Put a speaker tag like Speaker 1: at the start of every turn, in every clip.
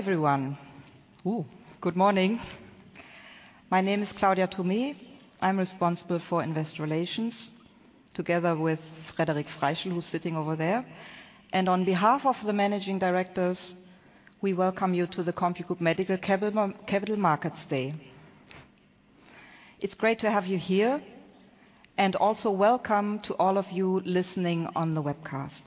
Speaker 1: Hello, everyone. Ooh, good morning. My name is Claudia Thomé. I'm responsible for investor relations, together with Frederic Freischel, who's sitting over there. On behalf of the managing directors, we welcome you to the CompuGroup Medical Capital Markets Day. It's great to have you here, and also welcome to all of you listening on the webcast.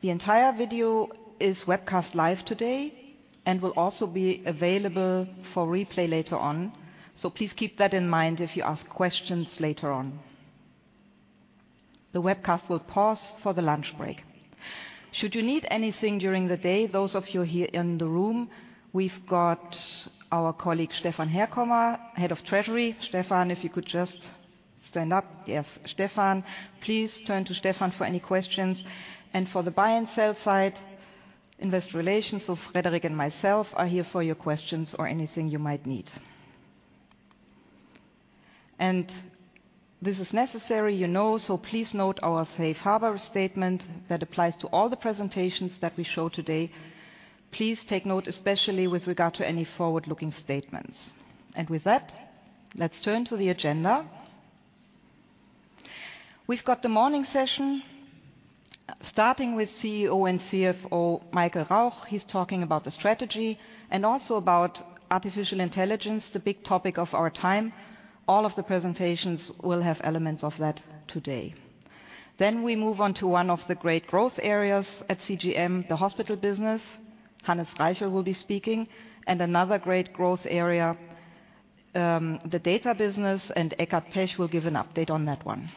Speaker 1: The entire video is webcast live today and will also be available for replay later on, so please keep that in mind if you ask questions later on. The webcast will pause for the lunch break. Should you need anything during the day, those of you here in the room, we've got our colleague, Stefan Herkommer, Head of Treasury. Stefan, if you could just stand up. Yes, Stefan. Please turn to Stefan for any questions. For the buy and sell side, investor relations, so Frederic and myself are here for your questions or anything you might need. And this is necessary, you know, so please note our safe harbor statement that applies to all the presentations that we show today. Please take note, especially with regard to any forward-looking statements. And with that, let's turn to the agenda. We've got the morning session, starting with CEO and CFO, Michael Rauch. He's talking about the strategy and also about artificial intelligence, the big topic of our time. All of the presentations will have elements of that today. Then we move on to one of the great growth areas at CGM, the hospital business. Hannes Reichl will be speaking. And another great growth area, the data business, and Eckart Pech will give an update on that one.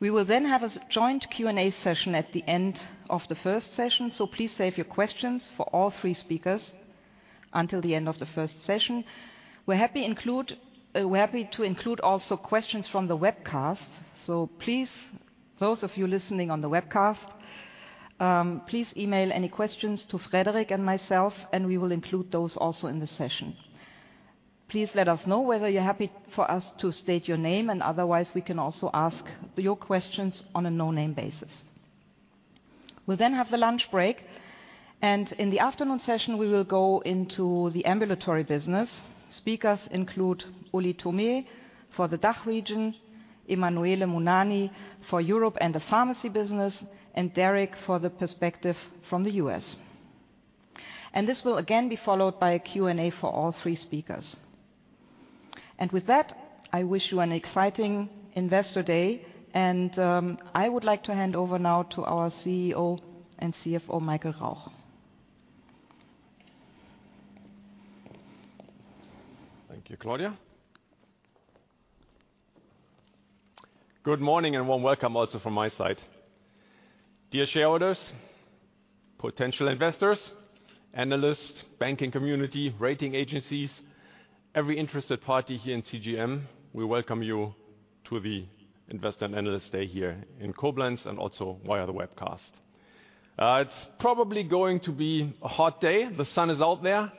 Speaker 1: We will then have a joint Q&A session at the end of the first session, so please save your questions for all three speakers until the end of the first session. We're happy to include also questions from the webcast, so please, those of you listening on the webcast, please email any questions to Frederic and myself, and we will include those also in the session. Please let us know whether you're happy for us to state your name, and otherwise, we can also ask your questions on a no-name basis. We'll then have the lunch break, and in the afternoon session, we will go into the ambulatory business. Speakers include Ulrich Thomé for the DACH region, Emanuele Mugnani for Europe and the pharmacy business, and Derek for the perspective from the US. And this will again be followed by a Q&A for all three speakers. And with that, I wish you an exciting Investor Day, and, I would like to hand over now to our CEO and CFO, Michael Rauch.
Speaker 2: Thank you, Claudia. Good morning, and warm welcome also from my side. Dear shareholders, potential investors, analysts, banking community, rating agencies, every interested party here in CGM, we welcome you to the Investor and Analyst Day here in Koblenz and also via the webcast. It's probably going to be a hot day. The sun is out there,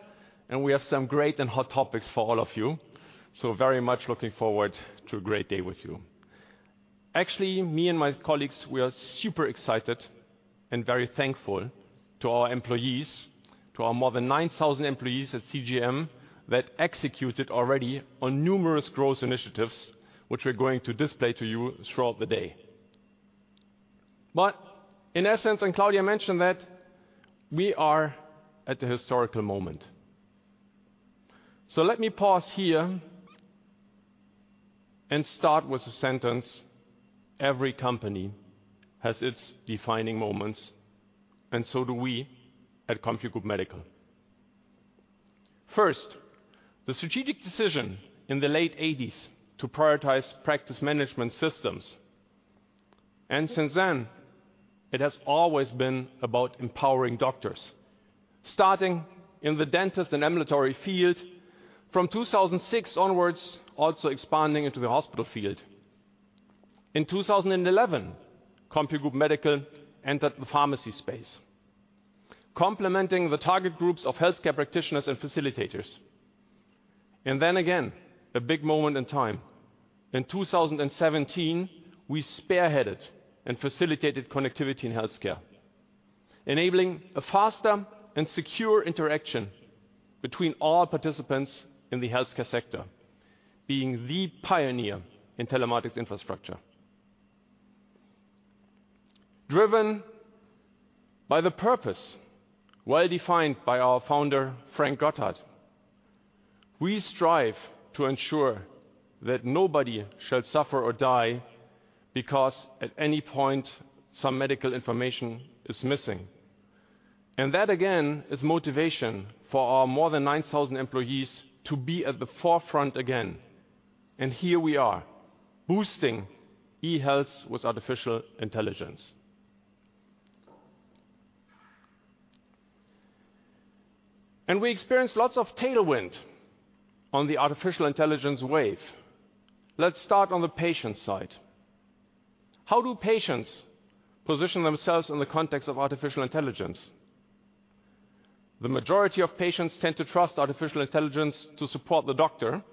Speaker 2: and we have some great and hot topics for all of you, so very much looking forward to a great day with you. Actually, me and my colleagues, we are super excited and very thankful to our employees, to our more than 9,000 employees at CGM, that executed already on numerous growth initiatives, which we're going to display to you throughout the day. But in essence, and Claudia mentioned that, we are at a historical moment. So let me pause here and start with a sentence: Every company has its defining moments, and so do we at CompuGroup Medical. First, the strategic decision in the late 1980s to prioritize practice management systems, and since then, it has always been about empowering doctors, starting in the dentist and ambulatory field. From 2006 onwards, also expanding into the hospital field. In 2011, CompuGroup Medical entered the pharmacy space, complementing the target groups of healthcare practitioners and facilitators. And then again, a big moment in time. In 2017, we spearheaded and facilitated connectivity in healthcare, enabling a faster and secure interaction between all participants in the healthcare sector, being the pioneer in telematics infrastructure. Driven by the purpose, well defined by our founder, Frank Gotthardt, we strive to ensure that nobody shall suffer or die because at any point, some medical information is missing. And that, again, is motivation for our more than 9,000 employees to be at the forefront again. And here we are, boosting e-health with artificial intelligence. And we experience lots of tailwind on the artificial intelligence wave. Let's start on the patient side. How do patients position themselves in the context of artificial intelligence? The majority of patients tend to trust artificial intelligence to support the doctor,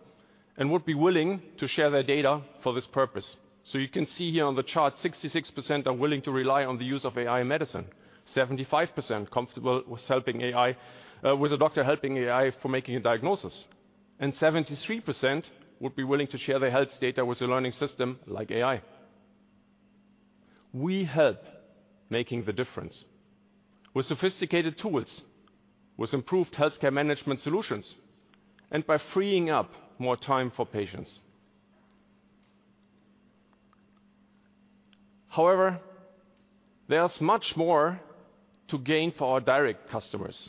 Speaker 2: and would be willing to share their data for this purpose. So you can see here on the chart, 66% are willing to rely on the use of AI in medicine. 75% comfortable with a doctor helping AI for making a diagnosis, and 73% would be willing to share their health data with a learning system like AI. We help making the difference with sophisticated tools, with improved healthcare management solutions, and by freeing up more time for patients. However, there's much more to gain for our direct customers,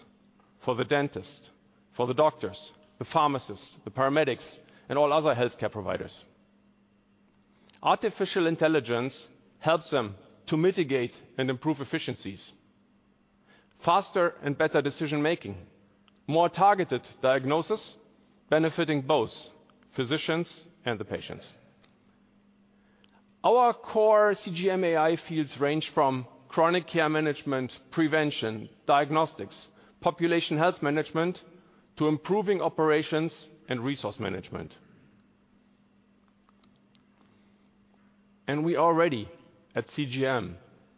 Speaker 2: for the dentist, for the doctors, the pharmacists, the paramedics, and all other healthcare providers. Artificial intelligence helps them to mitigate and improve efficiencies, faster and better decision-making, more targeted diagnosis, benefiting both physicians and the patients. Our core CGM AI fields range from chronic care management, prevention, diagnostics, population health management, to improving operations and resource management. And we already, at CGM,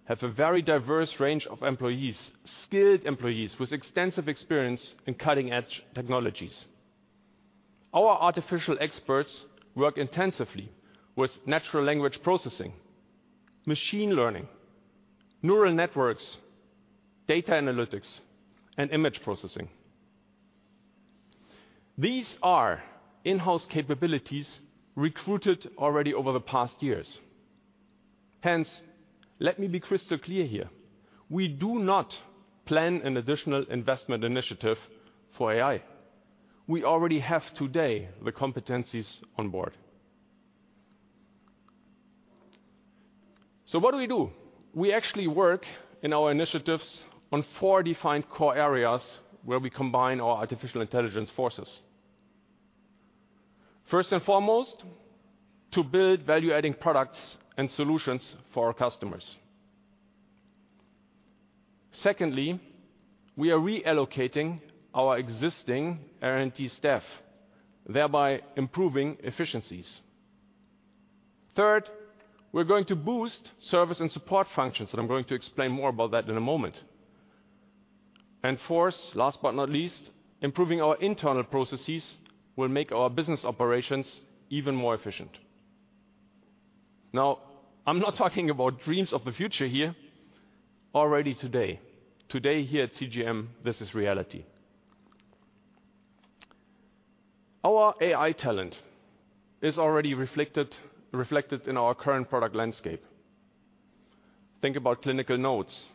Speaker 2: have a very diverse range of employees, skilled employees with extensive experience in cutting-edge technologies. Our artificial experts work intensively with natural language processing, machine learning, neural networks, data analytics, and image processing. These are in-house capabilities recruited already over the past years. Hence, let me be crystal clear here, we do not plan an additional investment initiative for AI. We already have today the competencies on board. So what do we do? We actually work in our initiatives on four defined core areas where we combine our artificial intelligence forces. First and foremost, to build value-adding products and solutions for our customers. Secondly, we are reallocating our existing R&D staff, thereby improving efficiencies. Third, we're going to boost service and support functions, and I'm going to explain more about that in a moment. And fourth, last but not least, improving our internal processes will make our business operations even more efficient. Now, I'm not talking about dreams of the future here. Already today here at CGM, this is reality. Our AI talent is already reflected in our current product landscape. Think about Clinical Notes,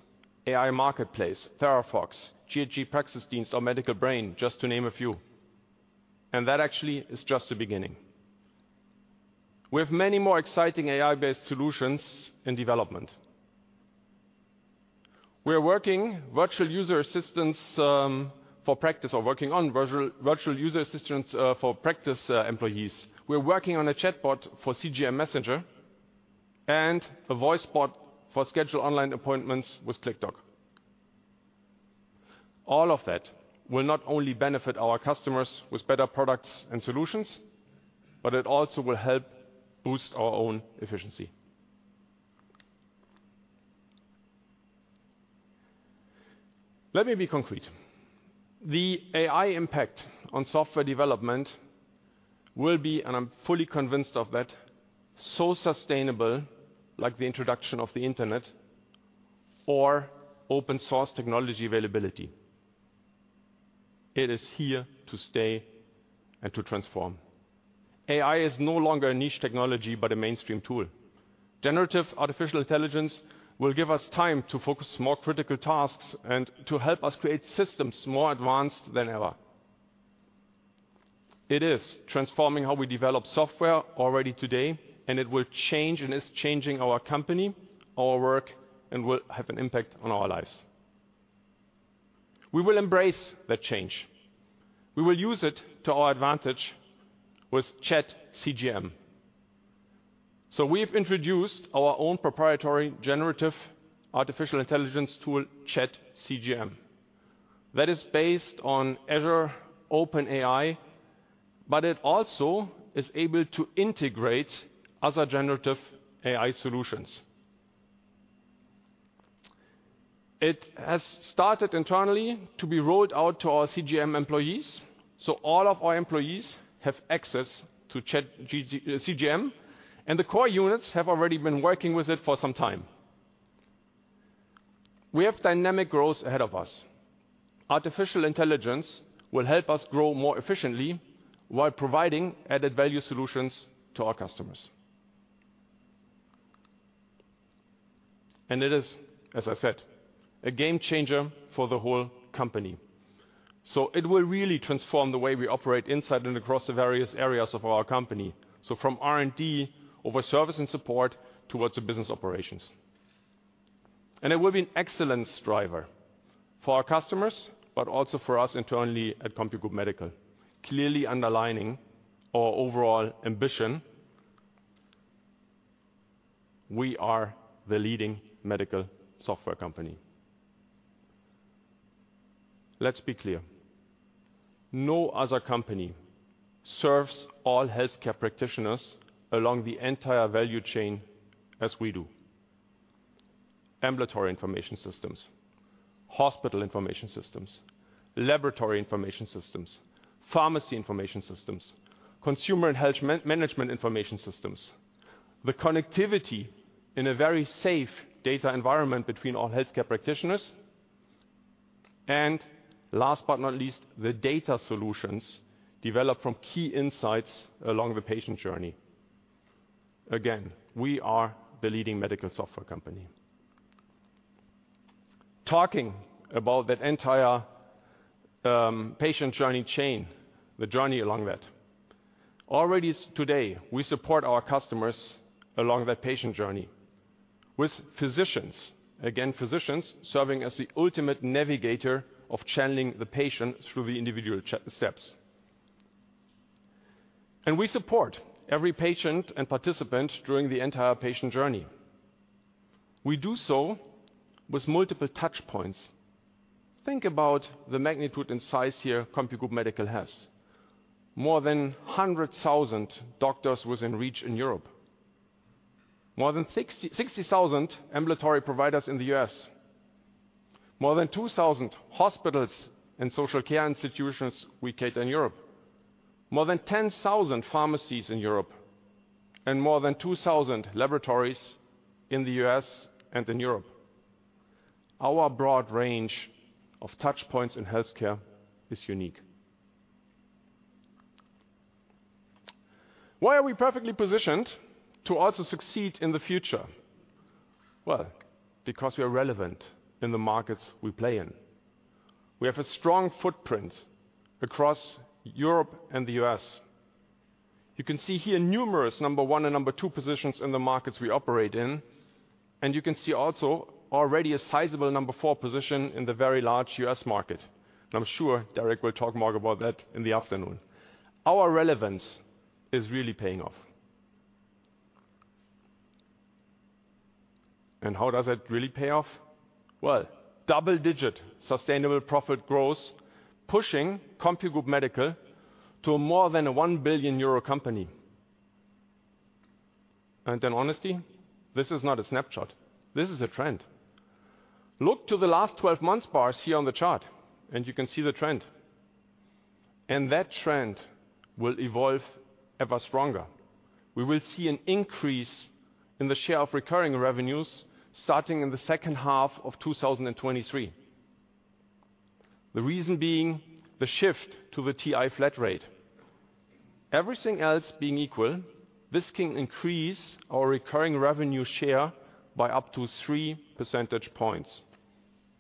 Speaker 2: AI Marketplace, Therafox, GHG Praxisdienst, or Medical Brain, just to name a few. That actually is just the beginning. We have many more exciting AI-based solutions in development. We are working on virtual user assistants for practice employees. We're working on a chatbot for CGM Messenger and a voice bot for schedule online appointments with CLICKDOC. All of that will not only benefit our customers with better products and solutions, but it also will help boost our own efficiency. Let me be concrete. The AI impact on software development will be, and I'm fully convinced of that, so sustainable, like the introduction of the internet or open source technology availability. It is here to stay and to transform. AI is no longer a niche technology, but a mainstream tool. Generative artificial intelligence will give us time to focus more critical tasks and to help us create systems more advanced than ever. It is transforming how we develop software already today, and it will change and is changing our company, our work, and will have an impact on our lives. We will embrace that change. We will use it to our advantage with ChatCGM. So we've introduced our own proprietary generative artificial intelligence tool, ChatCGM, that is based on Azure OpenAI, but it also is able to integrate other generative AI solutions. It has started internally to be rolled out to our CGM employees, so all of our employees have access to ChatCGM, and the core units have already been working with it for some time. We have dynamic growth ahead of us. Artificial intelligence will help us grow more efficiently while providing added value solutions to our customers. It is, as I said, a game changer for the whole company. It will really transform the way we operate inside and across the various areas of our company. From R&D, over service and support, towards the business operations. It will be an excellence driver for our customers, but also for us internally at CompuGroup Medical, clearly underlining our overall ambition: we are the leading medical software company. Let's be clear, no other company serves all healthcare practitioners along the entire value chain as we do. Ambulatory information systems, hospital information systems, laboratory information systems, pharmacy information systems, consumer and health management information systems, the connectivity in a very safe data environment between all healthcare practitioners, and last but not least, the data solutions developed from key insights along the patient journey. Again, we are the leading medical software company. Talking about that entire patient journey chain, the journey along that. Already today, we support our customers along that patient journey with physicians, again, physicians, serving as the ultimate navigator of channeling the patient through the individual steps. And we support every patient and participant during the entire patient journey. We do so with multiple touchpoints. Think about the magnitude and size here CompuGroup Medical has. More than 100,000 doctors within reach in Europe, more than 60,000 ambulatory providers in the U.S. more than 2,000 hospitals and social care institutions we cater in Europe, more than 10,000 pharmacies in Europe, and more than 2,000 laboratories in the U.S. and in Europe. Our broad range of touchpoints in healthcare is unique. Why are we perfectly positioned to also succeed in the future? Well, because we are relevant in the markets we play in. We have a strong footprint across Europe and the U.S. You can see here numerous number one and number two positions in the markets we operate in, and you can see also already a sizable number four position in the very large U.S. market, and I'm sure Derek will talk more about that in the afternoon. Our relevance is really paying off. And how does that really pay off? Well, double-digit sustainable profit growth, pushing CompuGroup Medical to more than a 1 billion euro company. In honesty, this is not a snapshot, this is a trend. Look to the last 12 months bars here on the chart, and you can see the trend, and that trend will evolve ever stronger. We will see an increase in the share of recurring revenues starting in the second half of 2023. The reason being the shift to the TI flat rate. Everything else being equal, this can increase our recurring revenue share by up to 3 percentage points,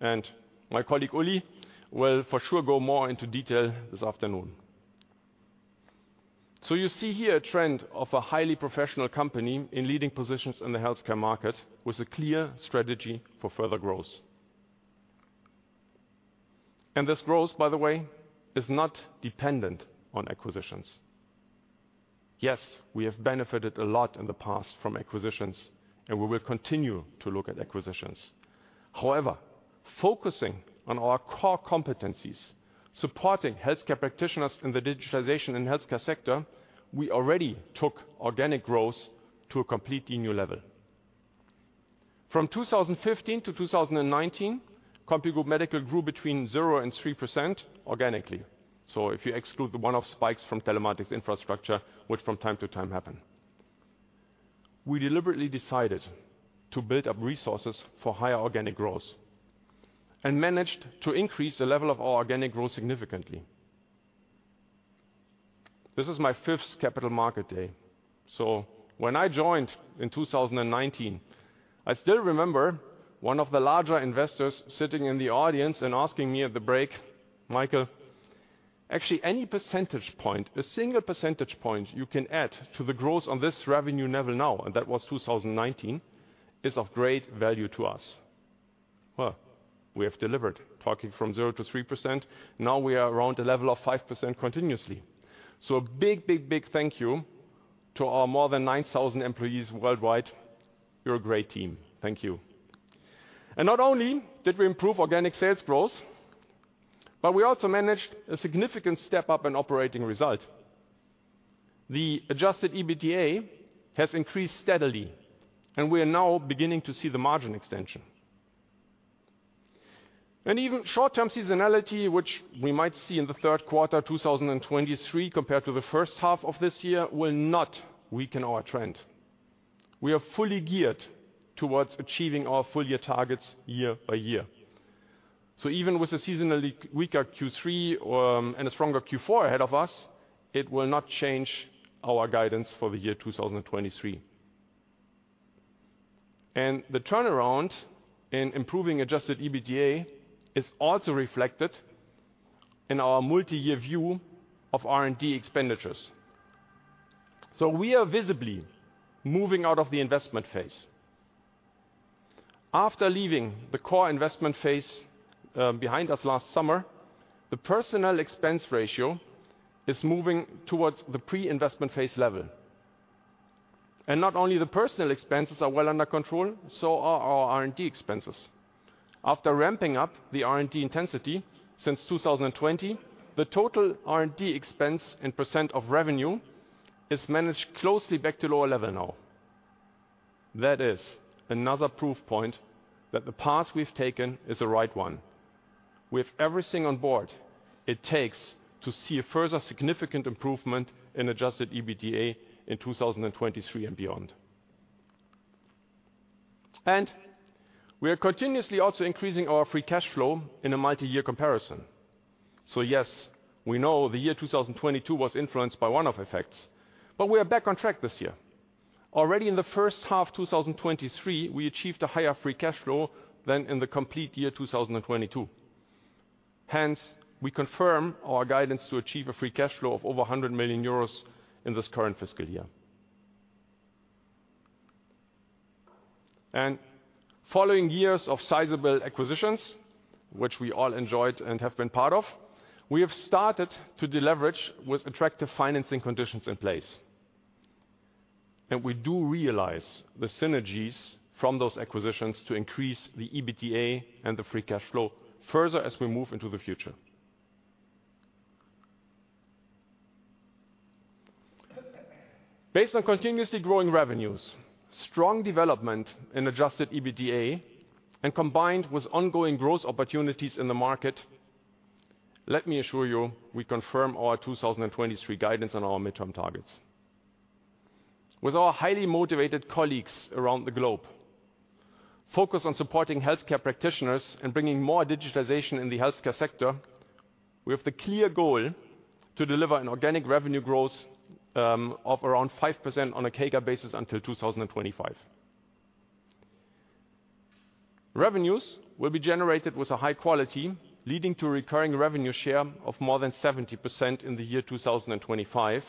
Speaker 2: and my colleague, Ulrich, will for sure go more into detail this afternoon. You see here a trend of a highly professional company in leading positions in the healthcare market, with a clear strategy for further growth. This growth, by the way, is not dependent on acquisitions. Yes, we have benefited a lot in the past from acquisitions, and we will continue to look at acquisitions. However, focusing on our core competencies, supporting healthcare practitioners in the digitalization in the healthcare sector, we already took organic growth to a completely new level. From 2015 to 2019, CompuGroup Medical grew between 0% and 3% organically. So if you exclude the one-off spikes from telematics infrastructure, which from time to time happen. We deliberately decided to build up resources for higher organic growth and managed to increase the level of our organic growth significantly. This is my fifth Capital Market Day. So when I joined in 2019, I still remember one of the larger investors sitting in the audience and asking me at the break, "Michael, actually, any percentage point, a single percentage point you can add to the growth on this revenue level now," and that was 2019, "is of great value to us." Well, we have delivered, talking from 0%-3%. Now we are around a level of 5% continuously. So a big, big, big thank you to our more than 9,000 employees worldwide. You're a great team. Thank you. And not only did we improve organic sales growth, but we also managed a significant step up in operating result. The adjusted EBITDA has increased steadily, and we are now beginning to see the margin extension. Even short-term seasonality, which we might see in the third quarter of 2023, compared to the first half of this year, will not weaken our trend. We are fully geared toward achieving our full-year targets year by year. So even with a seasonally weaker Q3, and a stronger Q4 ahead of us, it will not change our guidance for the year 2023. And the turnaround in improving adjusted EBITDA is also reflected in our multi-year view of R&D expenditures. So we are visibly moving out of the investment phase. After leaving the core investment phase, behind us last summer, the personnel expense ratio is moving toward the pre-investment phase level. And not only the personnel expenses are well under control, so are our R&D expenses. After ramping up the R&D intensity since 2020, the total R&D expense and % of revenue is managed closely back to lower level now. That is another proof point that the path we've taken is the right one. With everything on board, it takes to see a further significant improvement in adjusted EBITDA in 2023 and beyond. We are continuously also increasing our free cash flow in a multi-year comparison. So yes, we know the year 2022 was influenced by one-off effects, but we are back on track this year. Already in the first half, 2023, we achieved a higher free cash flow than in the complete year, 2022. Hence, we confirm our guidance to achieve a free cash flow of over 100 million euros in this current fiscal year. Following years of sizable acquisitions, which we all enjoyed and have been part of, we have started to deleverage with attractive financing conditions in place. We do realize the synergies from those acquisitions to increase the EBITDA and the free cash flow further as we move into the future. Based on continuously growing revenues, strong development in adjusted EBITDA, and combined with ongoing growth opportunities in the market, let me assure you, we confirm our 2023 guidance on our midterm targets. With our highly motivated colleagues around the globe, focused on supporting healthcare practitioners and bringing more digitization in the healthcare sector, we have the clear goal to deliver an organic revenue growth of around 5% on a CAGR basis until 2025. Revenues will be generated with a high quality, leading to a recurring revenue share of more than 70% in the year 2025.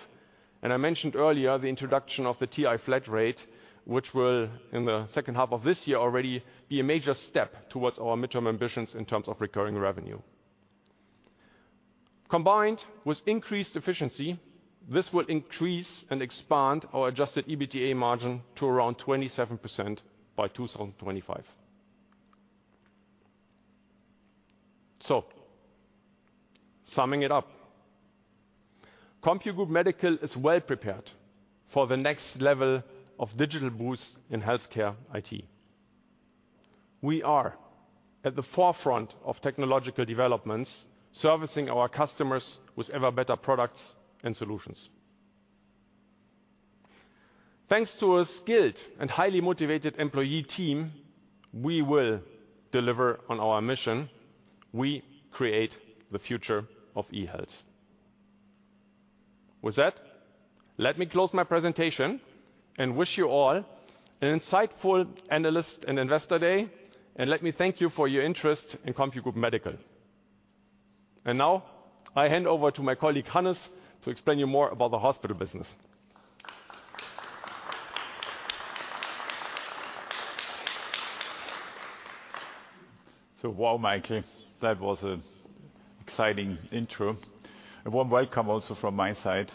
Speaker 2: I mentioned earlier the introduction of the TI flat rate, which will, in the second half of this year already, be a major step towards our midterm ambitions in terms of recurring revenue. Combined with increased efficiency, this will increase and expand our adjusted EBITDA margin to around 27% by 2025. Summing it up, CompuGroup Medical is well prepared for the next level of digital boost in healthcare IT. We are at the forefront of technological developments, servicing our customers with ever better products and solutions. Thanks to a skilled and highly motivated employee team, we will deliver on our mission: We create the future of eHealth. With that, let me close my presentation and wish you all an insightful analyst and Investor Day, and let me thank you for your interest in CompuGroup Medical. And now I hand over to my colleague, Hannes, to explain to you more about the hospital business.
Speaker 3: So wow, Michael, that was an exciting intro. A warm welcome also from my side.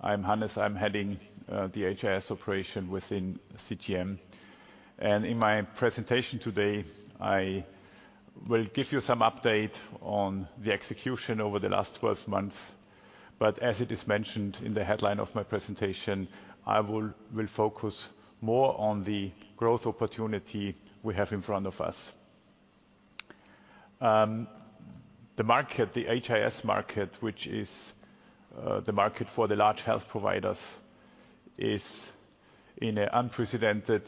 Speaker 3: I'm Hannes. I'm heading the HIS operation within CGM. And in my presentation today, I will give you some update on the execution over the last 12 months, but as it is mentioned in the headline of my presentation, I will focus more on the growth opportunity we have in front of us. The market, the HIS market, which is the market for the large health providers, is in an unprecedented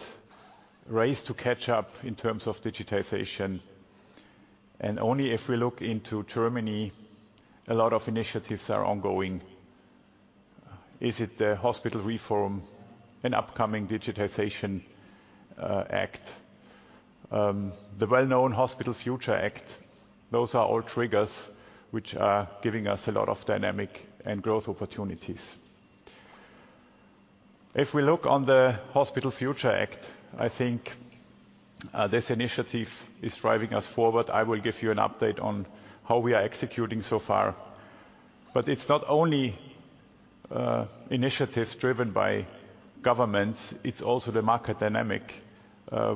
Speaker 3: race to catch up in terms of digitization. And only if we look into Germany, a lot of initiatives are ongoing. Is it the hospital reform and upcoming digitization act, the well-known Hospital Future Act? Those are all triggers which are giving us a lot of dynamic and growth opportunities. If we look on the Hospital Future Act, I think, this initiative is driving us forward. I will give you an update on how we are executing so far. But it's not only, initiatives driven by governments, it's also the market dynamic,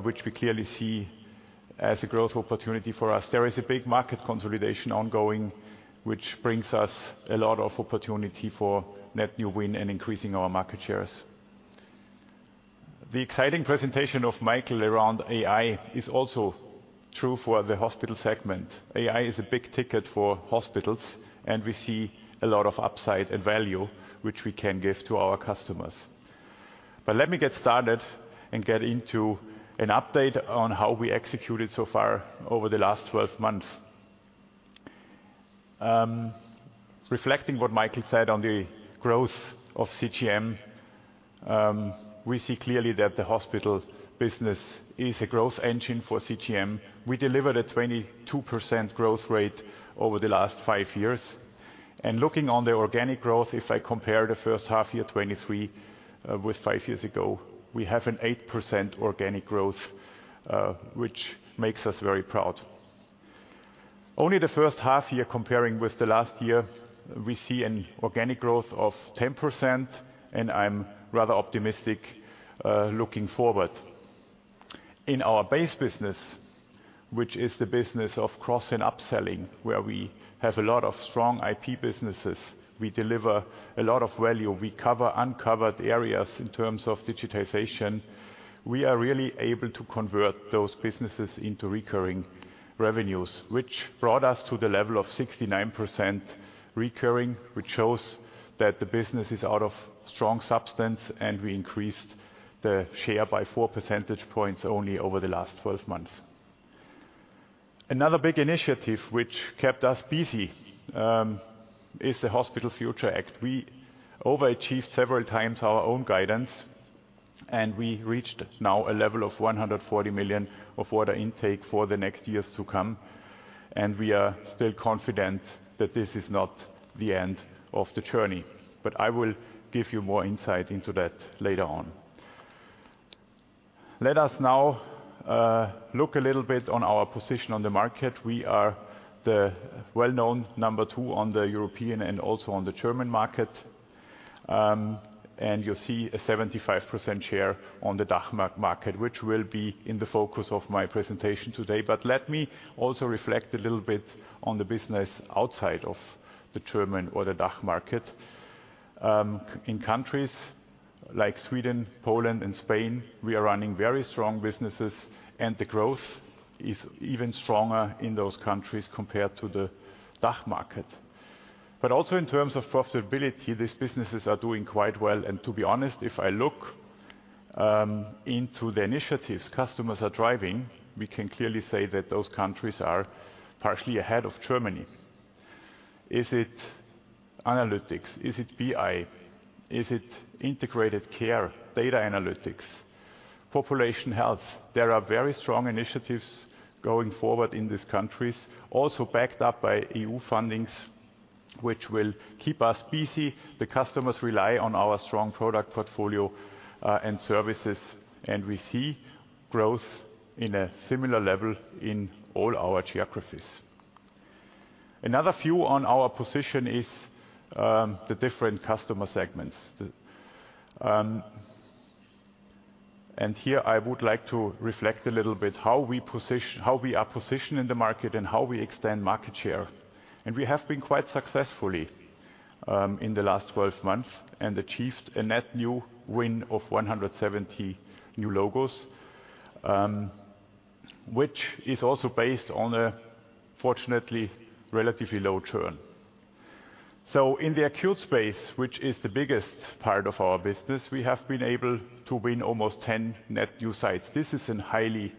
Speaker 3: which we clearly see as a growth opportunity for us. There is a big market consolidation ongoing, which brings us a lot of opportunity for net new win and increasing our market shares. The exciting presentation of Michael around AI is also true for the hospital segment. AI is a big ticket for hospitals, and we see a lot of upside and value which we can give to our customers. But let me get started and get into an update on how we executed so far over the last 12 months. Reflecting what Michael said on the growth of CGM, we see clearly that the hospital business is a growth engine for CGM. We delivered a 22% growth rate over the last five years. And looking on the organic growth, if I compare the first half year 2023 with five years ago, we have an 8% organic growth, which makes us very proud. Only the first half year comparing with the last year, we see an organic growth of 10%, and I'm rather optimistic, looking forward. In our base business, which is the business of cross and upselling, where we have a lot of strong IP businesses, we deliver a lot of value. We cover uncovered areas in terms of digitization. We are really able to convert those businesses into recurring revenues, which brought us to the level of 69% recurring, which shows that the business is out of strong substance, and we increased the share by 4 percentage points only over the last 12 months. Another big initiative which kept us busy is the Hospital Future Act. We overachieved several times our own guidance, and we reached now a level of 140 million of order intake for the next years to come, and we are still confident that this is not the end of the journey, but I will give you more insight into that later on. Let us now look a little bit on our position on the market. We are the well-known number two on the European and also on the German market. And you see a 75% share on the DACH market, which will be in the focus of my presentation today. But let me also reflect a little bit on the business outside of the German or the DACH market. In countries like Sweden, Poland, and Spain, we are running very strong businesses, and the growth is even stronger in those countries compared to the DACH market. But also in terms of profitability, these businesses are doing quite well, and to be honest, if I look into the initiatives customers are driving, we can clearly say that those countries are partially ahead of Germany. Is it analytics? Is it BI? Is it integrated care, data analytics, population health? There are very strong initiatives going forward in these countries, also backed up by EU fundings, which will keep us busy. The customers rely on our strong product portfolio and services, and we see growth in a similar level in all our geographies. Another view on our position is the different customer segments. Here I would like to reflect a little bit how we are positioned in the market and how we extend market share. We have been quite successfully in the last 12 months and achieved a net new win of 170 new logos, which is also based on a fortunately relatively low churn. So in the acute space, which is the biggest part of our business, we have been able to win almost 10 net new sites. This is in highly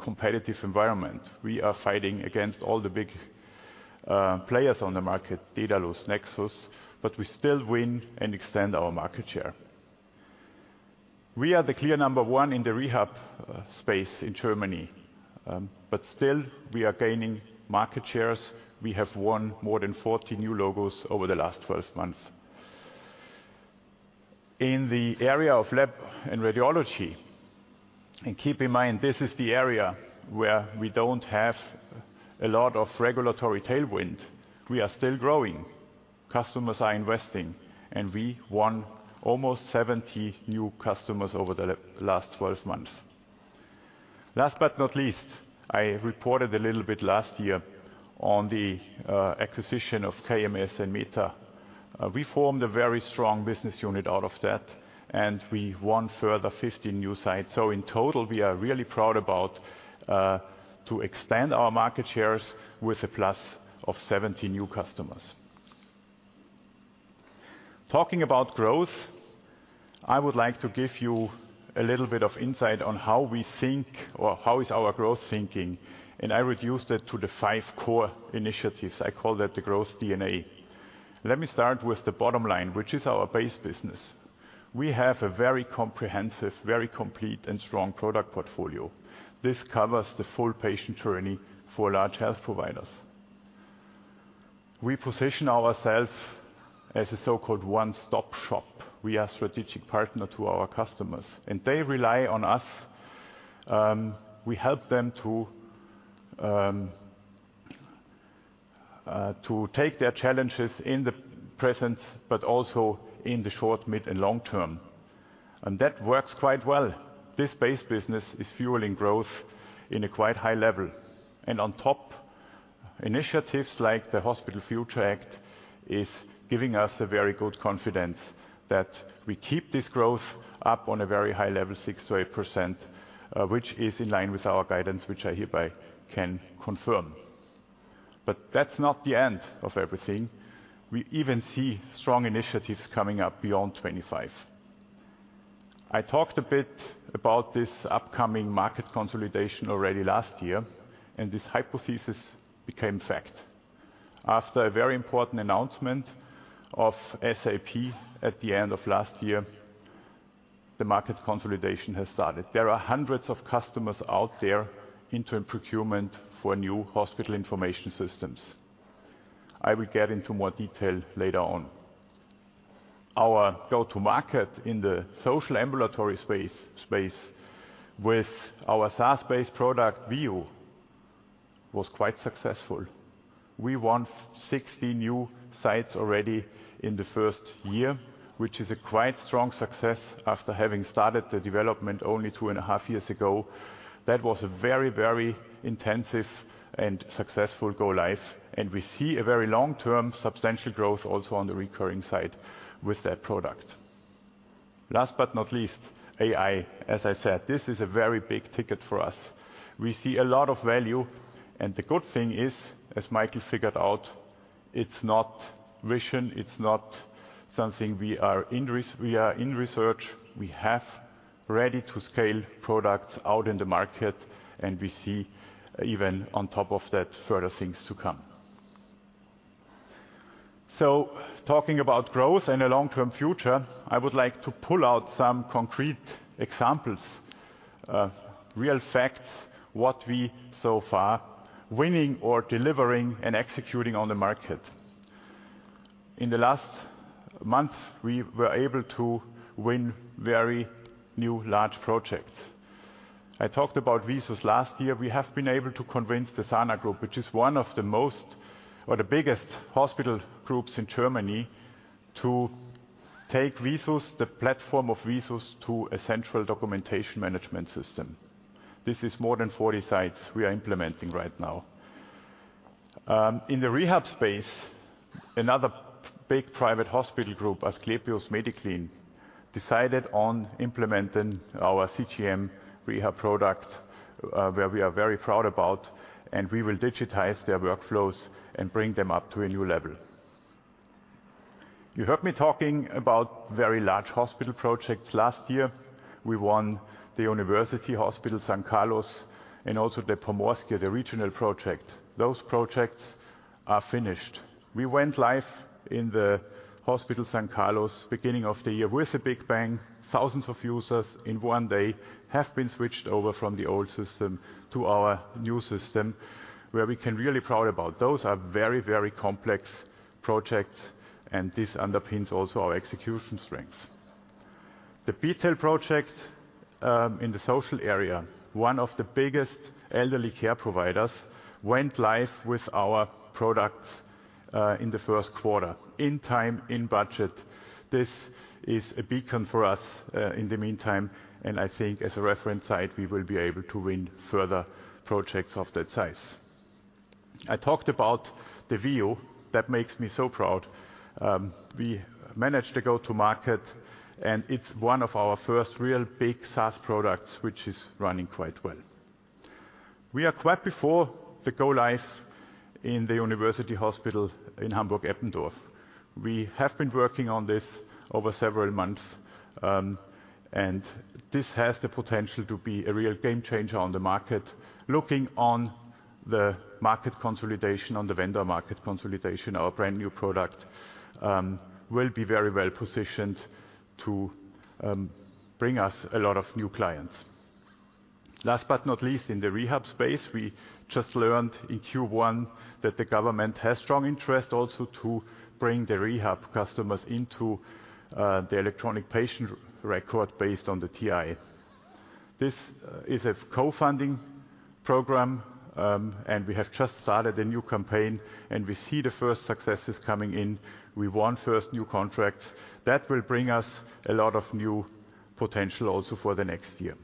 Speaker 3: competitive environment. We are fighting against all the big players on the market, Dedalus, Nexus, but we still win and extend our market share. We are the clear number one in the rehab space in Germany. But still, we are gaining market shares. We have won more than 40 new logos over the last 12 months. In the area of lab and radiology, and keep in mind, this is the area where we don't have a lot of regulatory tailwind, we are still growing. Customers are investing, and we won almost 70 new customers over the last 12 months. Last but not least, I reported a little bit last year on the acquisition of KMS and m.Doc. We formed a very strong business unit out of that, and we won further 50 new sites. So in total, we are really proud about to expand our market shares with a plus of 70 new customers. Talking about growth, I would like to give you a little bit of insight on how we think or how is our growth thinking, and I reduce that to the five core initiatives. I call that the growth DNA. Let me start with the bottom line, which is our base business. We have a very comprehensive, very complete and strong product portfolio. This covers the full patient journey for large health providers. We position ourselves as a so-called one-stop shop. We are strategic partner to our customers, and they rely on us. We help them to take their challenges in the present, but also in the short, mid, and long term. That works quite well. This base business is fueling growth in a quite high level, and on top, initiatives like the Hospital Future Act is giving us a very good confidence that we keep this growth up on a very high level, 6%-8%, which is in line with our guidance, which I hereby can confirm. But that's not the end of everything. We even see strong initiatives coming up beyond 25. I talked a bit about this upcoming market consolidation already last year, and this hypothesis became fact. After a very important announcement of SAP at the end of last year, the market consolidation has started. There are hundreds of customers out there into a procurement for new hospital information systems. I will get into more detail later on. Our go-to-market in the social ambulatory space with our SaaS-based product, VIU, was quite successful. We won 60 new sites already in the first year, which is a quite strong success after having started the development only 2.5 years ago. That was a very, very intensive and successful go live, and we see a very long-term substantial growth also on the recurring side with that product. Last but not least, AI. As I said, this is a very big ticket for us. We see a lot of value, and the good thing is, as Michael figured out, it's not vision, it's not something we are in research. We have ready-to-scale products out in the market, and we see even on top of that, further things to come. So talking about growth and a long-term future, I would like to pull out some concrete examples, real facts, what we so far winning or delivering and executing on the market. In the last month, we were able to win very new large projects. I talked about Visus last year. We have been able to convince the Sana Group, which is one of the most or the biggest hospital groups in Germany, to take Visus, the platform of Visus, to a central documentation management system. This is more than 40 sites we are implementing right now. In the rehab space, another big private hospital group, Asklepios MEDICLIN, decided on implementing our CGM REHAB product, where we are very proud about, and we will digitize their workflows and bring them up to a new level. You heard me talking about very large hospital projects last year. We won the University Hospital San Carlos and also the Pomorskie, the regional project. Those projects are finished. We went live in the Hospital San Carlos, beginning of the year with a big bang. Thousands of users in one day have been switched over from the old system to our new system, where we can really proud about. Those are very, very complex projects, and this underpins also our execution strength. The detail project in the social area, one of the biggest elderly care providers, went live with our products in the first quarter, in time, in budget. This is a beacon for us in the meantime, and I think as a reference site, we will be able to win further projects of that size. I talked about the view that makes me so proud. We managed to go to market, and it's one of our first real big SaaS products, which is running quite well. We are quite before the go live in the University Hospital in Hamburg-Eppendorf. We have been working on this over several months, and this has the potential to be a real game changer on the market. Looking on the market consolidation, on the vendor market consolidation, our brand-new product will be very well positioned to bring us a lot of new clients. Last but not least, in the rehab space, we just learned in Q1 that the government has strong interest also to bring the rehab customers into the electronic patient record based on the TI. This is a co-funding program, and we have just started a new campaign, and we see the first successes coming in. We won first new contracts. That will bring us a lot of new potential also for the next year.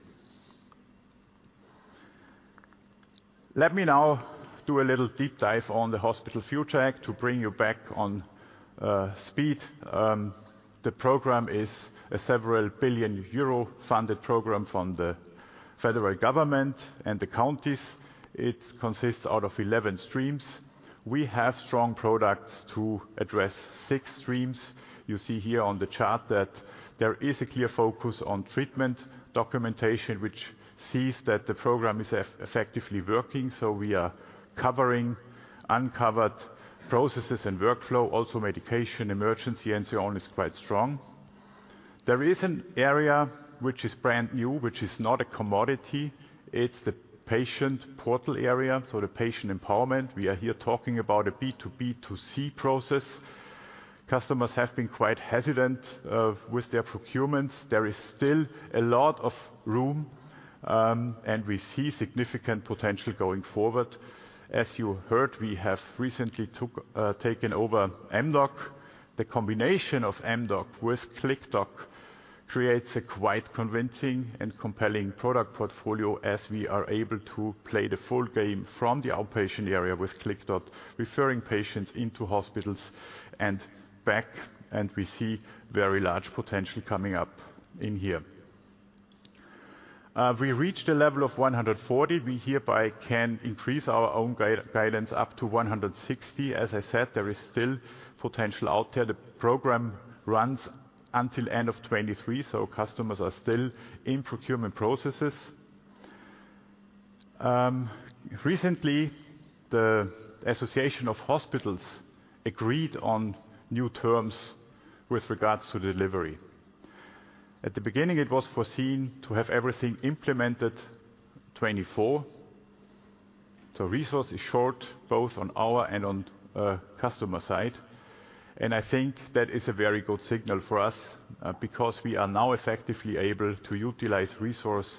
Speaker 3: Let me now do a little deep dive on the Hospital Future Act to bring you back on speed. The program is a several billion EUR funded program from the federal government and the counties. It consists out of 11 streams. We have strong products to address 6 streams. You see here on the chart that there is a clear focus on treatment documentation, which sees that the program is effectively working, so we are covering uncovered processes and workflow. Also, medication, emergency and so on is quite strong. There is an area which is brand new, which is not a commodity. It's the patient portal area, so the patient empowerment. We are here talking about a B to B to C process. Customers have been quite hesitant with their procurements. There is still a lot of room, and we see significant potential going forward. As you heard, we have recently taken over mDoc. The combination of mDoc with CLICKDOC creates a quite convincing and compelling product portfolio as we are able to play the full game from the outpatient area with CLICKDOC, referring patients into hospitals and back, and we see very large potential coming up in here. We reached a level of 140. We hereby can increase our own guidance up to 160. As I said, there is still potential out there. The program runs until end of 2023, so customers are still in procurement processes. Recently, the Association of Hospitals agreed on new terms with regards to delivery. At the beginning, it was foreseen to have everything implemented 2024. So resource is short, both on our and on, customer side. And I think that is a very good signal for us, because we are now effectively able to utilize resource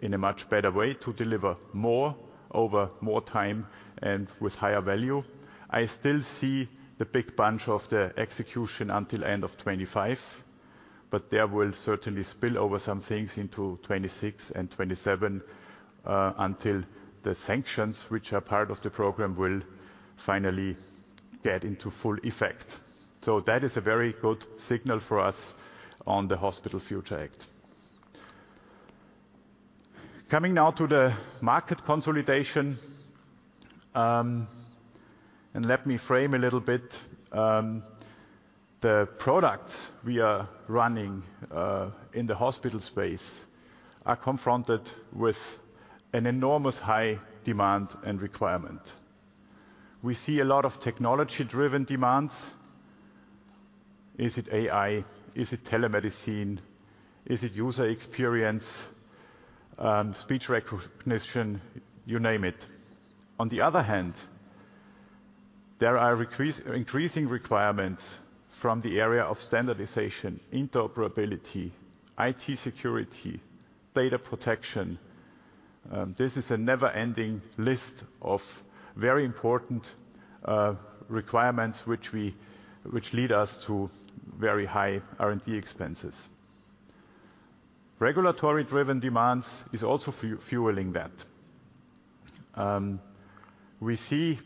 Speaker 3: in a much better way to deliver more over more time and with higher value. I still see the big bunch of the execution until end of 2025, but there will certainly spill over some things into 2026 and 2027, until the sanctions, which are part of the program, will finally get into full effect. So that is a very good signal for us on the Hospital Future Act. Coming now to the market consolidation, and let me frame a little bit. The products we are running, in the hospital space are confronted with an enormous high demand and requirement. We see a lot of technology-driven demands. Is it AI? Is it telemedicine? Is it user experience, speech recognition? You name it. On the other hand, there are increasing requirements from the area of standardization, interoperability, IT security, data protection. This is a never-ending list of very important requirements, which lead us to very high R&D expenses. Regulatory-driven demands is also fueling that. We see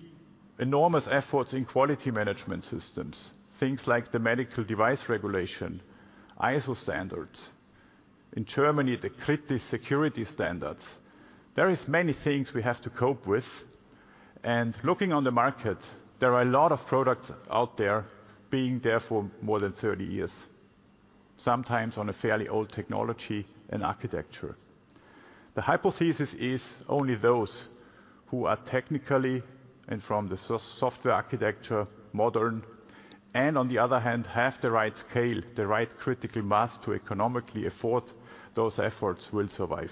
Speaker 3: enormous efforts in quality management systems, things like the medical device regulation, ISO standards. In Germany, the critical security standards. There is many things we have to cope with, and looking on the market, there are a lot of products out there being there for more than 30 years, sometimes on a fairly old technology and architecture. The hypothesis is only those who are technically, and from the software architecture, modern, and on the other hand, have the right scale, the right critical mass to economically afford those efforts, will survive.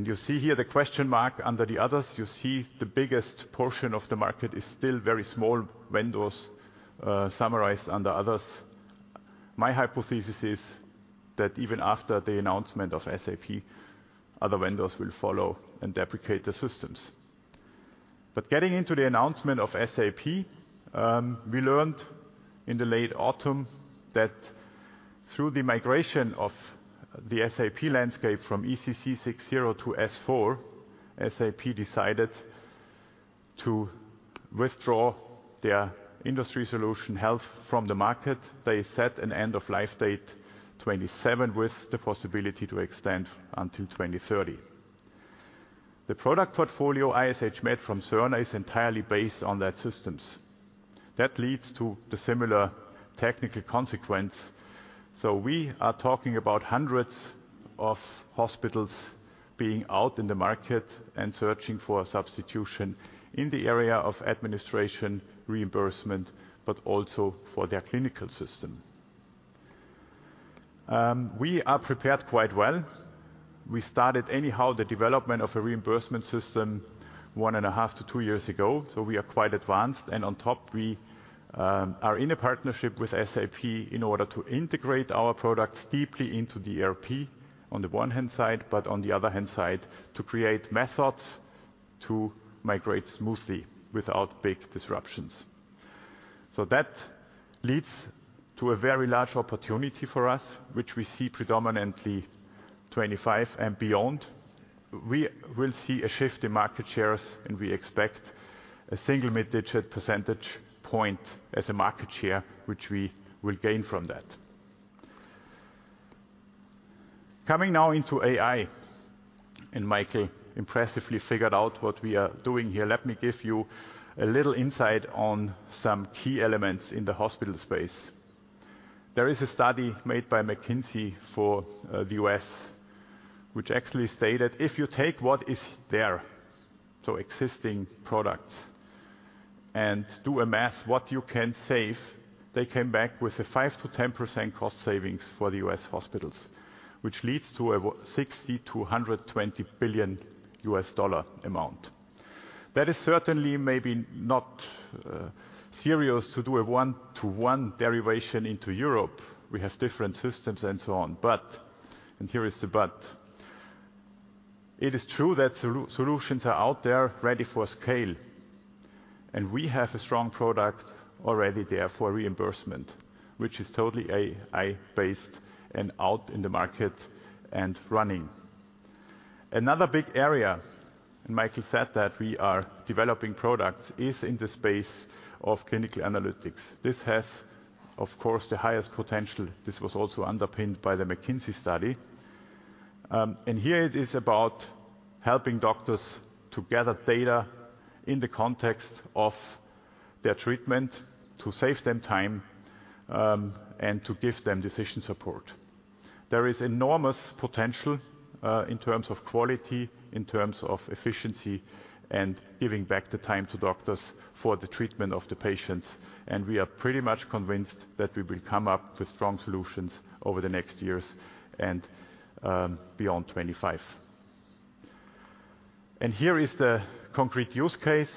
Speaker 3: You see here the question mark under the others. You see the biggest portion of the market is still very small vendors, summarized under others. My hypothesis is that even after the announcement of SAP, other vendors will follow and deprecate the systems. But getting into the announcement of SAP, we learned in the late autumn that through the migration of the SAP landscape from ECC 6.0 to S/4, SAP decided to withdraw their industry solution health from the market. They set an end of life date, 2027, with the possibility to extend until 2030. The product portfolio, i.s.h.med from Cerner, is entirely based on that systems. That leads to the similar technical consequence. So we are talking about hundreds of hospitals being out in the market and searching for a substitution in the area of administration reimbursement, but also for their clinical system. We are prepared quite well. We started anyhow the development of a reimbursement system 1.5-2 years ago, so we are quite advanced. And on top, we are in a partnership with SAP in order to integrate our products deeply into the ERP on the one-hand side, but on the other-hand side, to create methods to migrate smoothly without big disruptions. So that leads to a very large opportunity for us, which we see predominantly 2025 and beyond. We will see a shift in market shares, and we expect a single mid-digit percentage point as a market share, which we will gain from that. Coming now into AI, and Michael impressively figured out what we are doing here. Let me give you a little insight on some key elements in the hospital space. There is a study made by McKinsey for the U.S., which actually stated: If you take what is there, so existing products, and do a math, what you can save, they came back with a 5%-10% cost savings for the U.S. hospitals, which leads to a $60 billion-$120 billion amount. That is certainly maybe not serious to do a one-to-one derivation into Europe. We have different systems and so on. But, and here is the but, it is true that solutions are out there ready for scale, and we have a strong product already there for reimbursement, which is totally AI-based and out in the market and running. Another big area, and Michael said that we are developing products, is in the space of clinical analytics. This has, of course, the highest potential. This was also underpinned by the McKinsey study. And here it is about helping doctors to gather data in the context of their treatment, to save them time, and to give them decision support. There is enormous potential in terms of quality, in terms of efficiency and giving back the time to doctors for the treatment of the patients. And we are pretty much convinced that we will come up with strong solutions over the next years and, beyond 25. And here is the concrete use case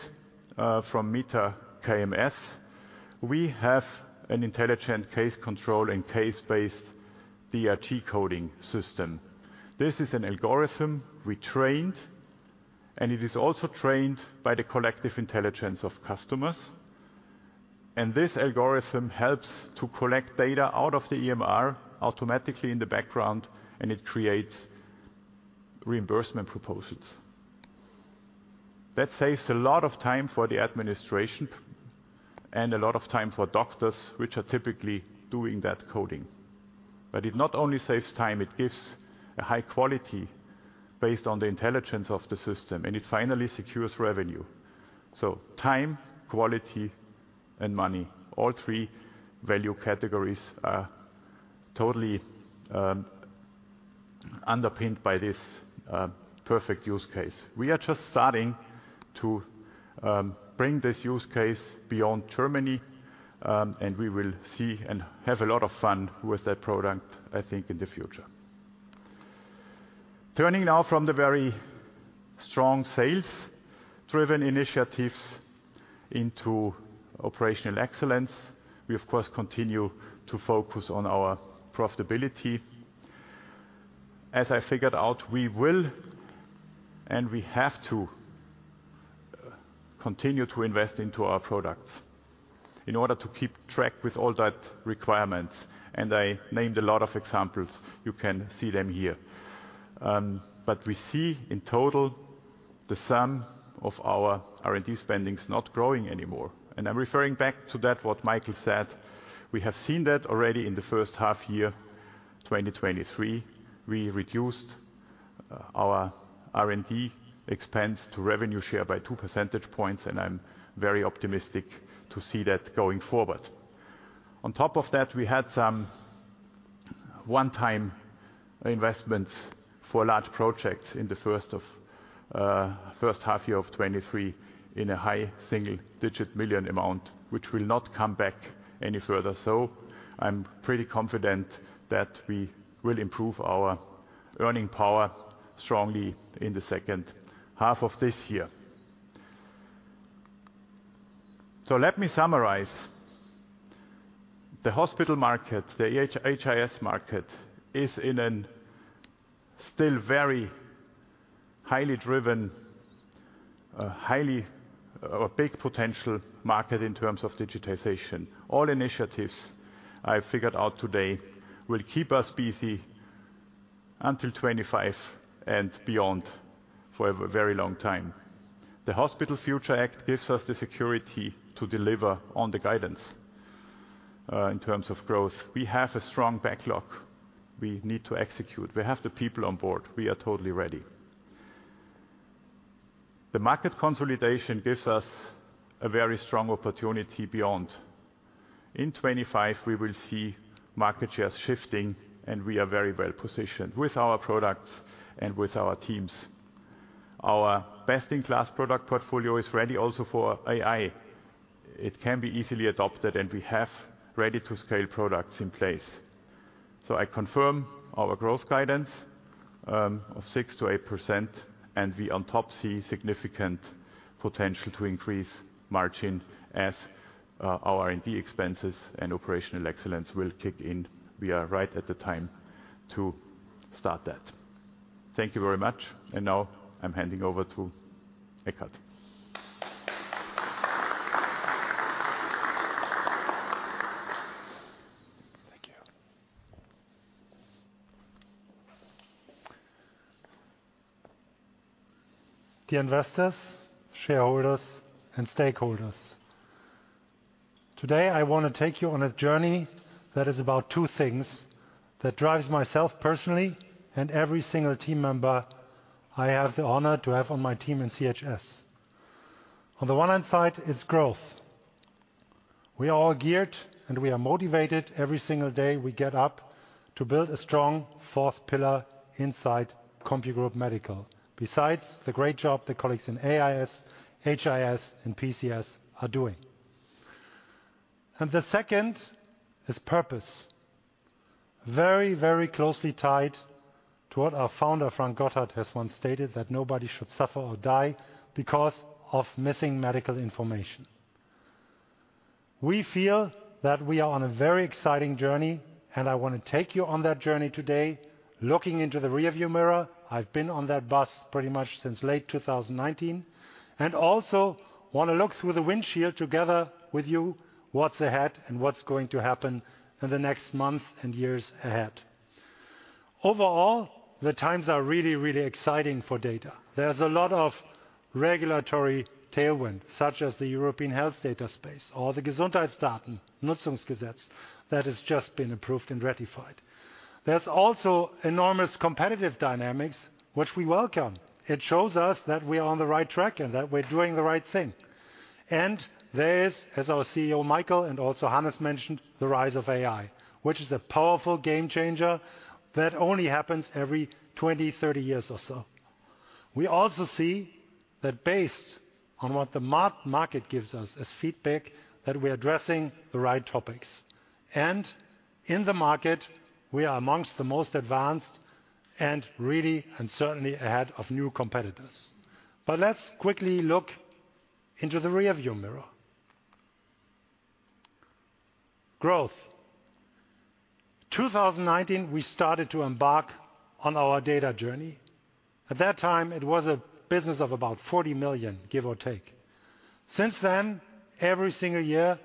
Speaker 3: from meta KMS. We have an intelligent case control and case-based DRG coding system. This is an algorithm we trained, and it is also trained by the collective intelligence of customers. This algorithm helps to collect data out of the EMR automatically in the background, and it creates reimbursement proposals. That saves a lot of time for the administration and a lot of time for doctors, which are typically doing that coding. But it not only saves time, it gives a high quality based on the intelligence of the system, and it finally secures revenue. So time, quality, and money. All three value categories are totally underpinned by this perfect use case. We are just starting to bring this use case beyond Germany and we will see and have a lot of fun with that product, I think, in the future. Turning now from the very strong sales-driven initiatives into operational excellence, we of course continue to focus on our profitability. As I figured out, we will and we have to continue to invest into our products in order to keep track with all that requirements, and I named a lot of examples. You can see them here. But we see in total, the sum of our R&D spending is not growing anymore. I'm referring back to that, what Michael said: We have seen that already in the first half year, 2023. We reduced our R&D expense to revenue share by two percentage points, and I'm very optimistic to see that going forward. On top of that, we had some one-time investments for large projects in the first half year of 2023, in a high single-digit million EUR amount, which will not come back any further. So I'm pretty confident that we will improve our earning power strongly in the second half of this year. So let me summarize. The hospital market, the HI-HIS market, is still very highly driven or big potential market in terms of digitization. All initiatives I figured out today will keep us busy until 2025 and beyond for a very long time. The Hospital Future Act gives us the security to deliver on the guidance in terms of growth. We have a strong backlog we need to execute. We have the people on board. We are totally ready. The market consolidation gives us a very strong opportunity beyond. In 2025, we will see market shares shifting, and we are very well positioned with our products and with our teams. Our best-in-class product portfolio is ready also for AI. It can be easily adopted, and we have ready-to-scale products in place. So I confirm our growth guidance of 6%-8%, and we on top see significant potential to increase margin as our R&D expenses and operational excellence will kick in. We are right at the time to start that. Thank you very much. And now I'm handing over to Eckart.
Speaker 4: Thank you. Dear investors, shareholders, and stakeholders, today, I want to take you on a journey that is about two things that drives myself personally and every single team member I have the honor to have on my team in CHS. On the one hand side, it's growth. We are all geared, and we are motivated every single day we get up to build a strong fourth pillar inside CompuGroup Medical. Besides the great job, the colleagues in AIS, HIS, and PCS are doing. The second is purpose. Very, very closely tied to what our founder, Frank Gotthardt, has once stated, that nobody should suffer or die because of missing medical information. We feel that we are on a very exciting journey, and I want to take you on that journey today, looking into the rearview mirror. I've been on that bus pretty much since late 2019, and also want to look through the windshield together with you, what's ahead and what's going to happen in the next month and years ahead. Overall, the times are really, really exciting for data. There's a lot of regulatory tailwind, such as the European Health Data Space or the Gesundheitsdatennutzungsgesetz that has just been approved and ratified. There's also enormous competitive dynamics, which we welcome. It shows us that we are on the right track and that we're doing the right thing. There is, as our CEO, Michael, and also Hannes mentioned, the rise of AI, which is a powerful game changer that only happens every 20, 30 years or so. We also see that based on what the market gives us as feedback, that we are addressing the right topics. In the market, we are among the most advanced and really, and certainly ahead of new competitors. But let's quickly look into the rearview mirror. Growth. 2019, we started to embark on our data journey. At that time, it was a business of about 40 million, give or take. Since then, every single year,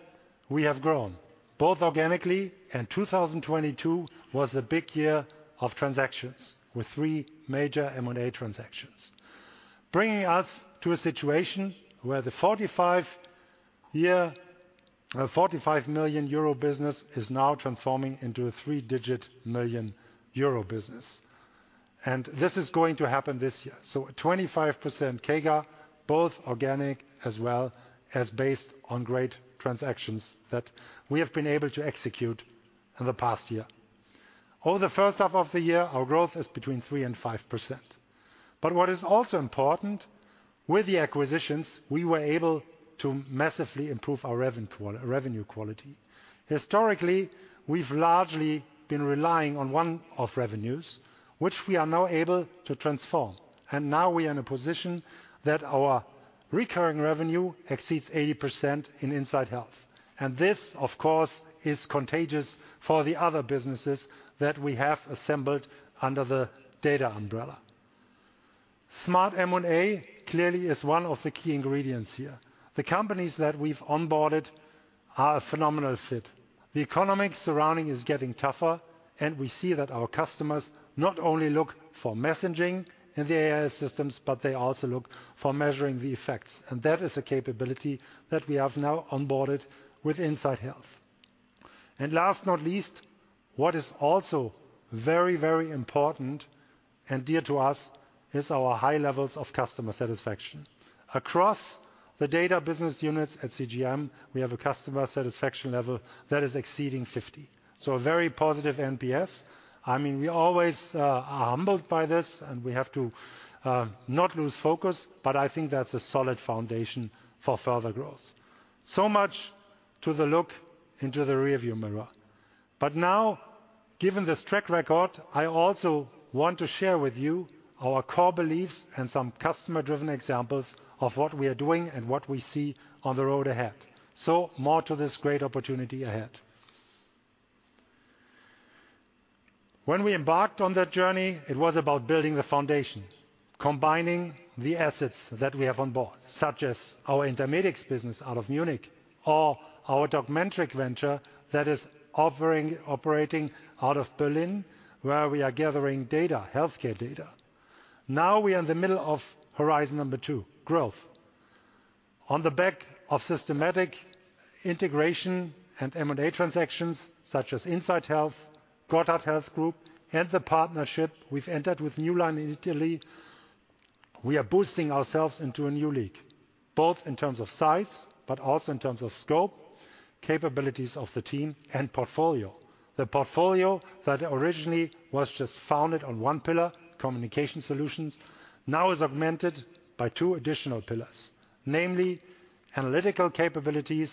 Speaker 4: we have grown, both organically, and 2022 was the big year of transactions, with three major M&A transactions. Bringing us to a situation where the 45 year, 45 million euro business is now transforming into a three-digit million euro business. And this is going to happen this year. So a 25% CAGR, both organic as well as based on great transactions that we have been able to execute in the past year. Over the first half of the year, our growth is between 3% and 5%. But what is also important, with the acquisitions, we were able to massively improve our revenue quality. Historically, we've largely been relying on one-off revenues, which we are now able to transform, and now we are in a position that our recurring revenue exceeds 80% in InsideHealth. And this, of course, is contagious for the other businesses that we have assembled under the data umbrella. Smart M&A clearly is one of the key ingredients here. The companies that we've onboarded are a phenomenal fit. The economic surroundings are getting tougher, and we see that our customers not only look for messaging in the AI systems, but they also look for measuring the effects, and that is a capability that we have now onboarded with InsideHealth. And last but not least, what is also very, very important and dear to us is our high levels of customer satisfaction. Across the data business units at CGM, we have a customer satisfaction level that is exceeding 50, so a very positive NPS. I mean, we always are humbled by this, and we have to not lose focus, but I think that's a solid foundation for further growth. So much to the look into the rearview mirror. But now, given this track record, I also want to share with you our core beliefs and some customer-driven examples of what we are doing and what we see on the road ahead. So more to this great opportunity ahead. When we embarked on that journey, it was about building the foundation, combining the assets that we have on board, such as our Intermedix business out of Munich or our doc.metrics venture that is offering, operating out of Berlin, where we are gathering data, healthcare data. Now, we are in the middle of horizon number 2: growth. On the back of systematic integration and M&A transactions, such as INSIGHT Health, Gotthardt Healthgroup, and the partnership we've entered with New Line in Italy, we are boosting ourselves into a new league, both in terms of size, but also in terms of scope, capabilities of the team, and portfolio. The portfolio that originally was just founded on 1 pillar, communication solutions, now is augmented by 2 additional pillars, namely analytical capabilities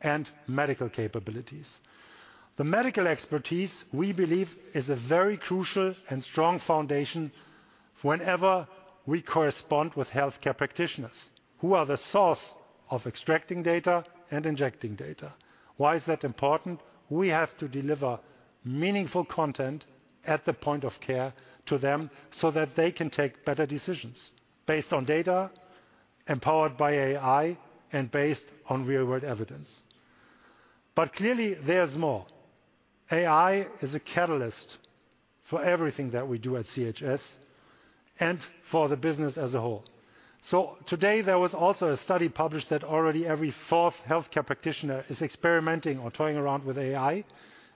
Speaker 4: and medical capabilities. The medical expertise, we believe, is a very crucial and strong foundation whenever we correspond with healthcare practitioners, who are the source of extracting data and injecting data. Why is that important? We have to deliver meaningful content at the point of care to them, so that they can take better decisions based on data, empowered by AI, and based on real-world evidence. But clearly, there's more. AI is a catalyst for everything that we do at CGM and for the business as a whole. So today, there was also a study published that already every fourth healthcare practitioner is experimenting or toying around with AI,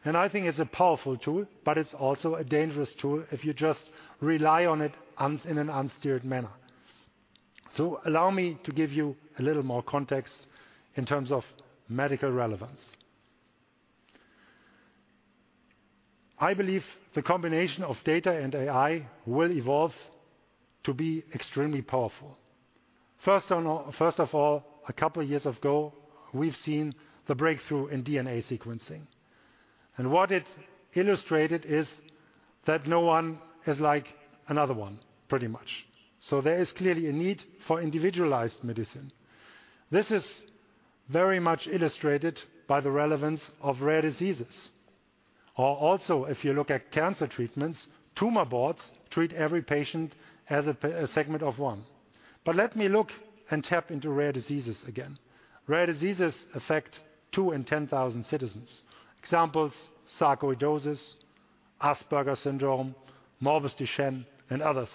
Speaker 4: and I think it's a powerful tool, but it's also a dangerous tool if you just rely on it in an unsteered manner. So allow me to give you a little more context in terms of medical relevance. I believe the combination of data and AI will evolve to be extremely powerful. First of all, a couple of years ago, we've seen the breakthrough in DNA sequencing, and what it illustrated is that no one is like another one, pretty much. So there is clearly a need for individualized medicine. This is very much illustrated by the relevance of rare diseases. Or also, if you look at cancer treatments, tumor boards treat every patient as a segment of one. But let me look and tap into rare diseases again. Rare diseases affect 2 in 10,000 citizens. Examples: sarcoidosis, Asperger syndrome, Morbus Duchenne, and others.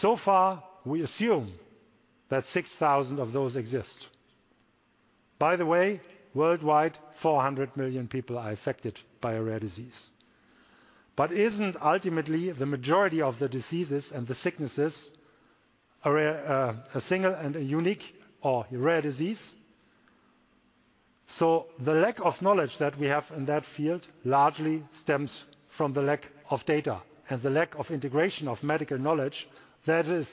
Speaker 4: So far, we assume that 6,000 of those exist. By the way, worldwide, 400 million people are affected by a rare disease. But isn't ultimately the majority of the diseases and the sicknesses a rare, a single and a unique or rare disease? So the lack of knowledge that we have in that field largely stems from the lack of data and the lack of integration of medical knowledge that is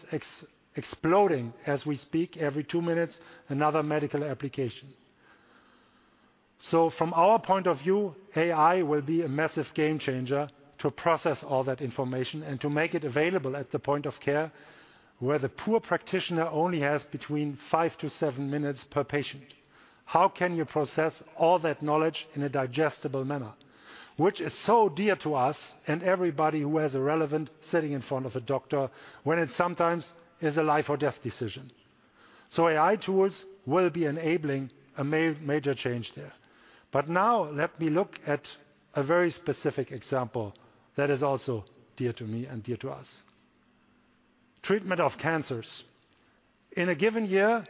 Speaker 4: exploding as we speak, every two minutes, another medical application. So from our point of view, AI will be a massive game changer to process all that information and to make it available at the point of care, where the poor practitioner only has between 5-7 minutes per patient. How can you process all that knowledge in a digestible manner, which is so dear to us and everybody who has a relevant sitting in front of a doctor, when it sometimes is a life or death decision? So AI tools will be enabling a major change there. But now let me look at a very specific example that is also dear to me and dear to us. Treatment of cancers. In a given year,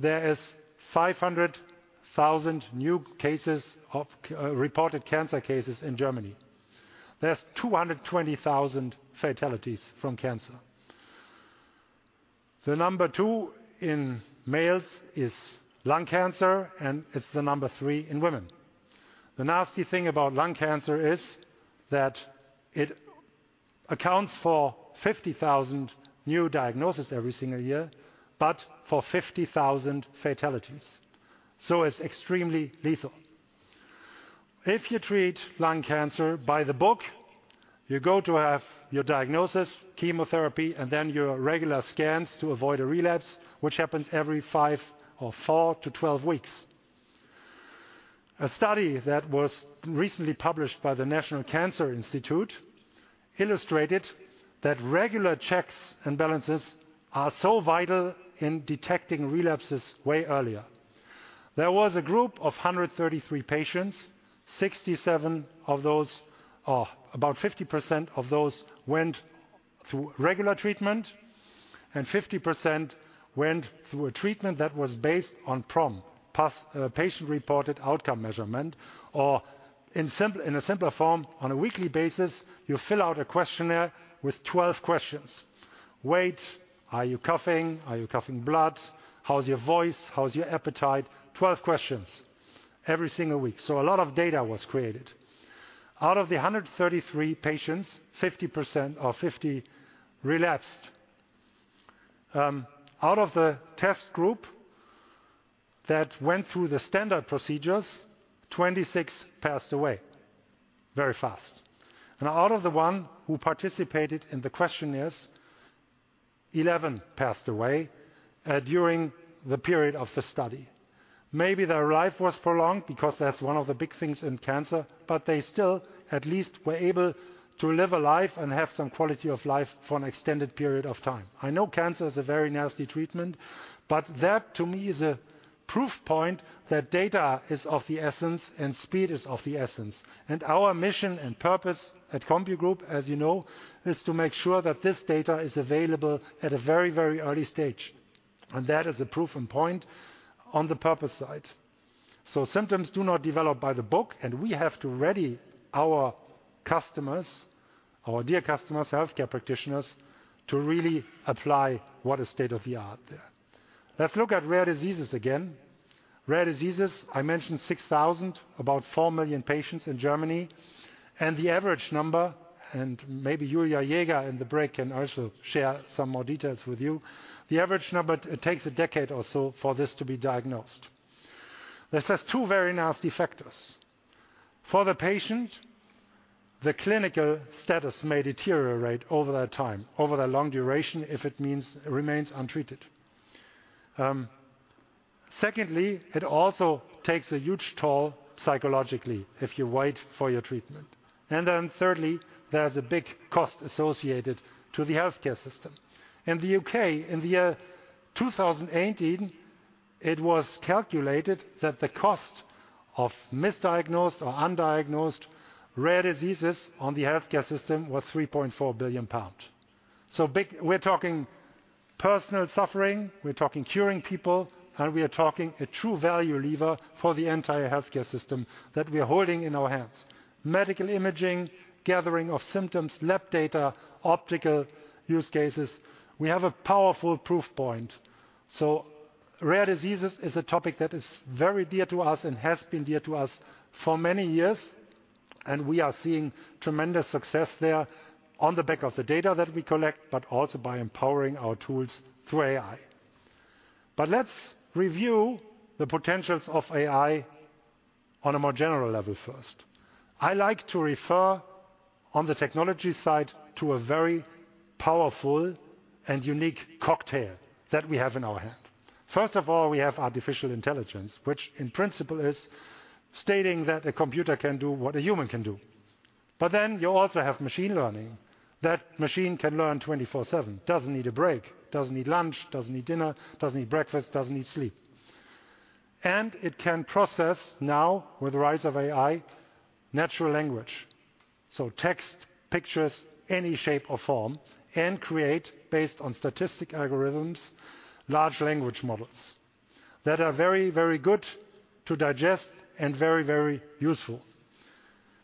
Speaker 4: there is 500,000 new cases of reported cancer cases in Germany. There's 220,000 fatalities from cancer. The number 2 in males is lung cancer, and it's the number 3 in women. The nasty thing about lung cancer is that it accounts for 50,000 new diagnosis every single year, but for 50,000 fatalities, so it's extremely lethal. If you treat lung cancer by the book, you go to have your diagnosis, chemotherapy, and then your regular scans to avoid a relapse, which happens every five or four to twelve weeks. A study that was recently published by the National Cancer Institute illustrated that regular checks and balances are so vital in detecting relapses way earlier. There was a group of 133 patients. 67 of those, or about 50% of those, went through regular treatment, and 50% went through a treatment that was based on PROM, Past, Patient Reported Outcome Measurement, or in simple, in a simpler form, on a weekly basis, you fill out a questionnaire with 12 questions: Weight. Are you coughing? Are you coughing blood? How's your voice? How's your appetite? 12 questions every single week, so a lot of data was created. Out of the 133 patients, 50% or 50 relapsed. Out of the test group that went through the standard procedures, 26 passed away very fast, and out of the one who participated in the questionnaires, 11 passed away during the period of the study. Maybe their life was prolonged because that's one of the big things in cancer, but they still at least were able to live a life and have some quality of life for an extended period of time. I know cancer is a very nasty treatment, but that to me is a proof point that data is of the essence, and speed is of the essence. And our mission and purpose at CompuGroup Medical, as you know, is to make sure that this data is available at a very, very early stage, and that is a proven point on the purpose side. So symptoms do not develop by the book, and we have to ready our customers, our dear customers, healthcare practitioners, to really apply what is state-of-the-art there. Let's look at rare diseases again. Rare diseases, I mentioned 6,000, about 4 million patients in Germany. And the average number, and maybe Julia Jaeger in the break, can also share some more details with you. The average number, it takes a decade or so for this to be diagnosed. This has two very nasty factors. For the patient, the clinical status may deteriorate over that time, over the long duration, if it means remains untreated. Secondly, it also takes a huge toll psychologically if you wait for your treatment. And then thirdly, there's a big cost associated to the healthcare system. In the U.K., in the year 2018, it was calculated that the cost of misdiagnosed or undiagnosed rare diseases on the healthcare system was 3.4 billion pound. So, big—we're talking personal suffering, we're talking curing people, and we are talking a true value lever for the entire healthcare system that we are holding in our hands. Medical imaging, gathering of symptoms, lab data, optical use cases, we have a powerful proof point. So rare diseases is a topic that is very dear to us and has been dear to us for many years, and we are seeing tremendous success there on the back of the data that we collect, but also by empowering our tools through AI. But let's review the potentials of AI on a more general level first. I like to refer on the technology side to a very powerful and unique cocktail that we have in our hand. First of all, we have artificial intelligence, which in principle is stating that a computer can do what a human can do. But then you also have machine learning. That machine can learn 24/7, doesn't need a break, doesn't need lunch, doesn't need dinner, doesn't need breakfast, doesn't need sleep. It can process now, with the rise of AI, natural language.... So text, pictures, any shape or form, and create, based on statistic algorithms, large language models that are very, very good to digest and very, very useful.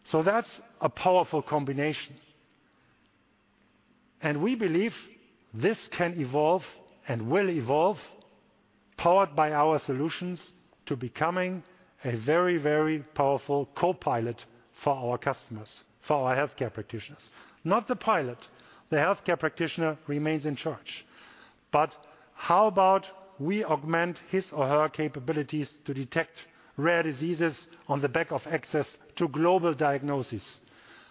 Speaker 4: So that's a powerful combination. And we believe this can evolve and will evolve, powered by our solutions, to becoming a very, very powerful co-pilot for our customers, for our healthcare practitioners. Not the pilot, the healthcare practitioner remains in charge. But how about we augment his or her capabilities to detect rare diseases on the back of access to global diagnosis?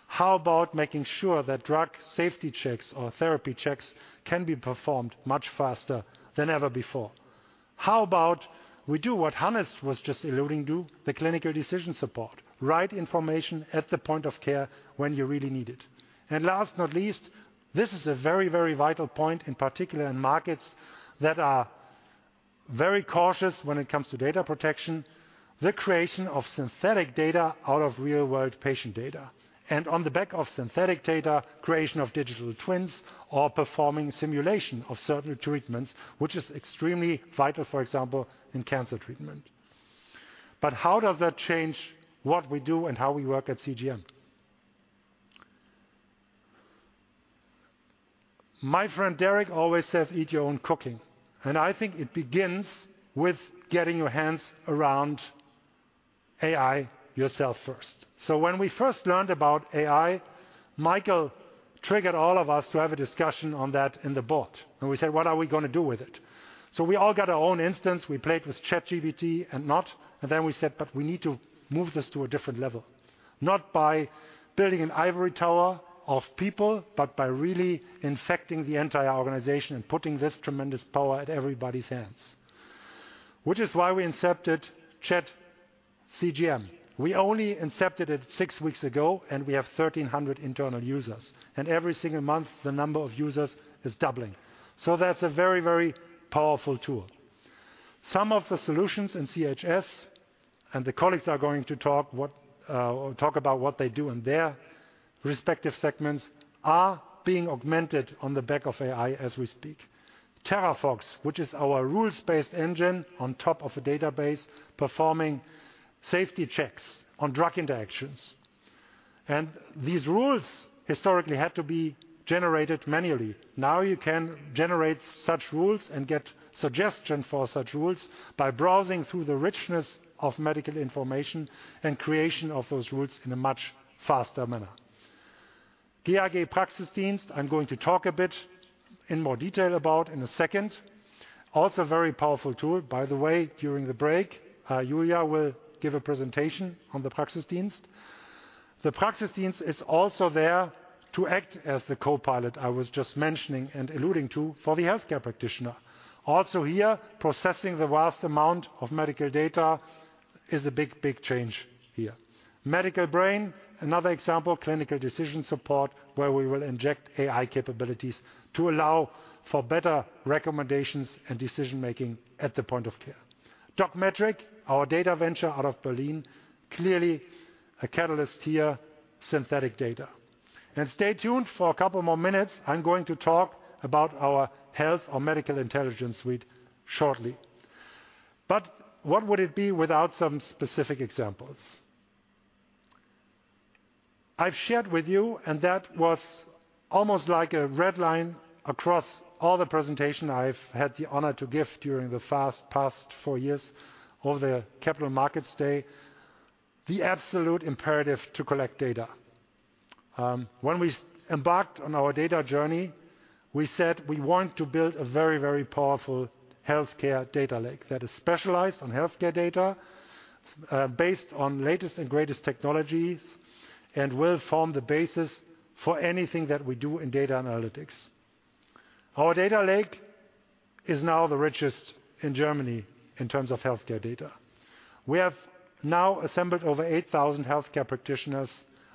Speaker 4: How about making sure that drug safety checks or therapy checks can be performed much faster than ever before? How about we do what Hannes was just alluding to, the clinical decision support, right information at the point of care when you really need it. And last not least, this is a very, very vital point, in particular in markets that are very cautious when it comes to data protection: the creation of synthetic data out of real-world patient data. And on the back of synthetic data, creation of digital twins or performing simulation of certain treatments, which is extremely vital, for example, in cancer treatment. But how does that change what we do and how we work at CGM? My friend Derek always says, "Eat your own cooking." And I think it begins with getting your hands around AI yourself first. So when we first learned about AI, Michael triggered all of us to have a discussion on that in the board, and we said: What are we gonna do with it? So we all got our own instance. We played with ChatGPT and not, and then we said, "But we need to move this to a different level," not by building an ivory tower of people, but by really infecting the entire organization and putting this tremendous power at everybody's hands. Which is why we incepted ChatCGM. We only incepted it six weeks ago, and we have 1,300 internal users, and every single month, the number of users is doubling. So that's a very, very powerful tool. Some of the solutions in CHS, and the colleagues are going to talk about what they do in their respective segments, are being augmented on the back of AI as we speak. THERAFOX, which is our rules-based engine on top of a database, performing safety checks on drug interactions. And these rules historically had to be generated manually. Now you can generate such rules and get suggestion for such rules by browsing through the richness of medical information and creation of those rules in a much faster manner. DRG Praxisdienst, I'm going to talk a bit in more detail about in a second. Also, a very powerful tool. By the way, during the break, Julia will give a presentation on the Praxisdienst. The Praxisdienst is also there to act as the co-pilot I was just mentioning and alluding to for the healthcare practitioner. Also here, processing the vast amount of medical data is a big, big change here. Medical Brain, another example, clinical decision support, where we will inject AI capabilities to allow for better recommendations and decision-making at the point of care. doc.metric, our data venture out of Berlin, clearly a catalyst here, synthetic data. And stay tuned for a couple more minutes. I'm going to talk about our health or medical intelligence suite shortly. But what would it be without some specific examples? I've shared with you, and that was almost like a red line across all the presentation I've had the honor to give during the past four years of the Capital Markets Day, the absolute imperative to collect data. When we embarked on our data journey, we said we want to build a very, very powerful healthcare data lake that is specialized on healthcare data, based on latest and greatest technologies, and will form the basis for anything that we do in data analytics. Our data lake is now the richest in Germany in terms of healthcare data. We have now assembled over 8,000 healthcare practitioners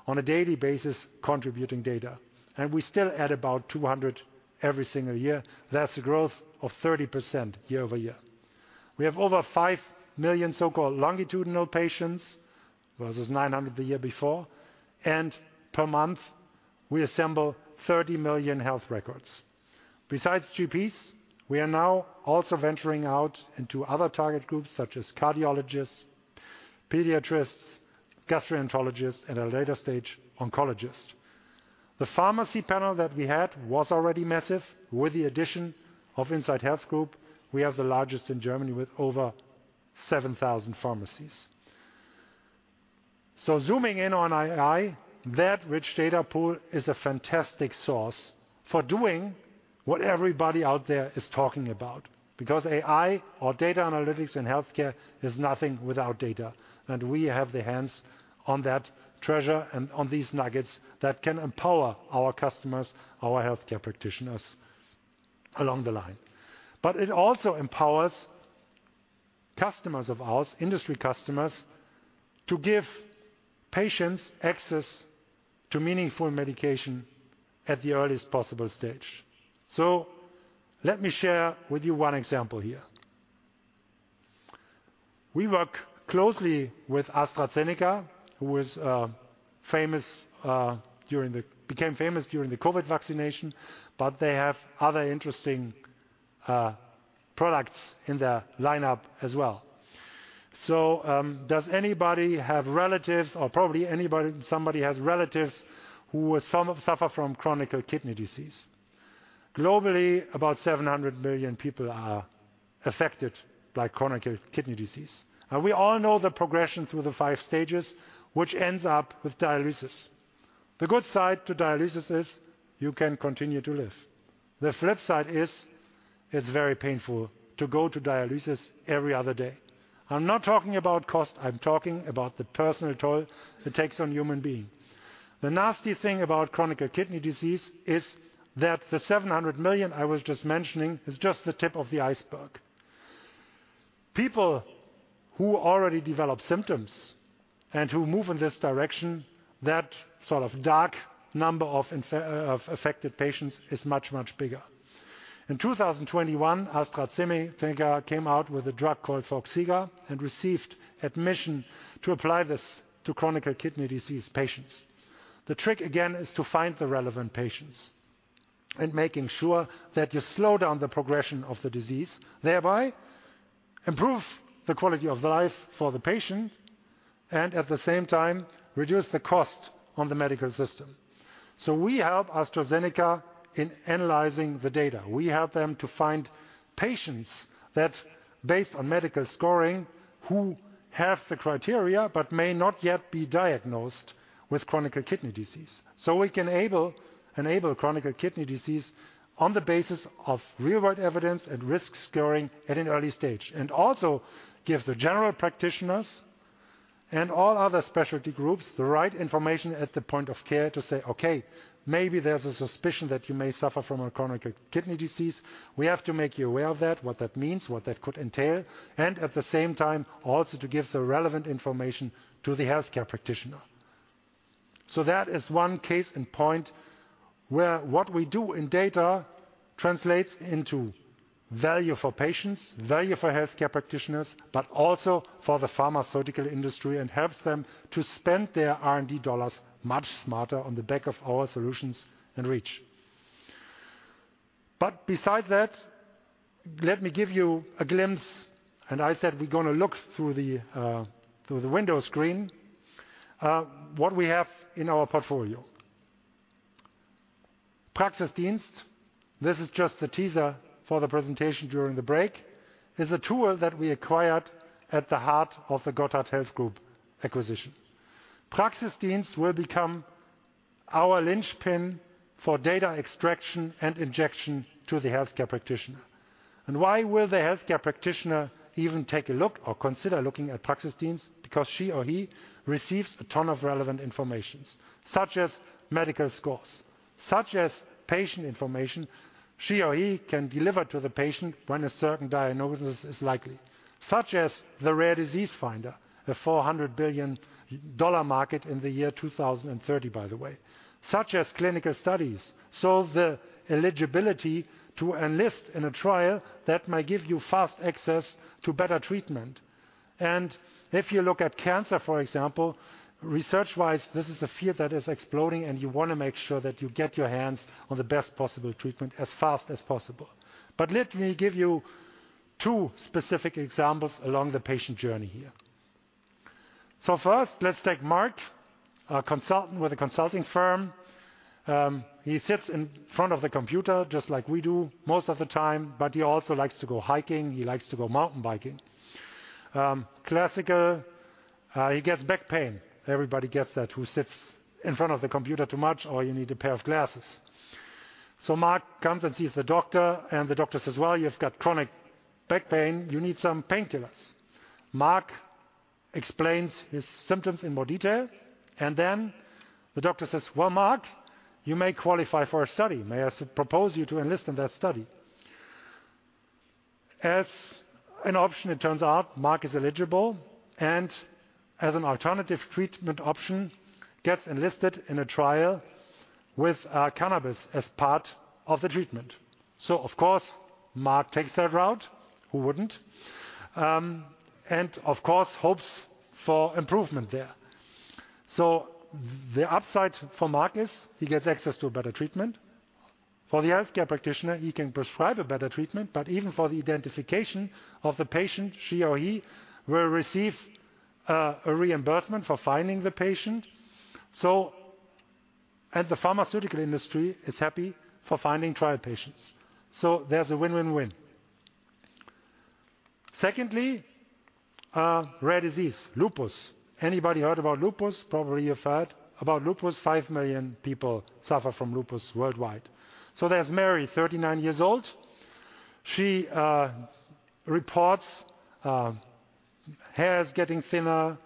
Speaker 4: on a daily basis, contributing data, and we still add about 200 every single year. That's a growth of 30% year-over-year. We have over 5 million so-called longitudinal patients. Well, it was 900 the year before, and per month, we assemble 30 million health records. Besides GPs, we are now also venturing out into other target groups, such as cardiologists, pediatricians, gastroenterologists, at a later stage, oncologists. The pharmacy panel that we had was already massive. With the addition of INSIGHT Health Group, we are the largest in Germany with over 7,000 pharmacies. So zooming in on AI, that rich data pool is a fantastic source for doing what everybody out there is talking about because AI or data analytics in healthcare is nothing without data, and we have the hands on that treasure and on these nuggets that can empower our customers, our healthcare practitioners along the line. But it also empowers customers of ours, industry customers, to give patients access to meaningful medication at the earliest possible stage. So let me share with you one example here. We work closely with AstraZeneca, who is famous, became famous during the COVID vaccination, but they have other interesting products in their lineup as well. So, does anybody have relatives or probably anybody, somebody has relatives who are some suffer from chronic kidney disease? Globally, about 700 million people are affected by chronic kidney disease, and we all know the progression through the five stages, which ends up with dialysis. The good side to dialysis is you can continue to live. The flip side is, it's very painful to go to dialysis every other day. I'm not talking about cost, I'm talking about the personal toll it takes on human being. The nasty thing about chronic kidney disease is that the 700 million I was just mentioning is just the tip of the iceberg. People who already develop symptoms and who move in this direction, that sort of dark number of affected patients is much, much bigger. In 2021, AstraZeneca came out with a drug called Farxiga, and received admission to apply this to chronic kidney disease patients. The trick again is to find the relevant patients and making sure that you slow down the progression of the disease, thereby improve the quality of life for the patient and at the same time reduce the cost on the medical system. So we help AstraZeneca in analyzing the data. We help them to find patients that, based on medical scoring, who have the criteria but may not yet be diagnosed with chronic kidney disease. So we can enable chronic kidney disease on the basis of real-world evidence and risk scoring at an early stage. And also give the general practitioners and all other specialty groups the right information at the point of care to say, "Okay, maybe there's a suspicion that you may suffer from a chronic kidney disease. We have to make you aware of that, what that means, what that could entail," and at the same time, also to give the relevant information to the healthcare practitioner. So that is one case in point where what we do in data translates into value for patients, value for healthcare practitioners, but also for the pharmaceutical industry, and helps them to spend their R&D dollars much smarter on the back of our solutions and reach. But besides that, let me give you a glimpse, and I said, we're gonna look through the window screen, what we have in our portfolio. Praxisdienst, this is just the teaser for the presentation during the break, is a tool that we acquired at the heart of the Gotthardt Healthgroup acquisition. Praxisdienst will become our linchpin for data extraction and injection to the healthcare practitioner. And why will the healthcare practitioner even take a look or consider looking at Praxisdienst? Because she or he receives a ton of relevant information, such as medical scores, such as patient information she or he can deliver to the patient when a certain diagnosis is likely. Such as the rare disease finder, a $400 billion market in the year 2030, by the way. Such as clinical studies. So the eligibility to enlist in a trial that might give you fast access to better treatment. And if you look at cancer, for example, research-wise, this is a field that is exploding, and you wanna make sure that you get your hands on the best possible treatment as fast as possible. But let me give you two specific examples along the patient journey here. So first, let's take Mark, a consultant with a consulting firm. He sits in front of the computer just like we do most of the time, but he also likes to go hiking, he likes to go mountain biking. He gets back pain. Everybody gets that, who sits in front of the computer too much, or you need a pair of glasses. So Mark comes and sees the doctor, and the doctor says, "Well, you've got chronic back pain, you need some painkillers." Mark explains his symptoms in more detail, and then the doctor says: "Well, Mark, you may qualify for a study. May I propose you to enlist in that study?" As an option, it turns out Mark is eligible, and as an alternative treatment option, gets enlisted in a trial with cannabis as part of the treatment. So of course, Mark takes that route. Who wouldn't? And of course, hopes for improvement there. So the upside for Mark is he gets access to a better treatment. For the healthcare practitioner, he can prescribe a better treatment, but even for the identification of the patient, she or he will receive a reimbursement for finding the patient. The pharmaceutical industry is happy for finding trial patients, so there's a win-win-win. Secondly, rare disease, lupus. Anybody heard about lupus? Probably you've heard about lupus. 5 million people suffer from lupus worldwide. So there's Mary, 39 years old. She reports hair's getting thinner,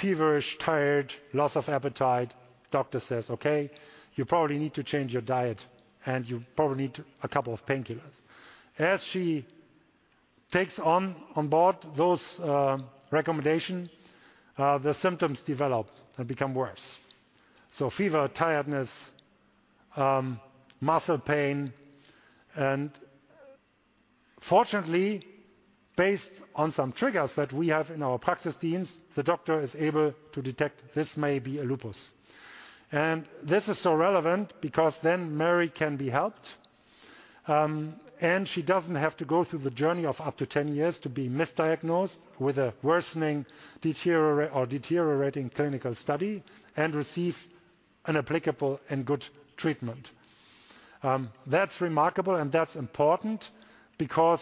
Speaker 4: feverish, tired, loss of appetite. Doctor says, "Okay, you probably need to change your diet, and you probably need a couple of painkillers." As she takes on board those recommendations, the symptoms develop and become worse. So fever, tiredness, muscle pain. And fortunately, based on some triggers that we have in our Praxisdienst, the doctor is able to detect this may be a lupus. This is so relevant because then Mary can be helped, and she doesn't have to go through the journey of up to 10 years to be misdiagnosed with a worsening or deteriorating clinical study, and receive an applicable and good treatment. That's remarkable, and that's important because,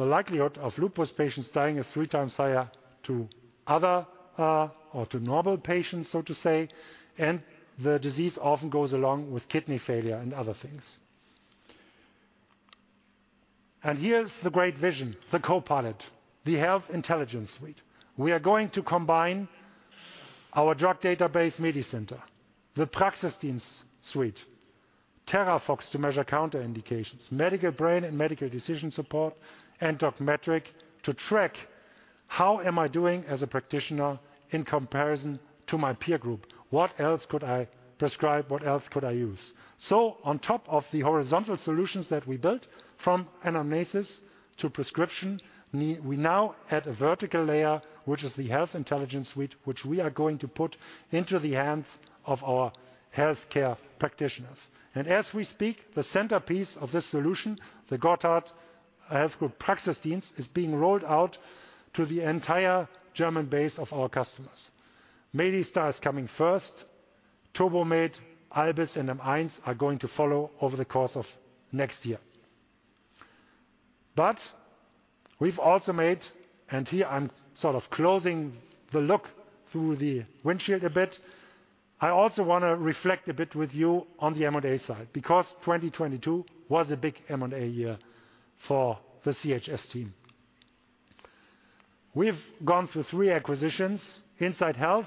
Speaker 4: the likelihood of lupus patients dying is 3 times higher to other, or to normal patients, so to say, and the disease often goes along with kidney failure and other things. Here's the great vision, the copilot, the Health Intelligence Suite. We are going to combine our drug database, MediCenter, the Praxisdienst suite, Terrafox to measure counter indications, Medical Brain and Medical Decision Support, and doc.metric to track how am I doing as a practitioner in comparison to my peer group? What else could I prescribe? What else could I use? So on top of the horizontal solutions that we built from Anamnesis to prescription, we now add a vertical layer, which is the Health Intelligence Suite, which we are going to put into the hands of our healthcare practitioners. And as we speak, the centerpiece of this solution, the Gotthardt Healthgroup Praxisdienst, is being rolled out to the entire German base of our customers. MediStar is coming first, Turbomed, ALBIS and MEINS are going to follow over the course of next year. But we've also made... And here I'm sort of closing the look through the windshield a bit. I also want to reflect a bit with you on the M&A side, because 2022 was a big M&A year for the CHS team. We've gone through three acquisitions. InsideHealth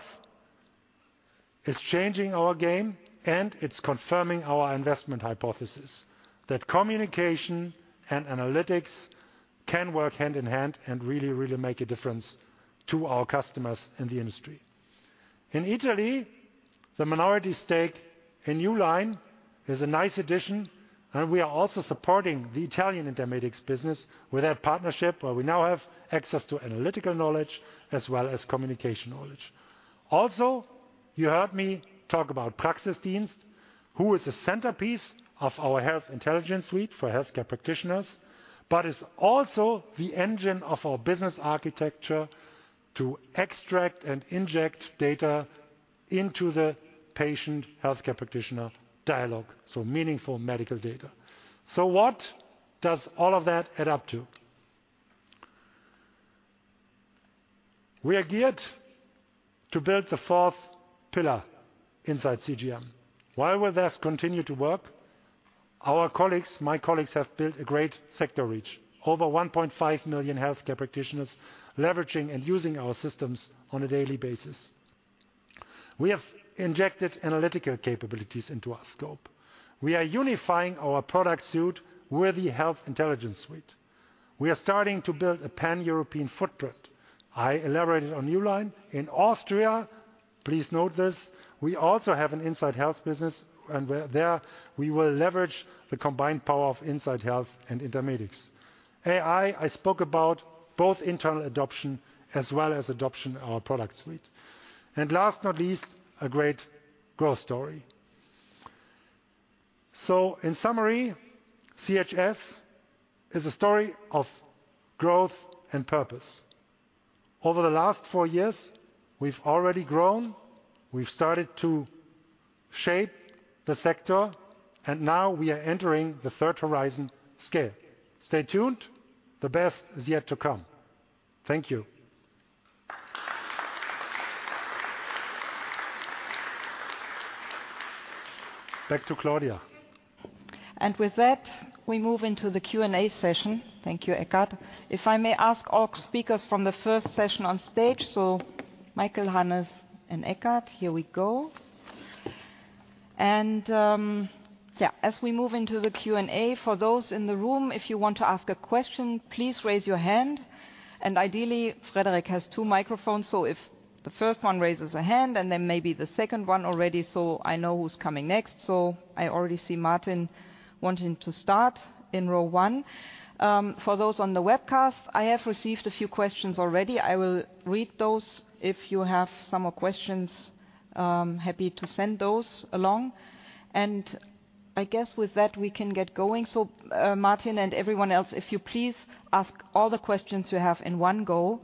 Speaker 4: is changing our game, and it's confirming our investment hypothesis: that communication and analytics can work hand in hand and really, really make a difference to our customers in the industry. In Italy, the minority stake in New line is a nice addition, and we are also supporting the Italian Intermedix business with a partnership where we now have access to analytical knowledge as well as communication knowledge. Also, you heard me talk about Praxisdienst, who is a centerpiece of our Health Intelligence Suite for healthcare practitioners, but is also the engine of our business architecture to extract and inject data into the patient-healthcare practitioner dialogue, so meaningful medical data. So what does all of that add up to? We are geared to build the fourth pillar inside CGM. While we thus continue to work, our colleagues, my colleagues, have built a great sector reach. Over 1.5 million healthcare practitioners leveraging and using our systems on a daily basis. We have injected analytical capabilities into our scope. We are unifying our product suite with the Health Intelligence Suite. We are starting to build a Pan-European footprint. I elaborated on New line. In Austria, please note this, we also have an InsideHealth business, and we're there, we will leverage the combined power of InsideHealth and Intermedix. AI, I spoke about both internal adoption as well as adoption in our product suite. And last but not least, a great growth story. So in summary, CHS is a story of growth and purpose. Over the last four years, we've already grown, we've started to shape the sector, and now we are entering the third horizon, scale. Stay tuned. The best is yet to come. Thank you. Back to Claudia.
Speaker 1: With that, we move into the Q&A session. Thank you, Eckart. If I may ask all speakers from the first session on stage, so Michael, Hannes, and Eckart, here we go. And, yeah, as we move into the Q&A, for those in the room, if you want to ask a question, please raise your hand. Ideally, Frederic has two microphones, so if the first one raises a hand and then maybe the second one already, so I know who's coming next. I already see Martin wanting to start in row one. For those on the webcast, I have received a few questions already. I will read those. If you have some more questions, happy to send those along. I guess with that, we can get going. So, Martin and everyone else, if you please ask all the questions you have in one go,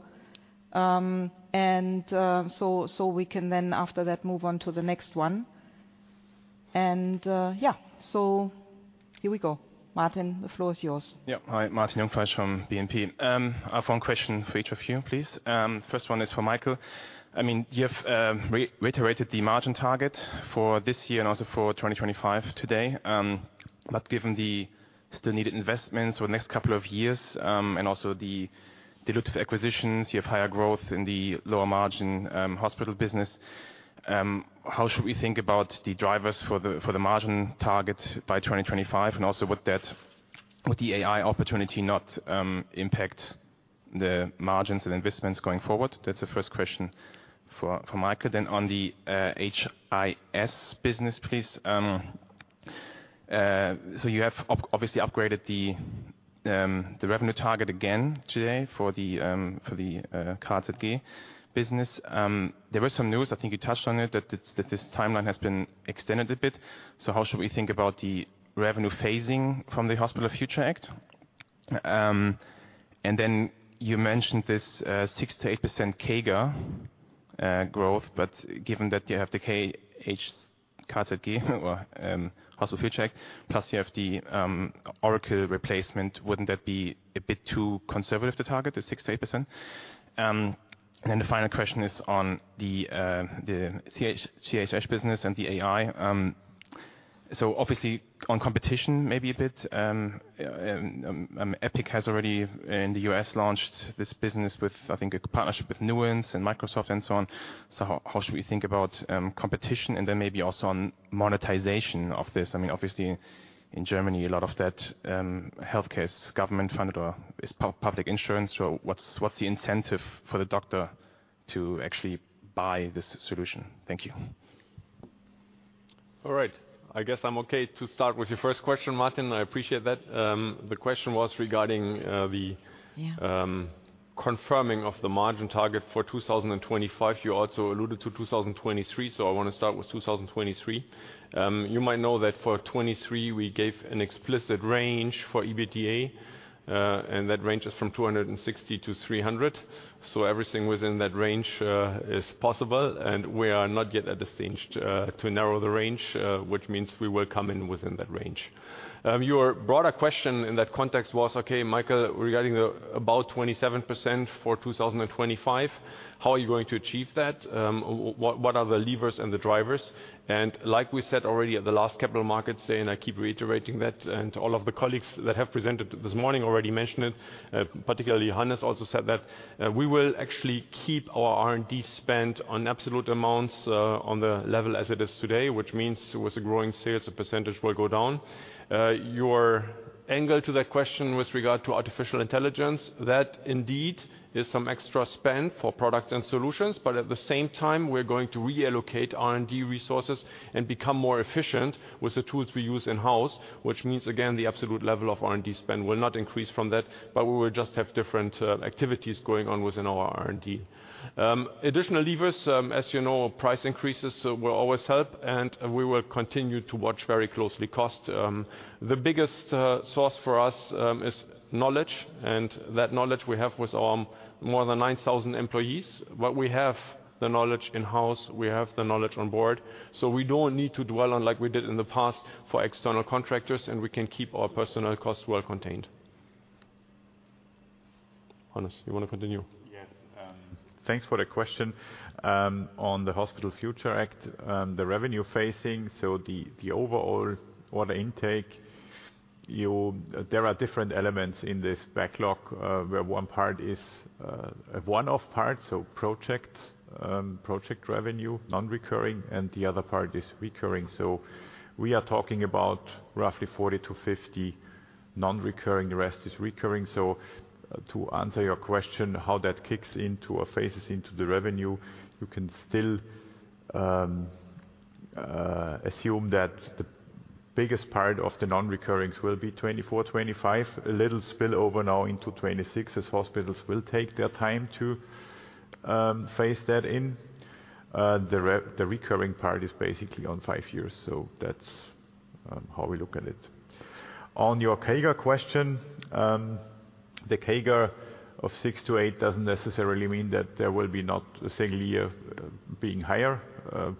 Speaker 1: and so we can then after that move on to the next one. And yeah, so here we go. Martin, the floor is yours.
Speaker 5: Yeah. Hi, Martin Jungfleisch from BNP. I have one question for each of you, please. First one is for Michael. I mean, you have reiterated the margin target for this year and also for 2025 today. But given the still needed investments for the next couple of years, and also the dilutive acquisitions, you have higher growth in the lower margin hospital business. How should we think about the drivers for the margin target by 2025, and also what that would. Would the AI opportunity not impact the margins and investments going forward? That's the first question for Michael. Then on the HIS business, please. So you have obviously upgraded the revenue target again today for the KZG business. There was some news, I think you touched on it, that it's, that this timeline has been extended a bit. So how should we think about the revenue phasing from the Hospital Future Act? And then you mentioned this 6%-8% CAGR growth, but given that you have the KH, KZG, or Hospital Future Act, plus you have the Oracle replacement, wouldn't that be a bit too conservative to target the 6%-8%? And then the final question is on the CHS business and the AI. So obviously, on competition, maybe a bit, Epic has already in the U.S. launched this business with, I think, a partnership with Nuance and Microsoft and so on. So how should we think about competition? And then maybe also on monetization of this. I mean, obviously, in Germany, a lot of that healthcare is government funded or is public insurance. So what's the incentive for the doctor to actually buy this solution? Thank you.
Speaker 2: All right. I guess I'm okay to start with your first question, Martin. I appreciate that. The question was regarding the-
Speaker 3: Yeah
Speaker 2: confirming of the margin target for 2025. You also alluded to 2023, so I want to start with 2023. You might know that for 2023, we gave an explicit range for EBITDA, and that range is from 260-300. So everything within that range is possible, and we are not yet at the stage to narrow the range, which means we will come in within that range. Your broader question in that context was, okay, Michael, regarding the about 27% for 2025, how are you going to achieve that? What are the levers and the drivers? Like we said already at the last Capital Markets Day, and I keep reiterating that, and all of the colleagues that have presented this morning already mentioned it, particularly Hannes also said that, we will actually keep our R&D spend on absolute amounts, on the level as it is today, which means with the growing sales, the percentage will go down. Your angle to that question with regard to artificial intelligence, that indeed is some extra spend for products and solutions, but at the same time, we're going to reallocate R&D resources and become more efficient with the tools we use in-house. Which means, again, the absolute level of R&D spend will not increase from that, but we will just have different, activities going on within our R&D. Additional levers, as you know, price increases will always help, and we will continue to watch very closely cost. The biggest source for us is knowledge, and that knowledge we have with more than 9,000 employees. But we have the knowledge in-house, we have the knowledge on board, so we don't need to dwell on like we did in the past for external contractors, and we can keep our personnel costs well contained. Hannes, you want to continue?
Speaker 3: Yes. Thanks for the question. On the Hospital Future Act, the revenue phasing, so the overall order intake, there are different elements in this backlog, where one part is a one-off part, so project revenue, non-recurring, and the other part is recurring. So we are talking about roughly 40-50 non-recurring, the rest is recurring. So to answer your question, how that kicks into or phases into the revenue, you can still assume that the biggest part of the non-recurrents will be 2024, 2025. A little spillover now into 2026, as hospitals will take their time to phase that in. The recurring part is basically on five years, so that's how we look at it. On your CAGR question, the CAGR of 6-8 doesn't necessarily mean that there will be not a single year being higher,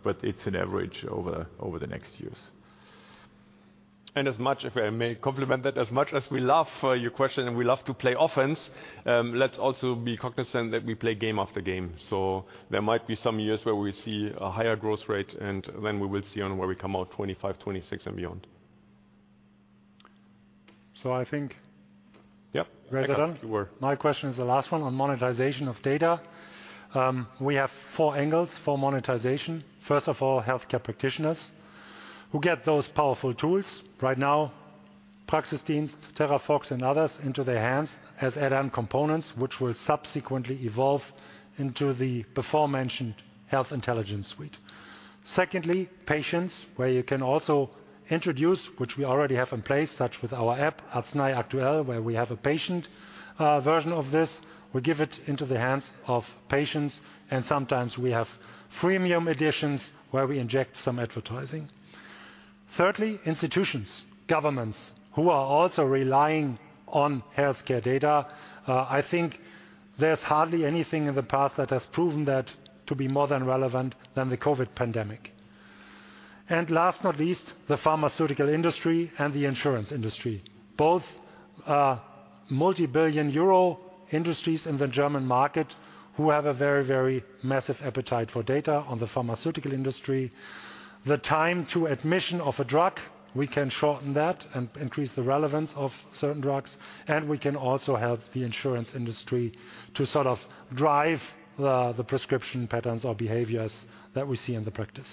Speaker 3: but it's an average over the next years.
Speaker 2: And as much as, if I may compliment that, as much as we love your question and we love to play offense, let's also be cognizant that we play game after game. So there might be some years where we see a higher growth rate, and then we will see where we come out 2025, 2026 and beyond.
Speaker 5: So I think-
Speaker 2: Yeah, you were.
Speaker 4: My question is the last one on monetization of data. We have four angles for monetization. First of all, healthcare practitioners, who get those powerful tools. Right now, Praxisdienst, THERAFOX and others into their hands as add-on components, which will subsequently evolve into the beforementioned Health Intelligence Suite. Secondly, patients, where you can also introduce, which we already have in place, such with our app, Arznei-Aktuell, where we have a patient version of this. We give it into the hands of patients, and sometimes we have freemium editions where we inject some advertising. Thirdly, institutions, governments, who are also relying on healthcare data. I think there's hardly anything in the past that has proven that to be more than relevant than the COVID pandemic. And last but not least, the pharmaceutical industry and the insurance industry. Both are multibillion-euro industries in the German market, who have a very, very massive appetite for data on the pharmaceutical industry. The time to admission of a drug, we can shorten that and increase the relevance of certain drugs, and we can also help the insurance industry to sort of drive the, the prescription patterns or behaviors that we see in the practice.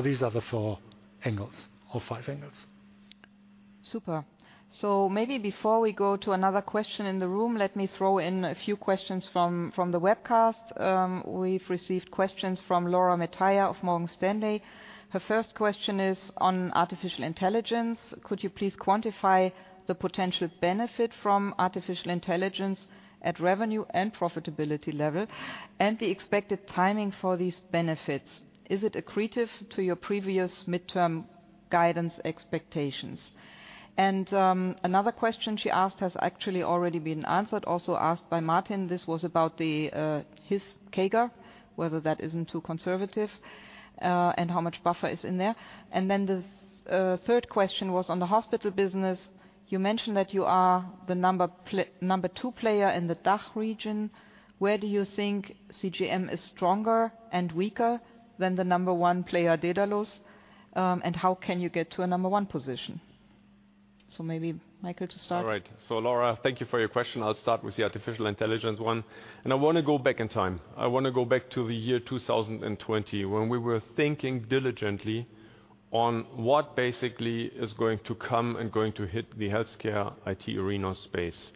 Speaker 4: these are the four angles or five angles.
Speaker 1: Super. So maybe before we go to another question in the room, let me throw in a few questions from the webcast. We've received questions from Laura Metayer of Morgan Stanley. Her first question is on artificial intelligence: Could you please quantify the potential benefit from artificial intelligence at revenue and profitability level, and the expected timing for these benefits? Is it accretive to your previous midterm guidance expectations? And another question she asked has actually already been answered, also asked by Martin. This was about the his CAGR, whether that isn't too conservative, and how much buffer is in there. And then the third question was on the hospital business. You mentioned that you are the number two player in the DACH region. Where do you think CGM is stronger and weaker than the number one player, Dedalus, and how can you get to a number one position? So maybe Michael to start.
Speaker 2: All right. So Laura, thank you for your question. I'll start with the artificial intelligence one, and I wanna go back in time. I wanna go back to the year 2020, when we were thinking diligently on what basically is going to come and going to hit the healthcare IT arena space.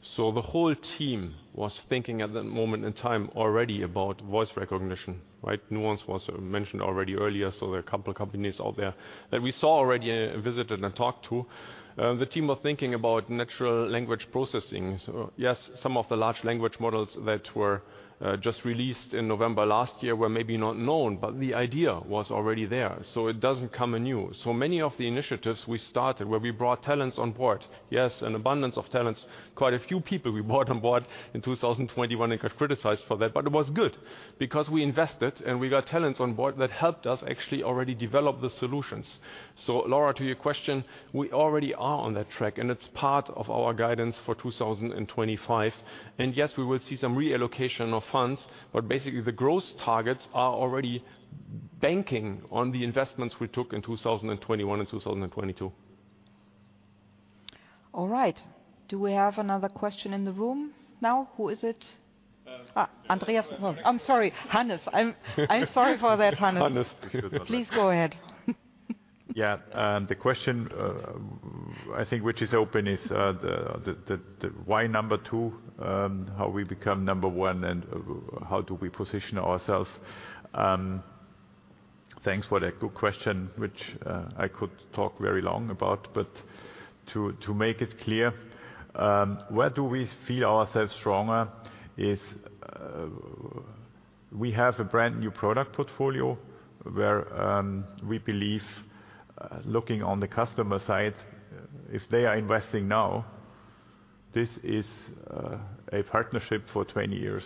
Speaker 2: So the whole team was thinking at that moment in time already about voice recognition, right? Nuance was mentioned already earlier, so there are a couple of companies out there that we saw already, visited and talked to. The team was thinking about natural language processing. So yes, some of the large language models that were just released in November last year were maybe not known, but the idea was already there, so it doesn't come anew. So many of the initiatives we started, where we brought talents on board... Yes, an abundance of talents. Quite a few people we brought on board in 2021 and got criticized for that, but it was good because we invested, and we got talents on board that helped us actually already develop the solutions. So Laura, to your question, we already are on that track, and it's part of our guidance for 2025. And yes, we will see some reallocation of funds, but basically the growth targets are already banking on the investments we took in 2021 and 2022.
Speaker 1: All right. Do we have another question in the room now? Who is it? Ah, Andreas. I'm sorry, Hannes. I'm sorry for that, Hannes.
Speaker 2: Hannes.
Speaker 1: Please go ahead.
Speaker 3: Yeah, the question, I think which is open is, the why number 2, how we become number 1 and how do we position ourselves? Thanks for that good question, which I could talk very long about, but to make it clear, where do we feel ourselves stronger is, we have a brand-new product portfolio where we believe, looking on the customer side, if they are investing now, this is a partnership for 20 years,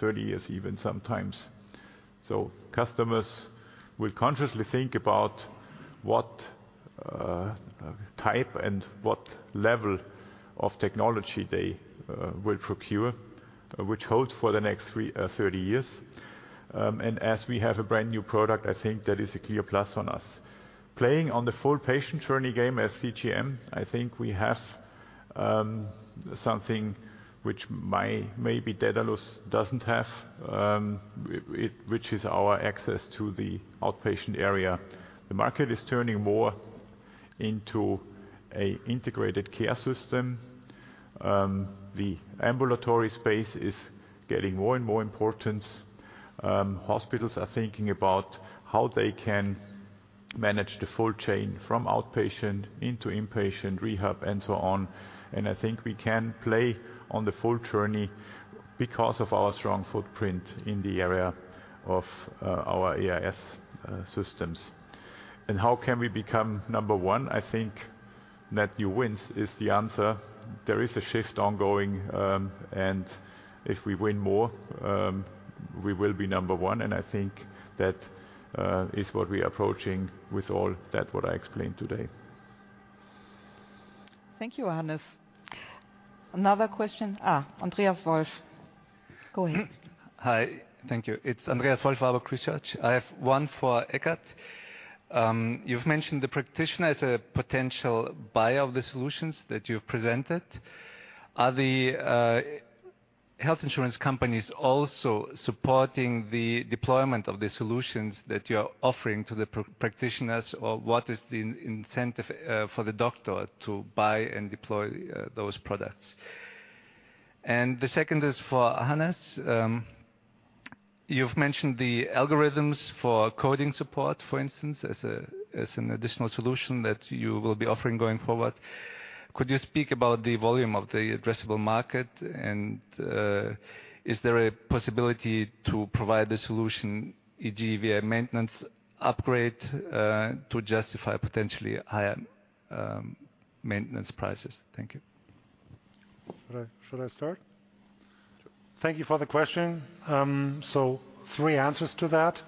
Speaker 3: 30 years even sometimes. So customers will consciously think about what type and what level of technology they will procure, which holds for the next three, 30 years. And as we have a brand-new product, I think that is a clear plus on us. Playing on the full patient journey game as CGM, I think we have something which maybe Dedalus doesn't have, which is our access to the outpatient area. The market is turning more into an integrated care system. The ambulatory space is getting more and more importance. Hospitals are thinking about how they can manage the full chain from outpatient into inpatient, rehab, and so on. And I think we can play on the full journey because of our strong footprint in the area of our AIS systems. And how can we become number one? I think that you win is the answer. There is a shift ongoing, and if we win more, we will be number one, and I think that is what we are approaching with all that what I explained today.
Speaker 1: Thank you, Hannes. Another question? Ah, Andreas Wolf. Go ahead.
Speaker 6: Hi. Thank you. It's Andreas Wolf, Barclays Research. I have one for Eckart. You've mentioned the practitioner as a potential buyer of the solutions that you've presented. Are the health insurance companies also supporting the deployment of the solutions that you are offering to the practitioners, or what is the incentive for the doctor to buy and deploy those products? And the second is for Hannes. You've mentioned the algorithms for coding support, for instance, as an additional solution that you will be offering going forward. Could you speak about the volume of the addressable market, and is there a possibility to provide the solution, e.g., via maintenance upgrade, to justify potentially higher maintenance prices? Thank you.
Speaker 4: Should I start? Thank you for the question. So three answers to that.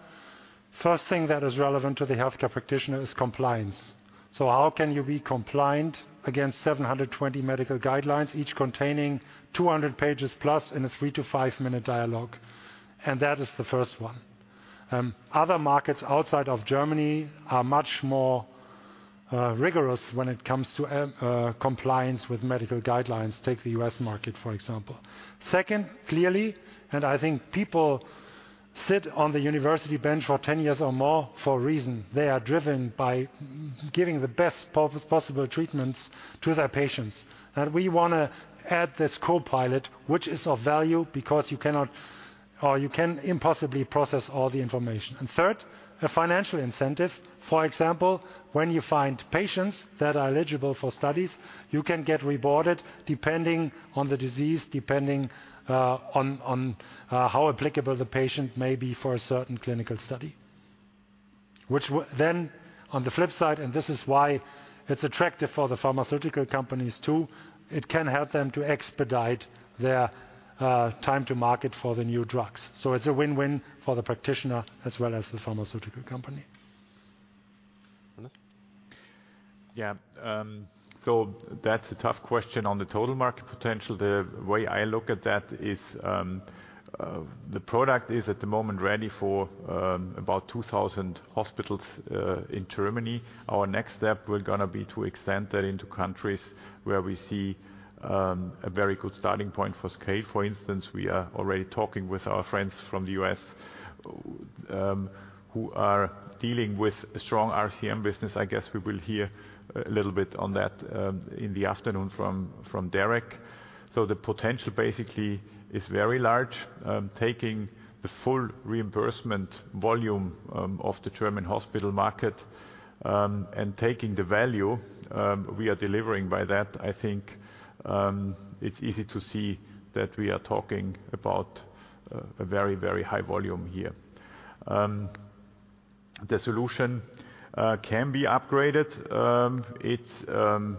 Speaker 4: First thing that is relevant to the healthcare practitioner is compliance. So how can you be compliant against 720 medical guidelines, each containing 200 pages plus in a 3-5-minute dialogue? And that is the first one. Other markets outside of Germany are much more rigorous when it comes to compliance with medical guidelines. Take the US market, for example. Second, clearly, and I think people sit on the university bench for 10 years or more for a reason. They are driven by giving the best possible treatments to their patients, and we wanna add this copilot, which is of value because you cannot or you can impossibly process all the information. And third, a financial incentive. For example, when you find patients that are eligible for studies, you can get rewarded depending on the disease, depending on how applicable the patient may be for a certain clinical study. Which then, on the flip side, and this is why it's attractive for the pharmaceutical companies, too, it can help them to expedite their time to market for the new drugs. So it's a win-win for the practitioner as well as the pharmaceutical company.
Speaker 1: Hannes?
Speaker 2: Yeah, so that's a tough question on the total market potential. The way I look at that is, the product is at the moment, ready for, about 2,000 hospitals, in Germany. Our next step we're gonna be to extend that into countries where we see, a very good starting point for scale. For instance, we are already talking with our friends from the U.S., who are dealing with a strong RCM business. I guess we will hear a little bit on that, in the afternoon from, from Derek. So the potential basically is very large, taking the full reimbursement volume, of the German hospital market, and taking the value, we are delivering by that. I think, it's easy to see that we are talking about a, a very, very high volume here. The solution can be upgraded. It's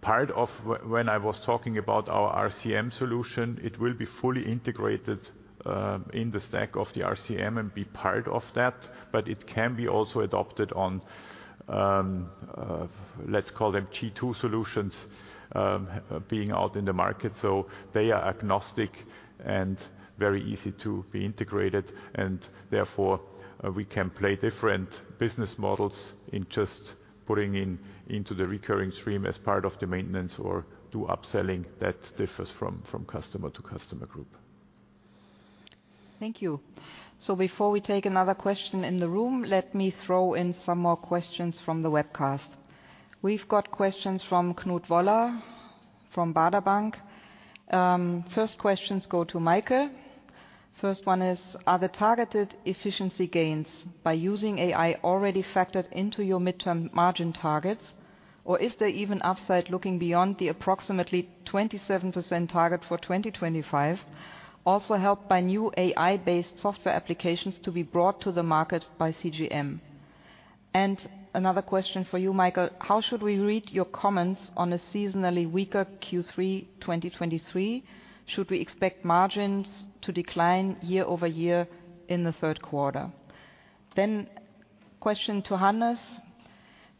Speaker 2: part of when I was talking about our RCM solution, it will be fully integrated in the stack of the RCM and be part of that, but it can be also adopted on, let's call them G2 solutions, being out in the market. So they are agnostic and very easy to be integrated, and therefore, we can play different business models in just putting in into the recurring stream as part of the maintenance or do upselling that differs from customer to customer group.
Speaker 1: Thank you. So before we take another question in the room, let me throw in some more questions from the webcast. We've got questions from Knut Woller, from Baader Bank. First questions go to Michael. First one is: Are the targeted efficiency gains by using AI already factored into your midterm margin targets, or is there even upside looking beyond the approximately 27% target for 2025, also helped by new AI-based software applications to be brought to the market by CGM? And another question for you, Michael: How should we read your comments on a seasonally weaker Q3 2023? Should we expect margins to decline year over year in the third quarter? Then question to Hannes: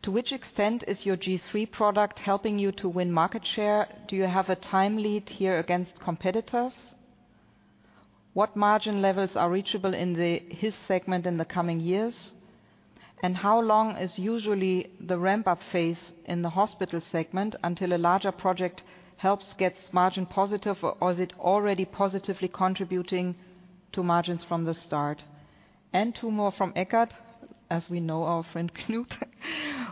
Speaker 1: To which extent is your G3 product helping you to win market share? Do you have a time lead here against competitors? What margin levels are reachable in this segment in the coming years, and how long is usually the ramp-up phase in the hospital segment until a larger project helps get margin positive, or is it already positively contributing to margins from the start? And two more from Eckart, as we know our friend, Knut.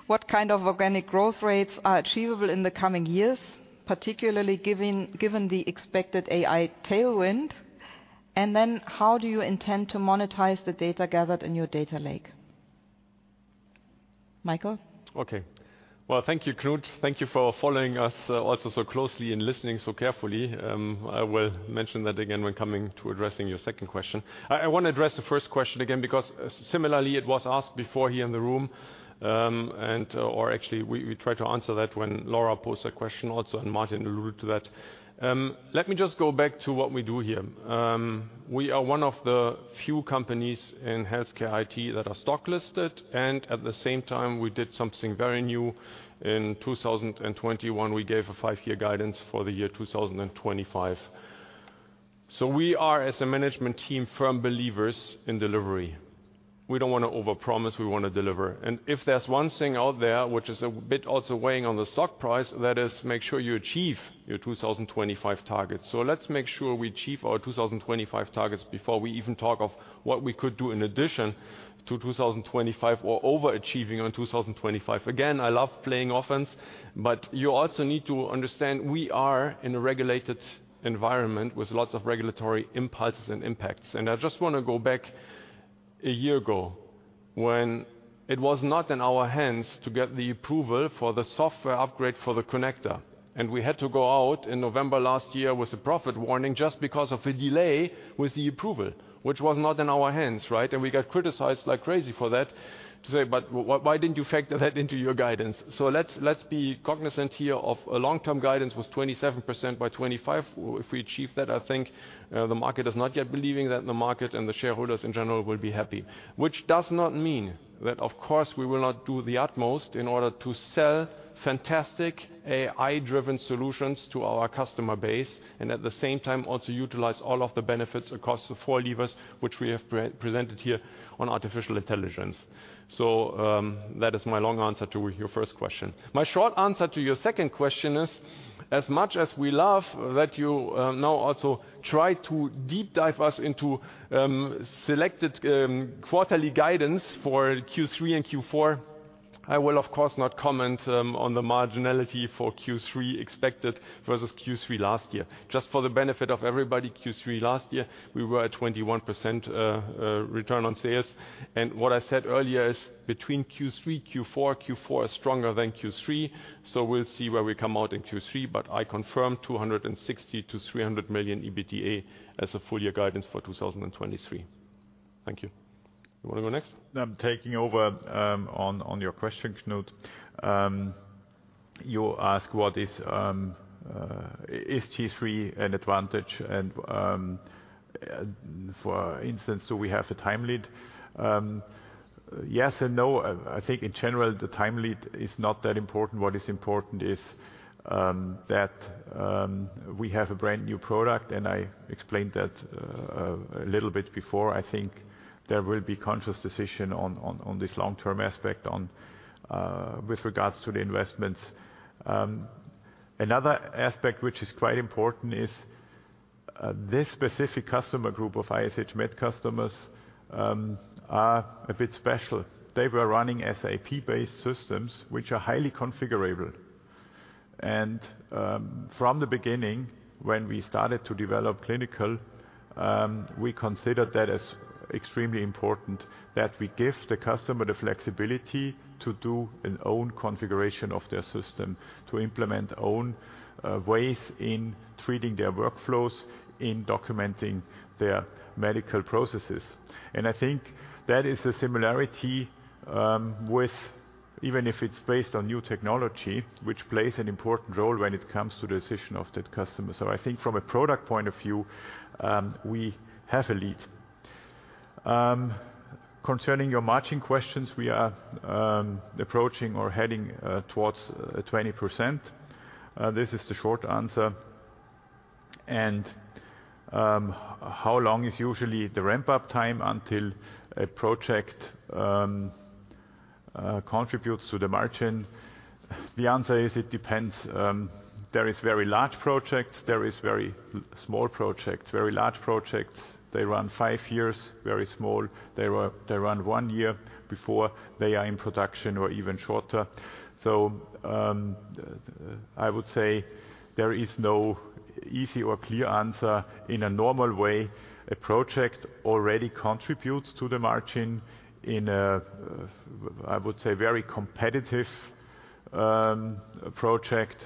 Speaker 1: What kind of organic growth rates are achievable in the coming years, particularly given the expected AI tailwind? And then how do you intend to monetize the data gathered in your data lake? Michael?
Speaker 2: Okay. Well, thank you, Knut. Thank you for following us, also so closely and listening so carefully. I will mention that again when coming to addressing your second question. I want to address the first question again, because similarly, it was asked before here in the room, or actually, we tried to answer that when Laura posed a question also, and Martin alluded to that. Let me just go back to what we do here. We are one of the few companies in healthcare IT that are stock listed, and at the same time, we did something very new in 2021. We gave a five-year guidance for the year 2025. So we are, as a management team, firm believers in delivery. We don't wanna overpromise, we wanna deliver. If there's one thing out there which is a bit also weighing on the stock price, that is, make sure you achieve your 2025 targets. So let's make sure we achieve our 2025 targets before we even talk of what we could do in addition to 2025 or overachieving on 2025. Again, I love playing offense, but you also need to understand we are in a regulated environment with lots of regulatory impulses and impacts. And I just wanna go back a year ago when it was not in our hands to get the approval for the software upgrade for the connector. And we had to go out in November last year with a profit warning just because of a delay with the approval, which was not in our hands, right? And we got criticized like crazy for that, to say, "But why didn't you factor that into your guidance?" So let's, let's be cognizant here of a long-term guidance was 27% by 2025. If we achieve that, I think, the market is not yet believing that the market and the shareholders in general will be happy. Which does not mean that, of course, we will not do the utmost in order to sell fantastic AI-driven solutions to our customer base, and at the same time, also utilize all of the benefits across the four levers which we have pre-presented here.. on artificial intelligence. So, that is my long answer to your first question. My short answer to your second question is, as much as we love that you, now also try to deep dive us into, selected, quarterly guidance for Q3 and Q4, I will of course not comment, on the marginality for Q3 expected versus Q3 last year. Just for the benefit of everybody, Q3 last year, we were at 21%, return on sales. And what I said earlier is between Q3, Q4, Q4 is stronger than Q3, so we'll see where we come out in Q3. But I confirm 260-300 million EBITDA as a full year guidance for 2023. Thank you. You want to go next?
Speaker 3: I'm taking over on your question note. You ask what is is G3 an advantage? And, for instance, do we have a time lead? Yes and no. I think in general, the time lead is not that important. What is important is that we have a brand-new product, and I explained that a little bit before. I think there will be conscious decision on this long-term aspect on with regards to the investments. Another aspect which is quite important is this specific customer group of ISH Med customers are a bit special. They were running SAP-based systems, which are highly configurable. From the beginning, when we started to develop clinical, we considered that as extremely important, that we give the customer the flexibility to do an own configuration of their system, to implement own ways in treating their workflows, in documenting their medical processes. I think that is a similarity with even if it's based on new technology, which plays an important role when it comes to decision of that customer. I think from a product point of view, we have a lead. Concerning your matching questions, we are approaching or heading towards 20%. This is the short answer. How long is usually the ramp-up time until a project contributes to the margin? The answer is, it depends. There is very large projects, there is very small projects. Very large projects, they run 5 years. Very small, they run, they run 1 year before they are in production or even shorter. So, I would say there is no easy or clear answer. In a normal way, a project already contributes to the margin. In a, I would say, very competitive, project,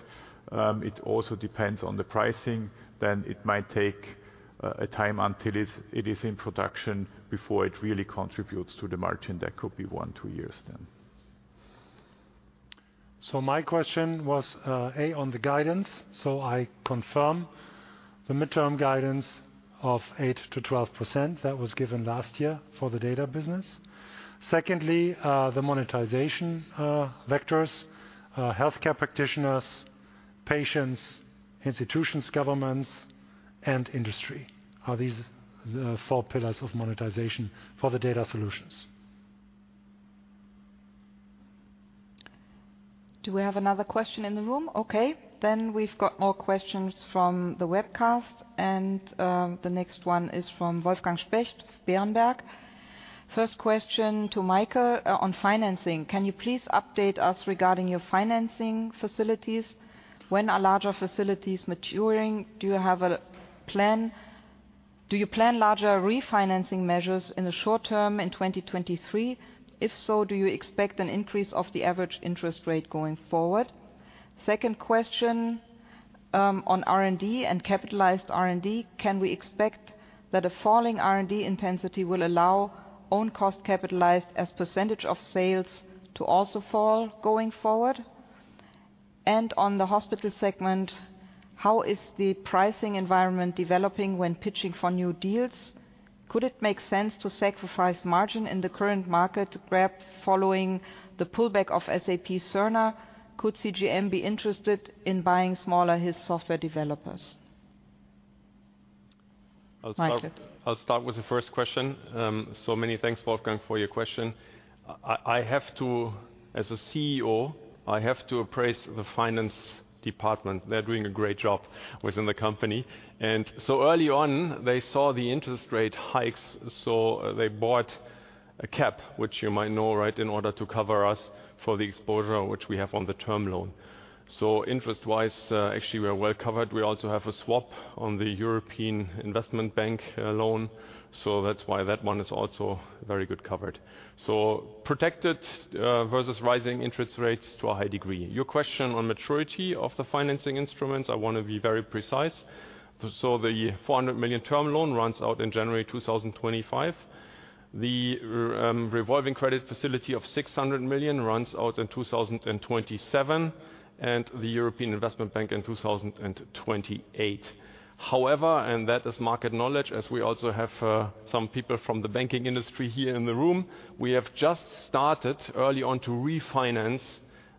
Speaker 3: it also depends on the pricing, then it might take, a time until it's, it is in production before it really contributes to the margin. That could be 1, 2 years then.
Speaker 2: So my question was, A, on the guidance. I confirm the mid-term guidance of 8%-12% that was given last year for the data business. Secondly, the monetization vectors, healthcare practitioners, patients, institutions, governments, and industry, are these the four pillars of monetization for the data solutions?
Speaker 1: Do we have another question in the room? Okay, then we've got more questions from the webcast, and the next one is from Wolfgang Specht, Berenberg. First question to Michael on financing: Can you please update us regarding your financing facilities? When are larger facilities maturing? Do you plan larger refinancing measures in the short term in 2023? If so, do you expect an increase of the average interest rate going forward? Second question, on R&D and capitalized R&D: Can we expect that a falling R&D intensity will allow own cost capitalized as percentage of sales to also fall going forward? And on the hospital segment, how is the pricing environment developing when pitching for new deals? Could it make sense to sacrifice margin in the current market grab following the pullback of SAP Cerner? Could CGM be interested in buying smaller software developers? Michael.
Speaker 2: I'll start with the first question. So many thanks, Wolfgang, for your question. I have to. As a CEO, I have to appraise the finance department. They're doing a great job within the company, and so early on, they saw the interest rate hikes, so they bought a cap, which you might know, right, in order to cover us for the exposure which we have on the term loan. So interest-wise, actually, we are well covered. We also have a swap on the European Investment Bank loan, so that's why that one is also very good covered. So protected versus rising interest rates to a high degree. Your question on maturity of the financing instruments, I want to be very precise. So the 400 million term loan runs out in January 2025. The revolving credit facility of 600 million runs out in 2027, and the European Investment Bank in 2028. However, and that is market knowledge, as we also have some people from the banking industry here in the room, we have just started early on to refinance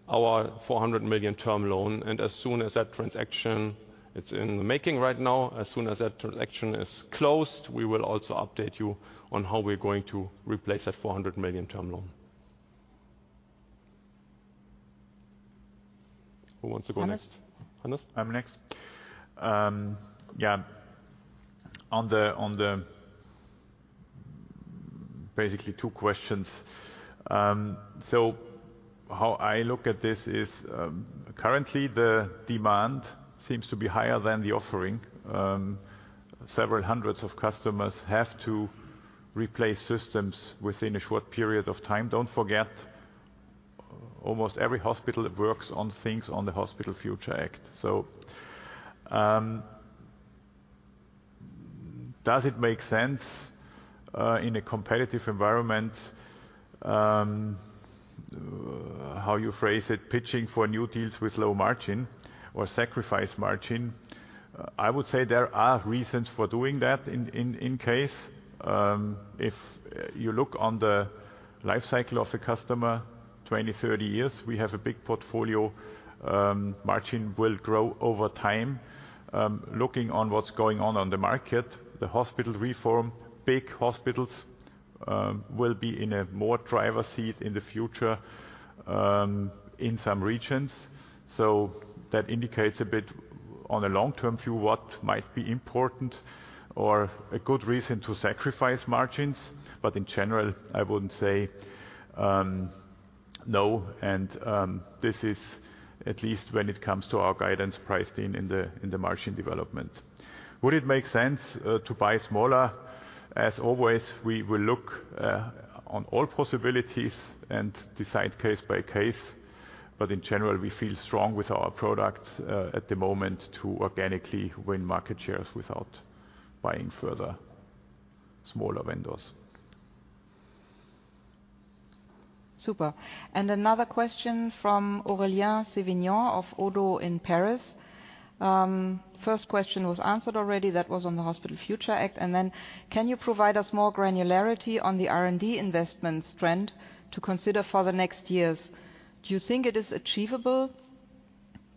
Speaker 2: our 400 million term loan, and as soon as that transaction... It's in the making right now. As soon as that transaction is closed, we will also update you on how we're going to replace that 400 million term loan. Who wants to go next? Hannes?
Speaker 3: I'm next. Yeah, on the basically two questions. So how I look at this is, currently the demand seems to be higher than the offering. Several hundreds of customers have to replace systems within a short period of time. Don't forget, almost every hospital works on things on the Hospital Future Act. So, does it make sense in a competitive environment, how you phrase it, pitching for new deals with low margin or sacrifice margin? I would say there are reasons for doing that in case. If you look on the life cycle of a customer, 20, 30 years, we have a big portfolio. Margin will grow over time. Looking on what's going on on the market, the hospital reform, big hospitals, will be in a more driver seat in the future, in some regions. So that indicates a bit on a long-term view, what might be important or a good reason to sacrifice margins. But in general, I wouldn't say no, and this is at least when it comes to our guidance priced in, in the, in the margin development. Would it make sense to buy smaller? As always, we will look on all possibilities and decide case by case, but in general, we feel strong with our products at the moment to organically win market shares without buying further smaller vendors.
Speaker 1: Super. And another question from Aurélien Sévignon of Oddo in Paris. First question was answered already. That was on the Hospital Future Act. And then can you provide us more granularity on the R&D investments trend to consider for the next years? Do you think it is achievable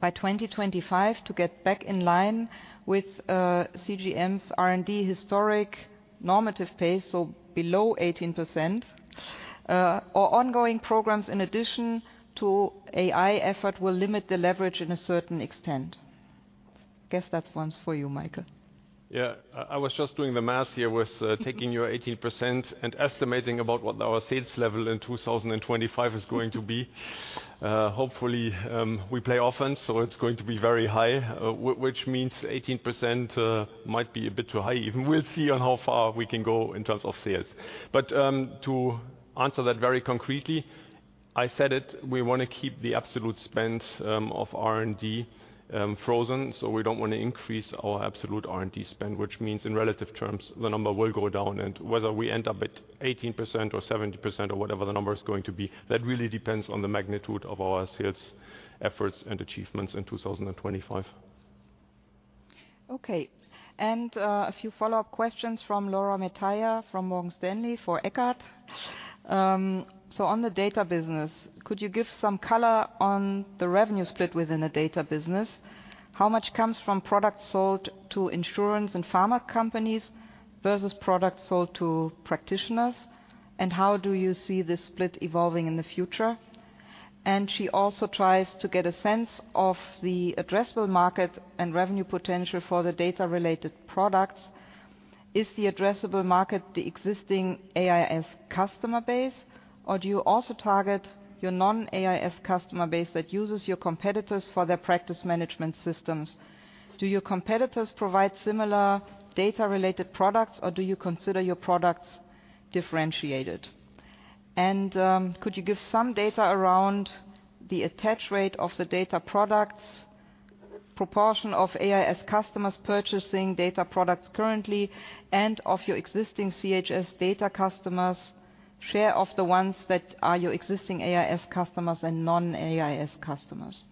Speaker 1: by 2025 to get back in line with CGM's R&D historic normative pace, so below 18%? Or ongoing programs in addition to AI effort, will limit the leverage in a certain extent. Guess that's one for you, Michael.
Speaker 2: Yeah. I was just doing the math here with taking your 18% and estimating about what our sales level in 2025 is going to be. Hopefully, we play offense, so it's going to be very high, which means 18% might be a bit too high, even. We'll see on how far we can go in terms of sales. But, to answer that very concretely, I said it, we want to keep the absolute spend of R&D frozen, so we don't want to increase our absolute R&D spend, which means in relative terms, the number will go down, and whether we end up at 18% or 70% or whatever the number is going to be, that really depends on the magnitude of our sales efforts and achievements in 2025.
Speaker 1: Okay. And, a few follow-up questions from Laura Metaya, from Morgan Stanley, for Eckart. So on the data business, could you give some color on the revenue split within the data business? How much comes from products sold to insurance and pharma companies versus products sold to practitioners? And how do you see this split evolving in the future? And she also tries to get a sense of the addressable market and revenue potential for the data-related products. Is the addressable market the existing AIS customer base, or do you also target your non-AIS customer base that uses your competitors for their practice management systems? Do your competitors provide similar data-related products, or do you consider your products differentiated? Could you give some data around the attach rate of the data products, proportion of AIS customers purchasing data products currently, and of your existing CHS data customers, share of the ones that are your existing AIS customers and non-AIS customers?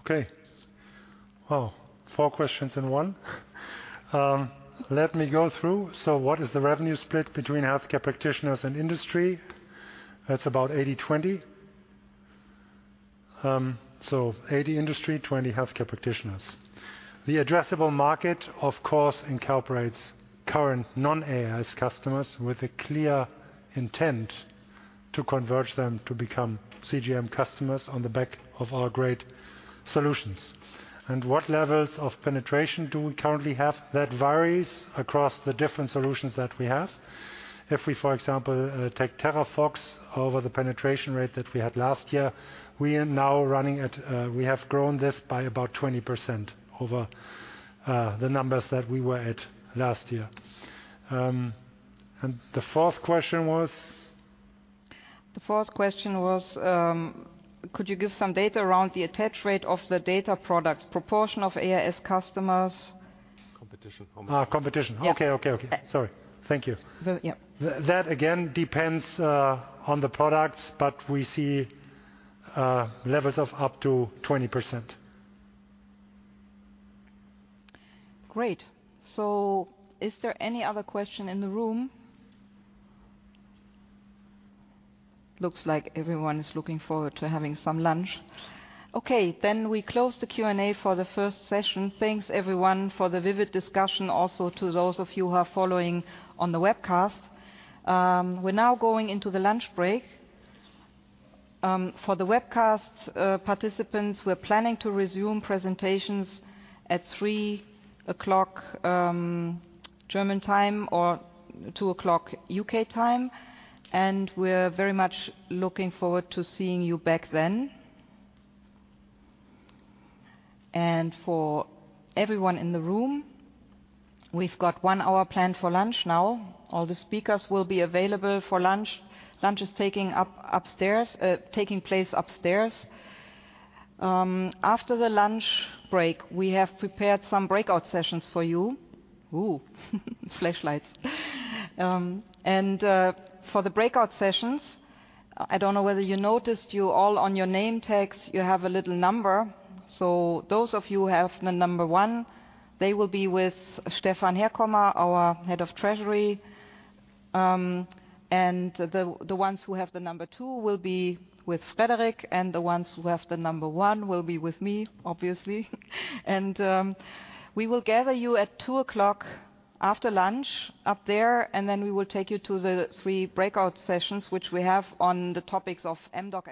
Speaker 4: Okay. Wow, 4 questions in one. Let me go through. So what is the revenue split between healthcare practitioners and industry? That's about 80/20. So 80 industry, 20 healthcare practitioners. The addressable market, of course, incorporates current non-AIS customers with a clear intent to converge them to become CGM customers on the back of our great solutions. And what levels of penetration do we currently have? That varies across the different solutions that we have. If we, for example, take Terrafox over the penetration rate that we had last year, we are now running at, we have grown this by about 20% over the numbers that we were at last year. And the fourth question was?
Speaker 1: The fourth question was, could you give some data around the attach rate of the data products, proportion of AIS customers-
Speaker 2: Competition.
Speaker 4: Ah, competition.
Speaker 1: Yeah.
Speaker 4: Okay, okay, okay. Sorry. Thank you.
Speaker 1: Yeah.
Speaker 4: That again depends on the products, but we see levels of up to 20%.
Speaker 1: Great. So is there any other question in the room? Looks like everyone is looking forward to having some lunch. Okay, then we close the Q&A for the first session. Thanks, everyone, for the vivid discussion, also to those of you who are following on the webcast. We're now going into the lunch break. For the webcast participants, we're planning to resume presentations at 3:00 P.M. German time or 2:00 P.M. UK time, and we're very much looking forward to seeing you back then. And for everyone in the room, we've got one hour planned for lunch now. All the speakers will be available for lunch. Lunch is taking up upstairs, taking place upstairs. After the lunch break, we have prepared some breakout sessions for you. Ooh, flashlights. For the breakout sessions, I don't know whether you noticed, you all on your name tags, you have a little number. So those of you who have the number one, they will be with Stefan Herkommer, our Head of Treasury. And the ones who have the number two will be with Frederic, and the ones who have the number one will be with me, obviously. And we will gather you at two o'clock after lunch up there, and then we will take you to the three breakout sessions, which we have on the topics of m.Doc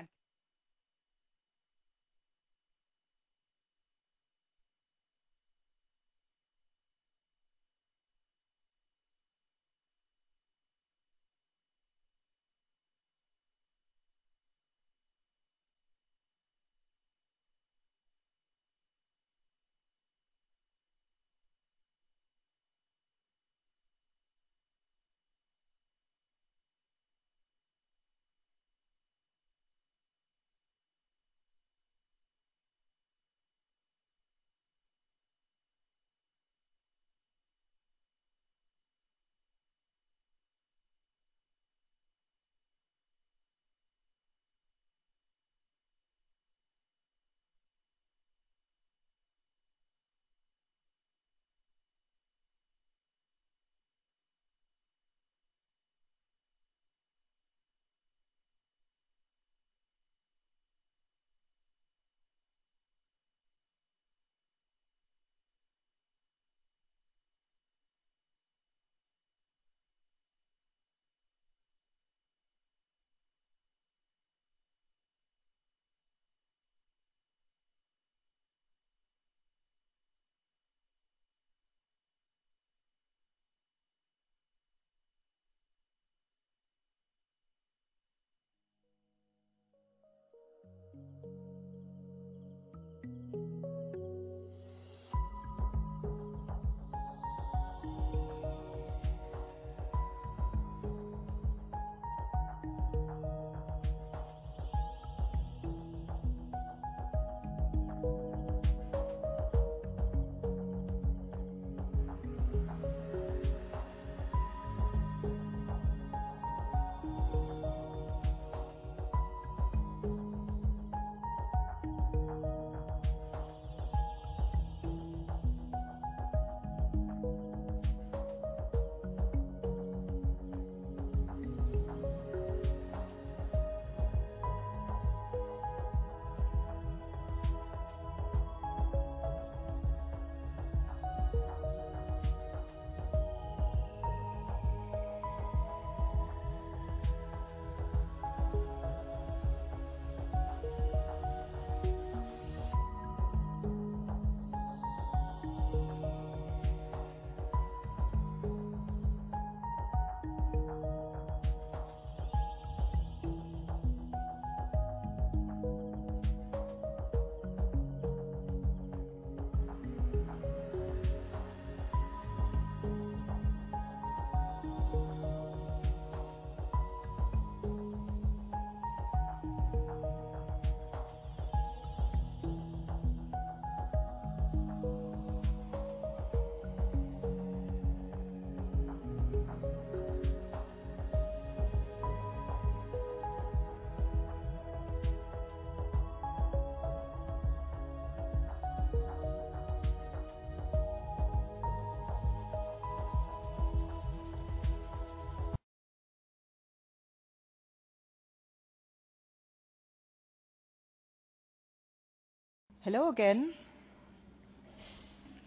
Speaker 1: and- Hello again.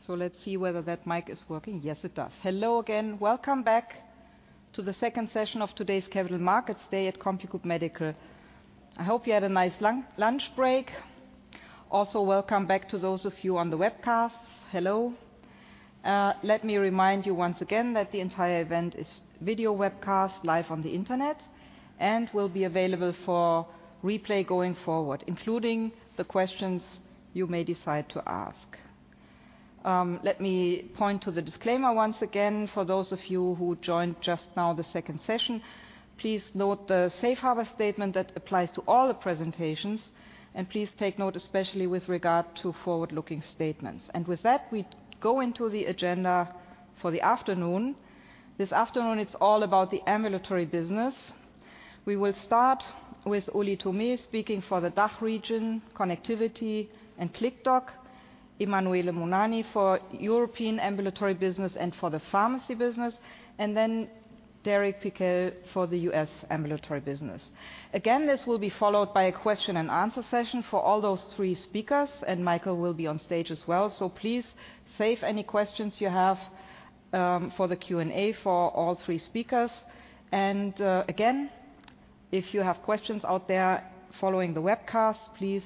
Speaker 1: So let's see whether that mic is working. Yes, it does. Hello again. Welcome back to the second session of today's Capital Markets Day at CompuGroup Medical. I hope you had a nice lunch break. Also, welcome back to those of you on the webcast. Hello. Let me remind you once again that the entire event is video webcast live on the internet and will be available for replay going forward, including the questions you may decide to ask. Let me point to the disclaimer once again. For those of you who joined just now, the second session, please note the safe harbor statement that applies to all the presentations, and please take note, especially with regard to forward-looking statements. With that, we go into the agenda for the afternoon. This afternoon, it's all about the ambulatory business. We will start with Ulrich Thomé, speaking for the DACH region, Connectivity, and KlickDoc, Emanuele Mugnani for European ambulatory business and for the pharmacy business, and then Derek Pickell for the U.S. ambulatory business. Again, this will be followed by a question and answer session for all those three speakers, and Michael will be on stage as well. So please save any questions you have, for the Q&A for all three speakers. And, again, if you have questions out there following the webcast, please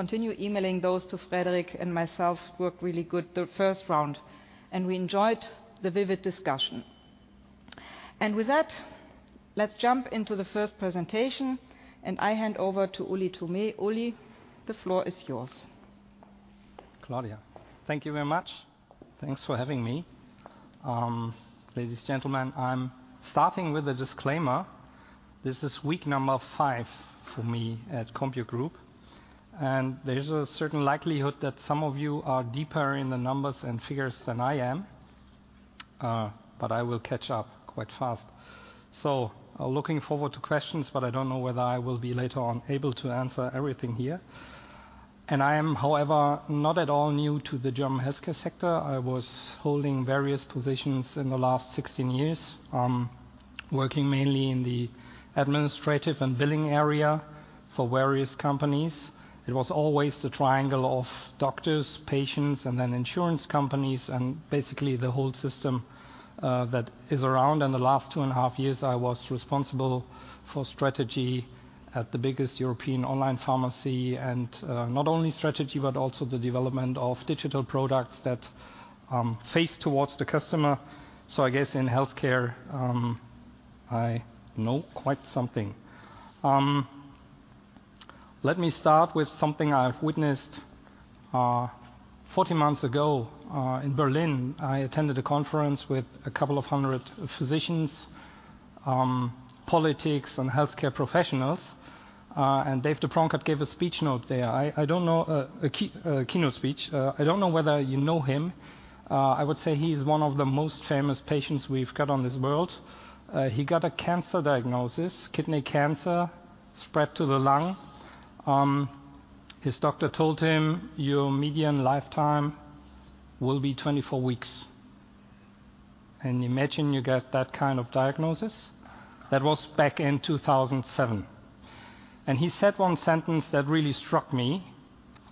Speaker 1: continue emailing those to Frederic and myself. Worked really good the first round, and we enjoyed the vivid discussion. And with that, let's jump into the first presentation, and I hand over to Ulrich Thomé. Ulrich, the floor is yours.
Speaker 7: Claudia, thank you very much. Thanks for having me. Ladies and gentlemen, I'm starting with a disclaimer. This is week 5 for me at CompuGroup, and there's a certain likelihood that some of you are deeper in the numbers and figures than I am, but I will catch up quite fast. So I'm looking forward to questions, but I don't know whether I will be later on able to answer everything here. And I am, however, not at all new to the German healthcare sector. I was holding various positions in the last 16 years, working mainly in the administrative and billing area for various companies. It was always the triangle of doctors, patients, and then insurance companies, and basically the whole system that is around. In the last two and a half years, I was responsible for strategy at the biggest European online pharmacy, and not only strategy, but also the development of digital products that face towards the customer. So I guess in healthcare, I know quite something. Let me start with something I've witnessed. 14 months ago, in Berlin, I attended a conference with a couple of hundred physicians, politics and healthcare professionals, and Dave deBronkart gave a keynote speech there. I don't know whether you know him. I would say he's one of the most famous patients we've got on this world. He got a cancer diagnosis, kidney cancer, spread to the lung. His doctor told him, "Your median lifetime will be 24 weeks." And imagine you get that kind of diagnosis. That was back in 2007. And he said one sentence that really struck me,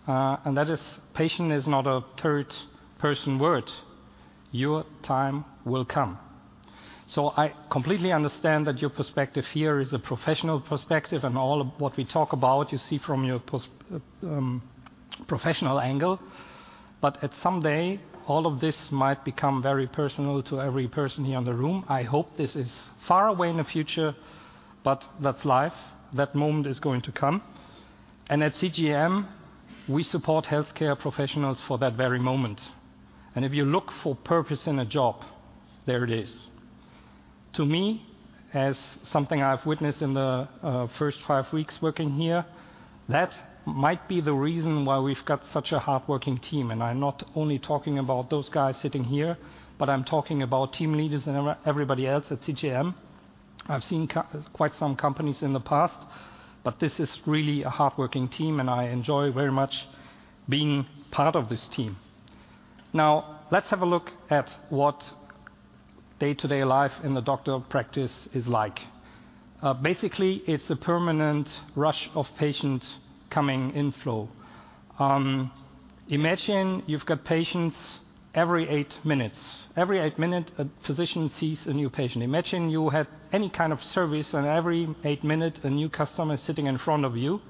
Speaker 7: and that is: "Patient is not a third-person word. Your time will come." So I completely understand that your perspective here is a professional perspective, and all of what we talk about, you see from your professional angle. But at some day, all of this might become very personal to every person here in the room. I hope this is far away in the future, but that's life. That moment is going to come. And at CGM, we support healthcare professionals for that very moment. And if you look for purpose in a job, there it is. To me, as something I've witnessed in the first five weeks working here, that might be the reason why we've got such a hardworking team. And I'm not only talking about those guys sitting here, but I'm talking about team leaders and everybody else at CGM. I've seen quite some companies in the past, but this is really a hardworking team, and I enjoy very much being part of this team. Now, let's have a look at what day-to-day life in the doctor practice is like. Basically, it's a permanent rush of patients coming in flow. Imagine you've got patients every eight minutes. Every eight minutes, a physician sees a new patient. Imagine you have any kind of service, and every eight minutes, a new customer is sitting in front of you.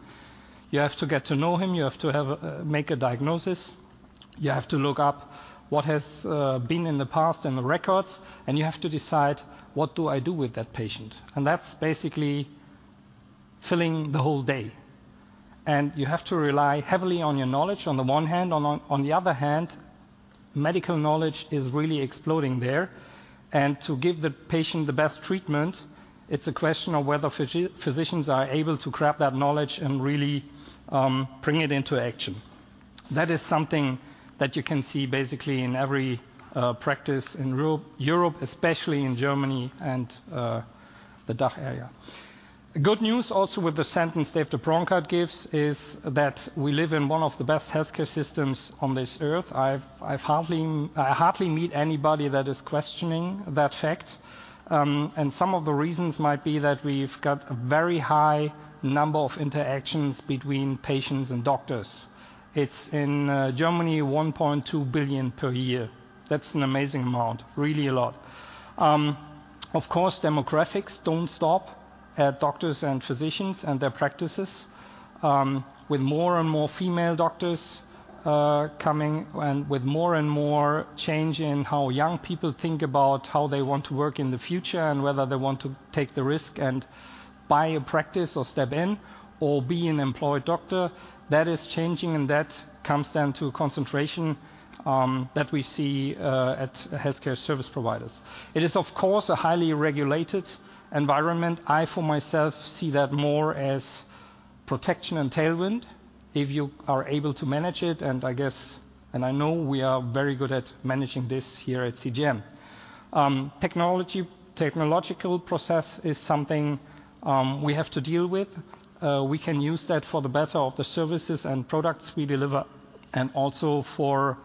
Speaker 7: You have to get to know him, you have to have, make a diagnosis, you have to look up what has been in the past and the records, and you have to decide, what do I do with that patient? And that's basically filling the whole day. And you have to rely heavily on your knowledge, on the one hand. On the other hand, medical knowledge is really exploding there, and to give the patient the best treatment, it's a question of whether physicians are able to grab that knowledge and really bring it into action. That is something that you can see basically in every practice in Europe, especially in Germany and the DACH area. The good news also with the sentence Dave de Bronkert gives is that we live in one of the best healthcare systems on this earth. I hardly meet anybody that is questioning that fact. Some of the reasons might be that we've got a very high number of interactions between patients and doctors. It's in Germany, 1.2 billion per year. That's an amazing amount, really a lot. Of course, demographics don't stop at doctors and physicians and their practices. With more and more female doctors coming, and with more and more change in how young people think about how they want to work in the future, and whether they want to take the risk and buy a practice or step in or be an employed doctor, that is changing, and that comes down to concentration that we see at healthcare service providers. It is, of course, a highly regulated environment. I, for myself, see that more as protection and tailwind if you are able to manage it, and I guess, and I know we are very good at managing this here at CGM. Technological process is something we have to deal with. We can use that for the better of the services and products we deliver, and also for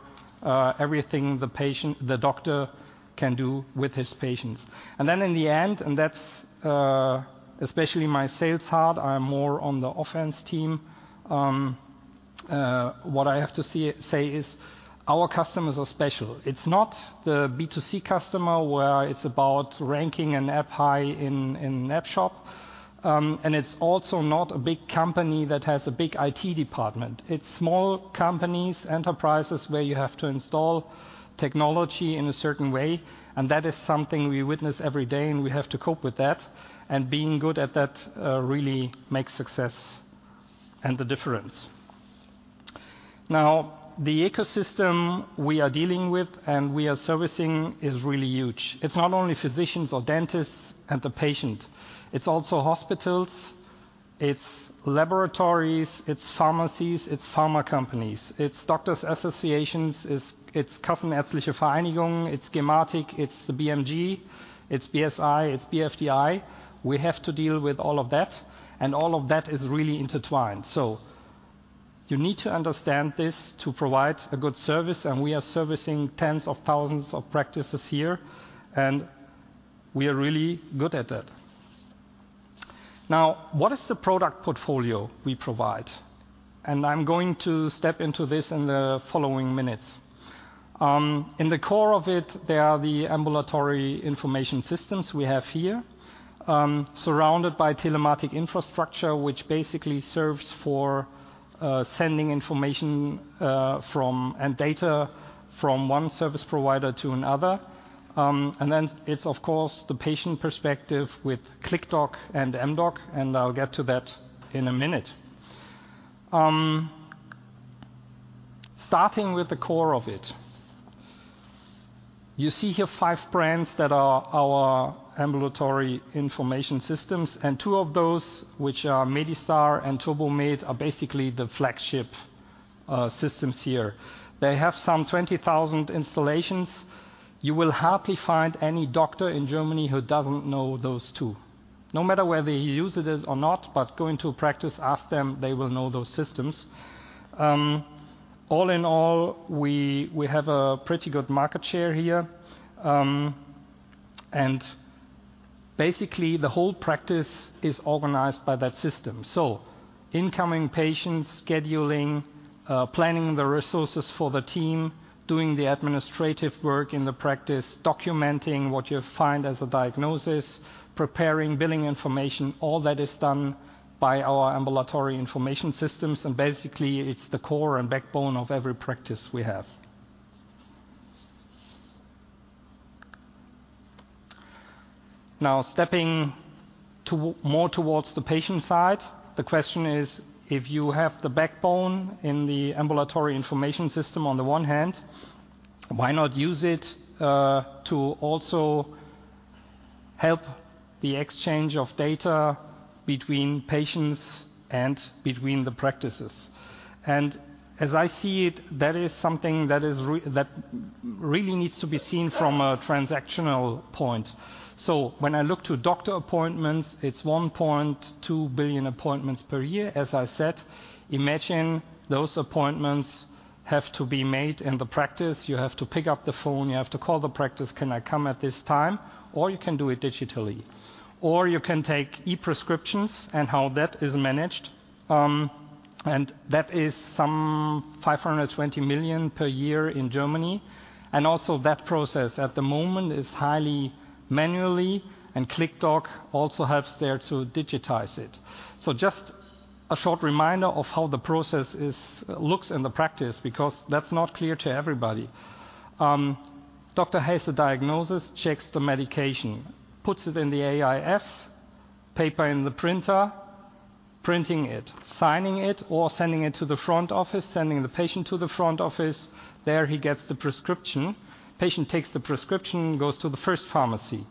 Speaker 7: everything the doctor can do with his patients. Then in the end, that's especially my sales heart. I'm more on the offense team. What I have to say is our customers are special. It's not the B2C customer, where it's about ranking an app high in app shop. It's also not a big company that has a big IT department. It's small companies, enterprises, where you have to install technology in a certain way, and that is something we witness every day, and we have to cope with that. And being good at that, really makes success and the difference. Now, the ecosystem we are dealing with and we are servicing is really huge. It's not only physicians or dentists and the patient, it's also hospitals, it's laboratories, it's pharmacies, it's pharma companies, it's doctors' associations, it's, it's Kassenärztliche Vereinigung, it's gematik, it's the BMG, it's BSI, it's BfDI. We have to deal with all of that, and all of that is really intertwined. So you need to understand this to provide a good service, and we are servicing tens of thousands of practices here, and we are really good at that. Now, what is the product portfolio we provide? I'm going to step into this in the following minutes. In the core of it, there are the ambulatory information systems we have here, surrounded by Telematics Infrastructure, which basically serves for sending information and data from one service provider to another. And then it's of course the patient perspective with CLICKDOC and m.Doc, and I'll get to that in a minute. Starting with the core of it. You see here five brands that are our ambulatory information systems, and two of those, which are MEDISTAR and TURBOMED, are basically the flagship systems here. They have some 20,000 installations. You will hardly find any doctor in Germany who doesn't know those two, no matter whether he uses it or not. But go into a practice, ask them, they will know those systems. All in all, we have a pretty good market share here, and basically, the whole practice is organized by that system. So incoming patients, scheduling, planning the resources for the team, doing the administrative work in the practice, documenting what you find as a diagnosis, preparing billing information, all that is done by our ambulatory information systems, and basically, it's the core and backbone of every practice we have. Now, stepping to more towards the patient side, the question is: if you have the backbone in the ambulatory information system on the one hand, why not use it to also help the exchange of data between patients and between the practices? And as I see it, that is something that really needs to be seen from a transactional point. So when I look to doctor appointments, it's 1.2 billion appointments per year, as I said. Imagine those appointments have to be made in the practice. You have to pick up the phone, you have to call the practice, "Can I come at this time?" Or you can do it digitally, or you can take e-prescriptions and how that is managed. And that is some 520 million per year in Germany, and also that process at the moment is highly manual, and CLICKDOC also helps there to digitize it. So just a short reminder of how the process looks in the practice, because that's not clear to everybody. Doctor has the diagnosis, checks the medication, puts it in the AIS, paper in the printer, printing it, signing it, or sending it to the front office, sending the patient to the front office. There, he gets the prescription. Patient takes the prescription, goes to the first pharmacy.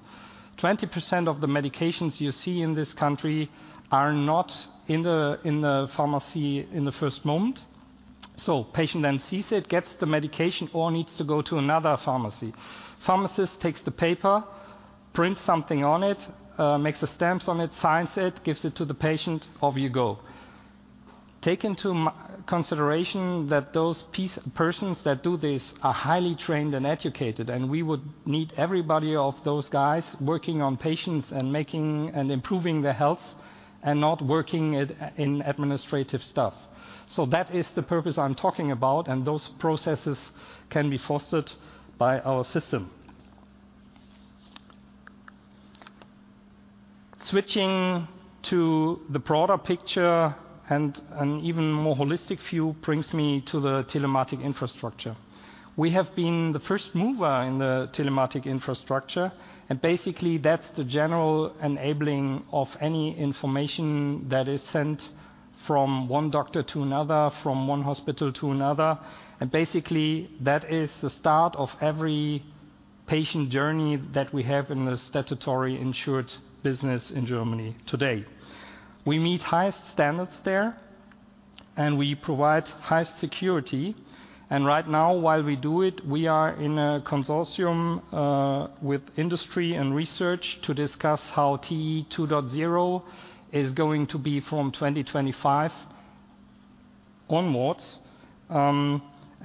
Speaker 7: 20% of the medications you see in this country are not in the, in the pharmacy in the first moment. So patient then sees it, gets the medication, or needs to go to another pharmacy. Pharmacist takes the paper, prints something on it, makes the stamps on it, signs it, gives it to the patient. Off you go. Take into consideration that those persons that do this are highly trained and educated, and we would need everybody of those guys working on patients and making, and improving their health and not working at, in administrative stuff. So that is the purpose I'm talking about, and those processes can be fostered by our system. Switching to the broader picture and an even more holistic view brings me to the Telematics Infrastructure. We have been the first mover in the telematics infrastructure, and basically, that's the general enabling of any information that is sent from one doctor to another, from one hospital to another. And basically, that is the start of every patient journey that we have in the statutory insured business in Germany today. We meet highest standards there, and we provide high security. And right now, while we do it, we are in a consortium with industry and research to discuss how TI 2.0 is going to be from 2025 onwards.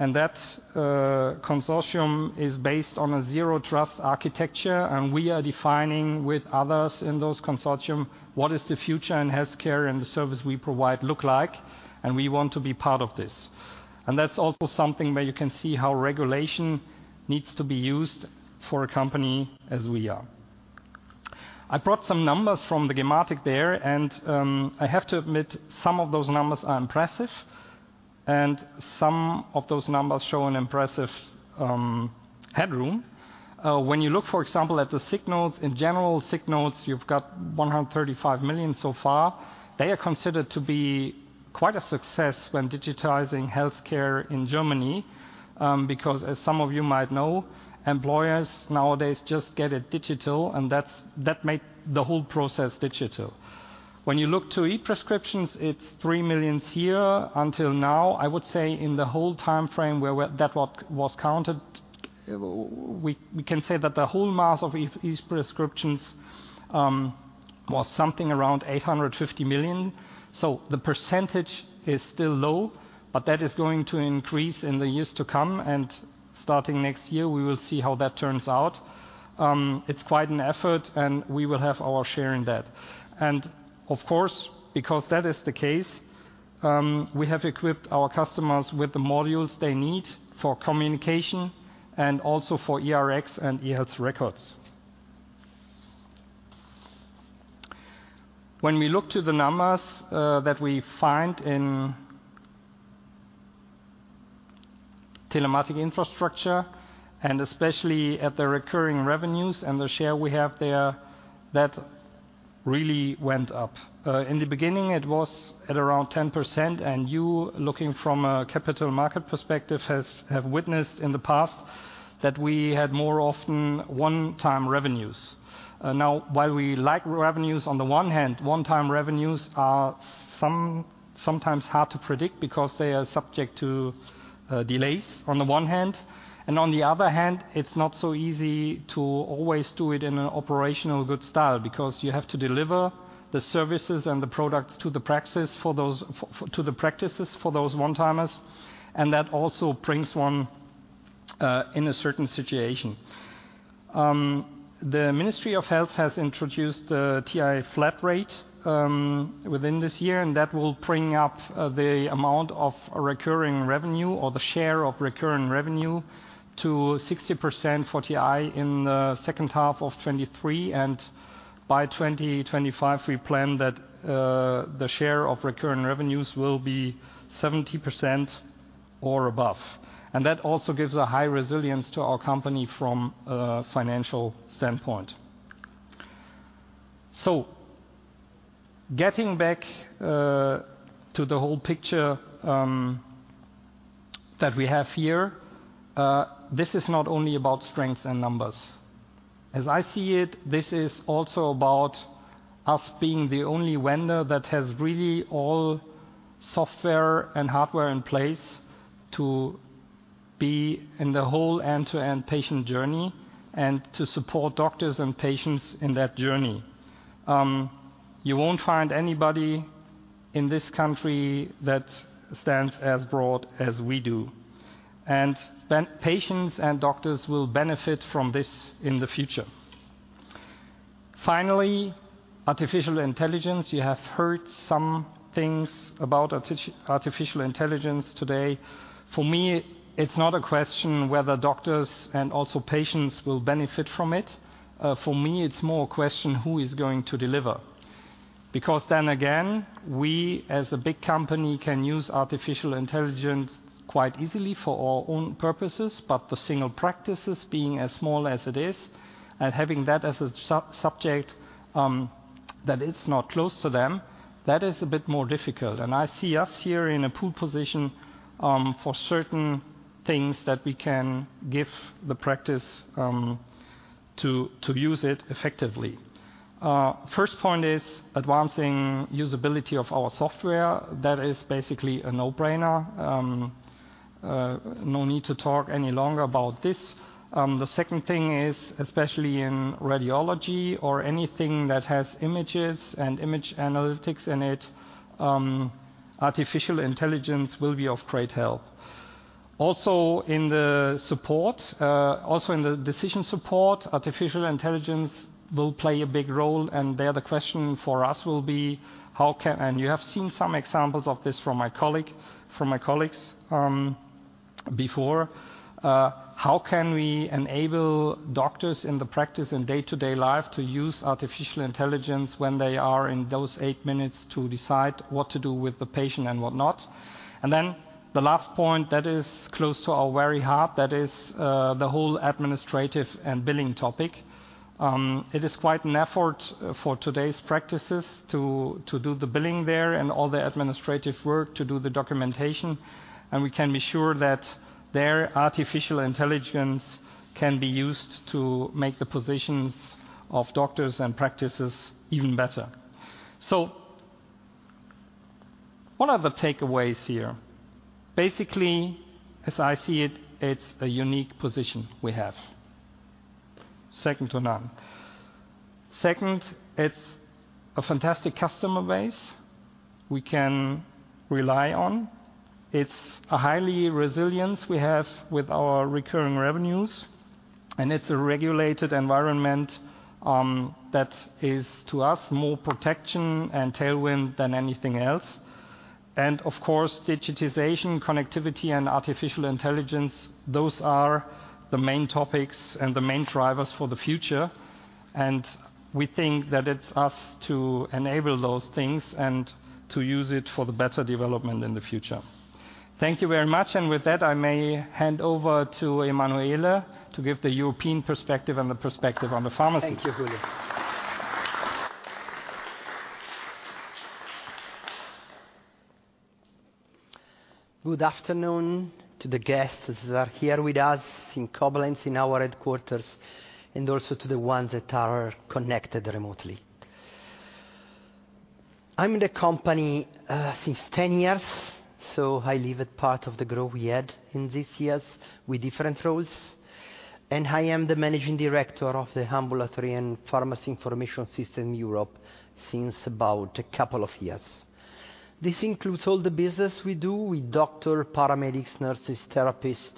Speaker 7: And that consortium is based on a zero trust architecture, and we are defining with others in those consortium, what is the future in healthcare and the service we provide look like, and we want to be part of this. That's also something where you can see how regulation needs to be used for a company as we are. I brought some numbers from the gematik there, and I have to admit, some of those numbers are impressive, and some of those numbers show an impressive headroom. When you look, for example, at the sick notes, in general sick notes, you've got 135 million so far. They are considered to be quite a success when digitizing healthcare in Germany, because as some of you might know, employers nowadays just get it digital, and that's, that make the whole process digital. When you look to e-prescriptions, it's 3 million here until now. I would say in the whole timeframe where that was counted, we can say that the whole mass of e-prescriptions was something around 850 million. So the percentage is still low, but that is going to increase in the years to come, and starting next year, we will see how that turns out. It's quite an effort, and we will have our share in that. And of course, because that is the case, we have equipped our customers with the modules they need for communication and also for eRX and e-health records. When we look to the numbers that we find in Telematics Infrastructure, and especially at the recurring revenues and the share we have there, that really went up. In the beginning, it was at around 10%, and you, looking from a capital market perspective, have witnessed in the past that we had more often one-time revenues. Now, while we like revenues on the one hand, one-time revenues are sometimes hard to predict because they are subject to delays, on the one hand, and on the other hand, it's not so easy to always do it in an operational good style because you have to deliver the services and the products to the practices for those one-timers, and that also brings one in a certain situation. The Ministry of Health has introduced a TI flat rate within this year, and that will bring up the amount of recurring revenue or the share of recurring revenue to 60% for TI in the second half of 2023, and by 2025, we plan that the share of recurring revenues will be 70% or above. And that also gives a high resilience to our company from a financial standpoint. So getting back to the whole picture that we have here, this is not only about strengths and numbers. As I see it, this is also about us being the only vendor that has really all software and hardware in place to be in the whole end-to-end patient journey and to support doctors and patients in that journey. You won't find anybody in this country that stands as broad as we do, and then patients and doctors will benefit from this in the future. Finally, artificial intelligence. You have heard some things about artificial intelligence today. For me, it's not a question whether doctors and also patients will benefit from it. For me, it's more a question, who is going to deliver? Because then again, we, as a big company, can use artificial intelligence quite easily for our own purposes, but the single practices being as small as it is and having that as a subject, that it's not close to them, that is a bit more difficult. And I see us here in a pole position, for certain things that we can give the practice, to use it effectively. First point is advancing usability of our software. That is basically a no-brainer. No need to talk any longer about this. The second thing is, especially in radiology or anything that has images and image analytics in it, artificial intelligence will be of great help. Also, in the support, also in the decision support, artificial intelligence will play a big role, and there, the question for us will be: how can (and you have seen some examples of this from my colleagues before) we enable doctors in the practice in day-to-day life to use artificial intelligence when they are in those eight minutes to decide what to do with the patient and whatnot? And then the last point that is close to our very heart, that is, the whole administrative and billing topic. It is quite an effort for today's practices to do the billing there and all the administrative work to do the documentation, and we can be sure that their artificial intelligence can be used to make the positions of doctors and practices even better. So what are the takeaways here? Basically, as I see it, it's a unique position we have. second to none. Second, it's a fantastic customer base we can rely on. It's a highly resilience we have with our recurring revenues, and it's a regulated environment, that is, to us, more protection and tailwind than anything else. And of course, digitization, connectivity, and artificial intelligence, those are the main topics and the main drivers for the future, and we think that it's us to enable those things and to use it for the better development in the future. Thank you very much, and with that, I may hand over to Emanuele to give the European perspective and the perspective on the pharmacy.
Speaker 8: Thank you, Ulrich. Good afternoon to the guests that are here with us in Koblenz, in our headquarters, and also to the ones that are connected remotely. I'm in the company since 10 years, so I lived part of the growth we had in these years with different roles. I am the Managing Director of the Ambulatory and Pharmacy Information System Europe since about a couple of years. This includes all the business we do with doctor, paramedics, nurses, therapists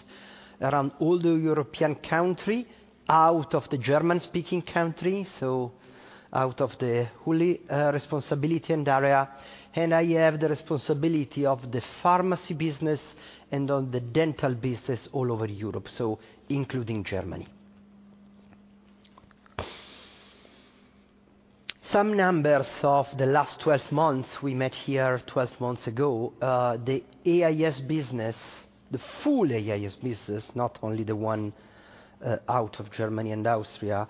Speaker 8: around all the European country, out of the German-speaking country, so out of the Ulrich responsibility and area. I have the responsibility of the pharmacy business and on the dental business all over Europe, so including Germany. Some numbers of the last 12 months. We met here 12 months ago. The AIS business, the full AIS business, not only the one out of Germany and Austria,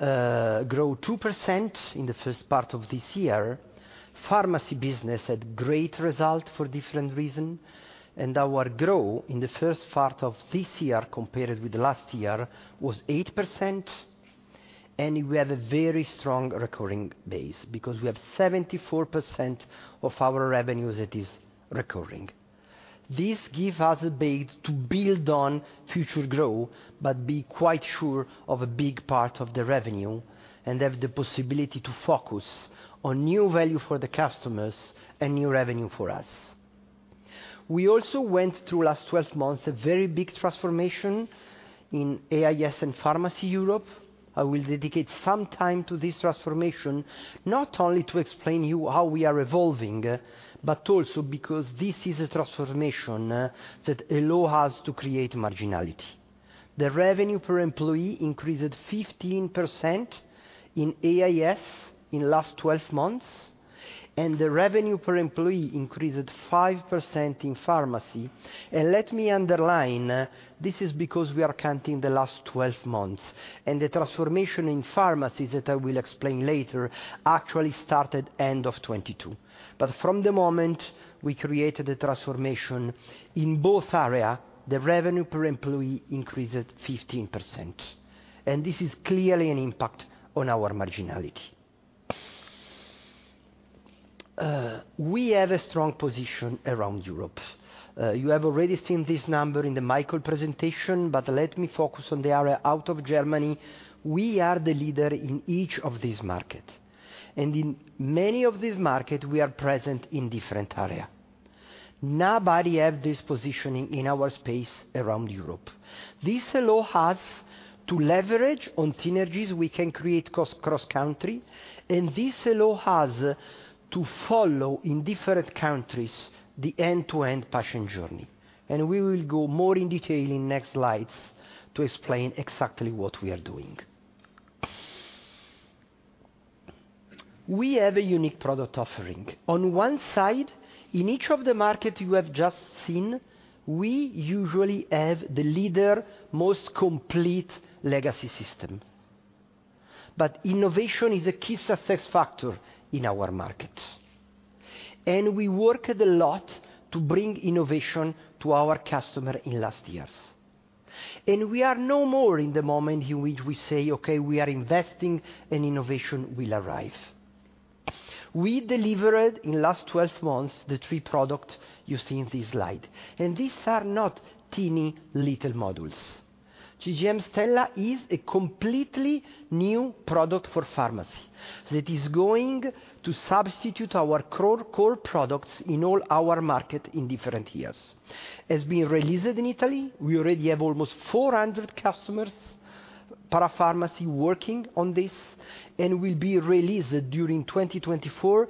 Speaker 8: grew 2% in the first part of this year. Pharmacy business had great result for different reason, and our growth in the first part of this year, compared with the last year, was 8%, and we have a very strong recurring base because we have 74% of our revenues that is recurring. This give us a base to build on future growth, but be quite sure of a big part of the revenue and have the possibility to focus on new value for the customers and new revenue for us. We also went through, last twelve months, a very big transformation in AIS and Pharmacy Europe. I will dedicate some time to this transformation, not only to explain you how we are evolving, but also because this is a transformation that allow us to create marginality. The revenue per employee increased 15% in AIS in last twelve months, and the revenue per employee increased 5% in pharmacy. Let me underline, this is because we are counting the last twelve months, and the transformation in pharmacy, that I will explain later, actually started end of 2022. From the moment we created the transformation in both area, the revenue per employee increased 15%, and this is clearly an impact on our marginality. We have a strong position around Europe. You have already seen this number in the Michael presentation, but let me focus on the area out of Germany. We are the leader in each of these markets, and in many of these markets, we are present in different areas. Nobody has this positioning in our space around Europe. This allows us to leverage synergies we can create cross-country, and this allows us to follow in different countries the end-to-end patient journey. We will go more in detail in next slides to explain exactly what we are doing. We have a unique product offering. On one side, in each of the markets you have just seen, we usually have the leader, most complete legacy system. But innovation is a key success factor in our market, and we worked a lot to bring innovation to our customers in last years. We are no more in the moment in which we say, "Okay, we are investing, and innovation will arrive." We delivered, in last 12 months, the three product you see in this slide, and these are not teeny little modules. CGM Stella is a completely new product for pharmacy that is going to substitute our core, core products in all our market in different years. It's been released in Italy. We already have almost 400 customers, parapharmacy, working on this, and will be released during 2024,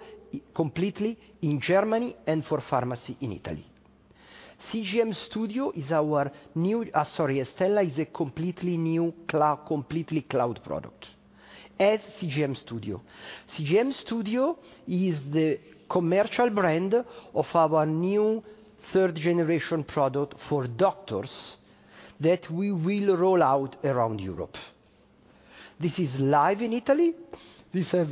Speaker 8: completely in Germany and for pharmacy in Italy. CGM Studio is our new. Stella is a completely new cloud product, as CGM Studio. CGM Studio is the commercial brand of our new third-generation product for doctors, that we will roll out around Europe. This is live in Italy. This have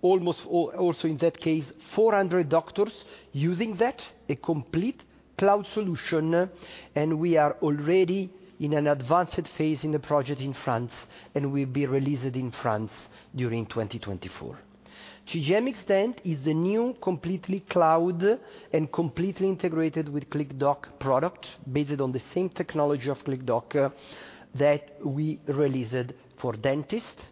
Speaker 8: almost also, in that case, 400 doctors using that, a complete cloud solution, and we are already in an advanced phase in the project in France, and will be released in France during 2024. CGM XDENTis the new completely cloud and completely integrated with Clickdoc product, based on the same technology of Clickdoc, that we released for dentists.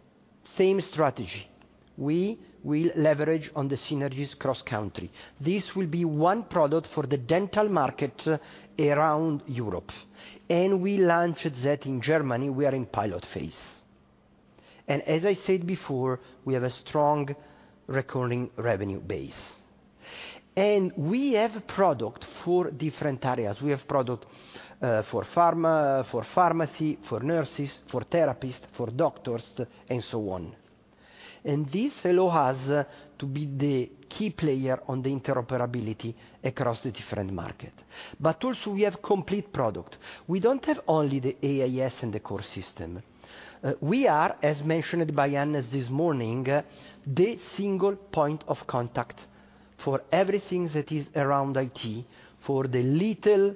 Speaker 8: Same strategy, we will leverage on the synergies cross-country. This will be one product for the dental market around Europe, and we launched that in Germany. We are in pilot phase. And as I said before, we have a strong recurring revenue base, and we have a product for different areas. We have product for pharma, for pharmacy, for nurses, for therapists, for doctors, and so on. And this allow us to be the key player on the interoperability across the different market. But also, we have complete product. We don't have only the AIS and the core system. We are, as mentioned by Anas this morning, the single point of contact for everything that is around IT, for the little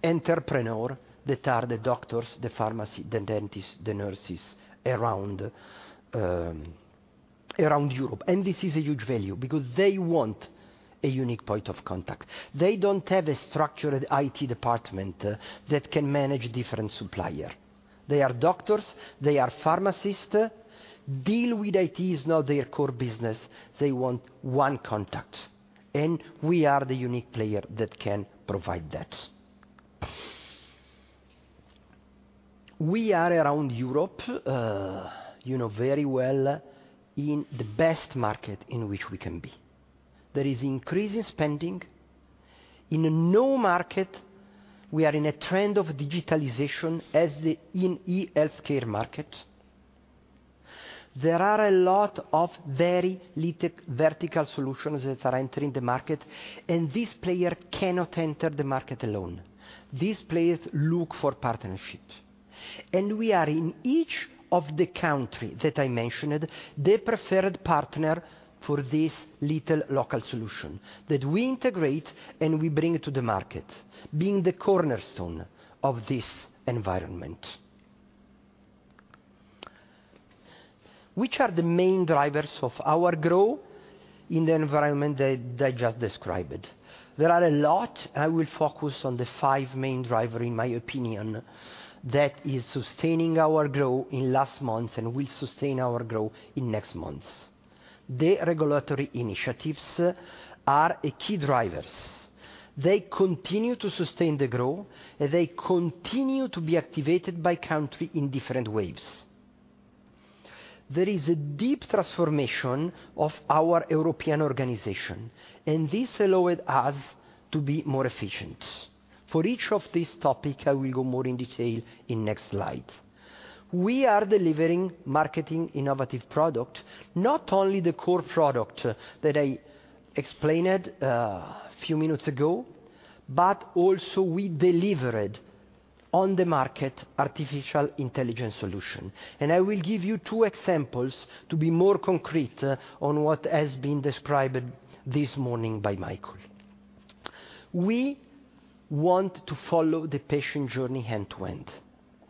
Speaker 8: entrepreneur that are the doctors, the pharmacy, the dentists, the nurses around Europe. And this is a huge value because they want a unique point of contact. They don't have a structured IT department that can manage different supplier. They are doctors, they are pharmacists. Deal with IT is not their core business. They want one contact, and we are the unique player that can provide that. We are around Europe, you know very well, in the best market in which we can be. There is increasing spending. In no market, we are in a trend of digitalization as the in e-healthcare market. There are a lot of very little vertical solutions that are entering the market, and this player cannot enter the market alone. These players look for partnerships, and we are, in each of the country that I mentioned, the preferred partner for this little local solution that we integrate, and we bring to the market, being the cornerstone of this environment. Which are the main drivers of our growth in the environment that I just described? There are a lot. I will focus on the five main driver, in my opinion, that is sustaining our growth in last month and will sustain our growth in next months. The regulatory initiatives are a key drivers. They continue to sustain the growth, and they continue to be activated by country in different waves. There is a deep transformation of our European organization, and this allowed us to be more efficient. For each of these topic, I will go more in detail in next slide. We are delivering marketing innovative product, not only the core product that I explained, a few minutes ago, but also we delivered on the market artificial intelligence solution. I will give you two examples to be more concrete on what has been described this morning by Michael. We want to follow the patient journey end to end,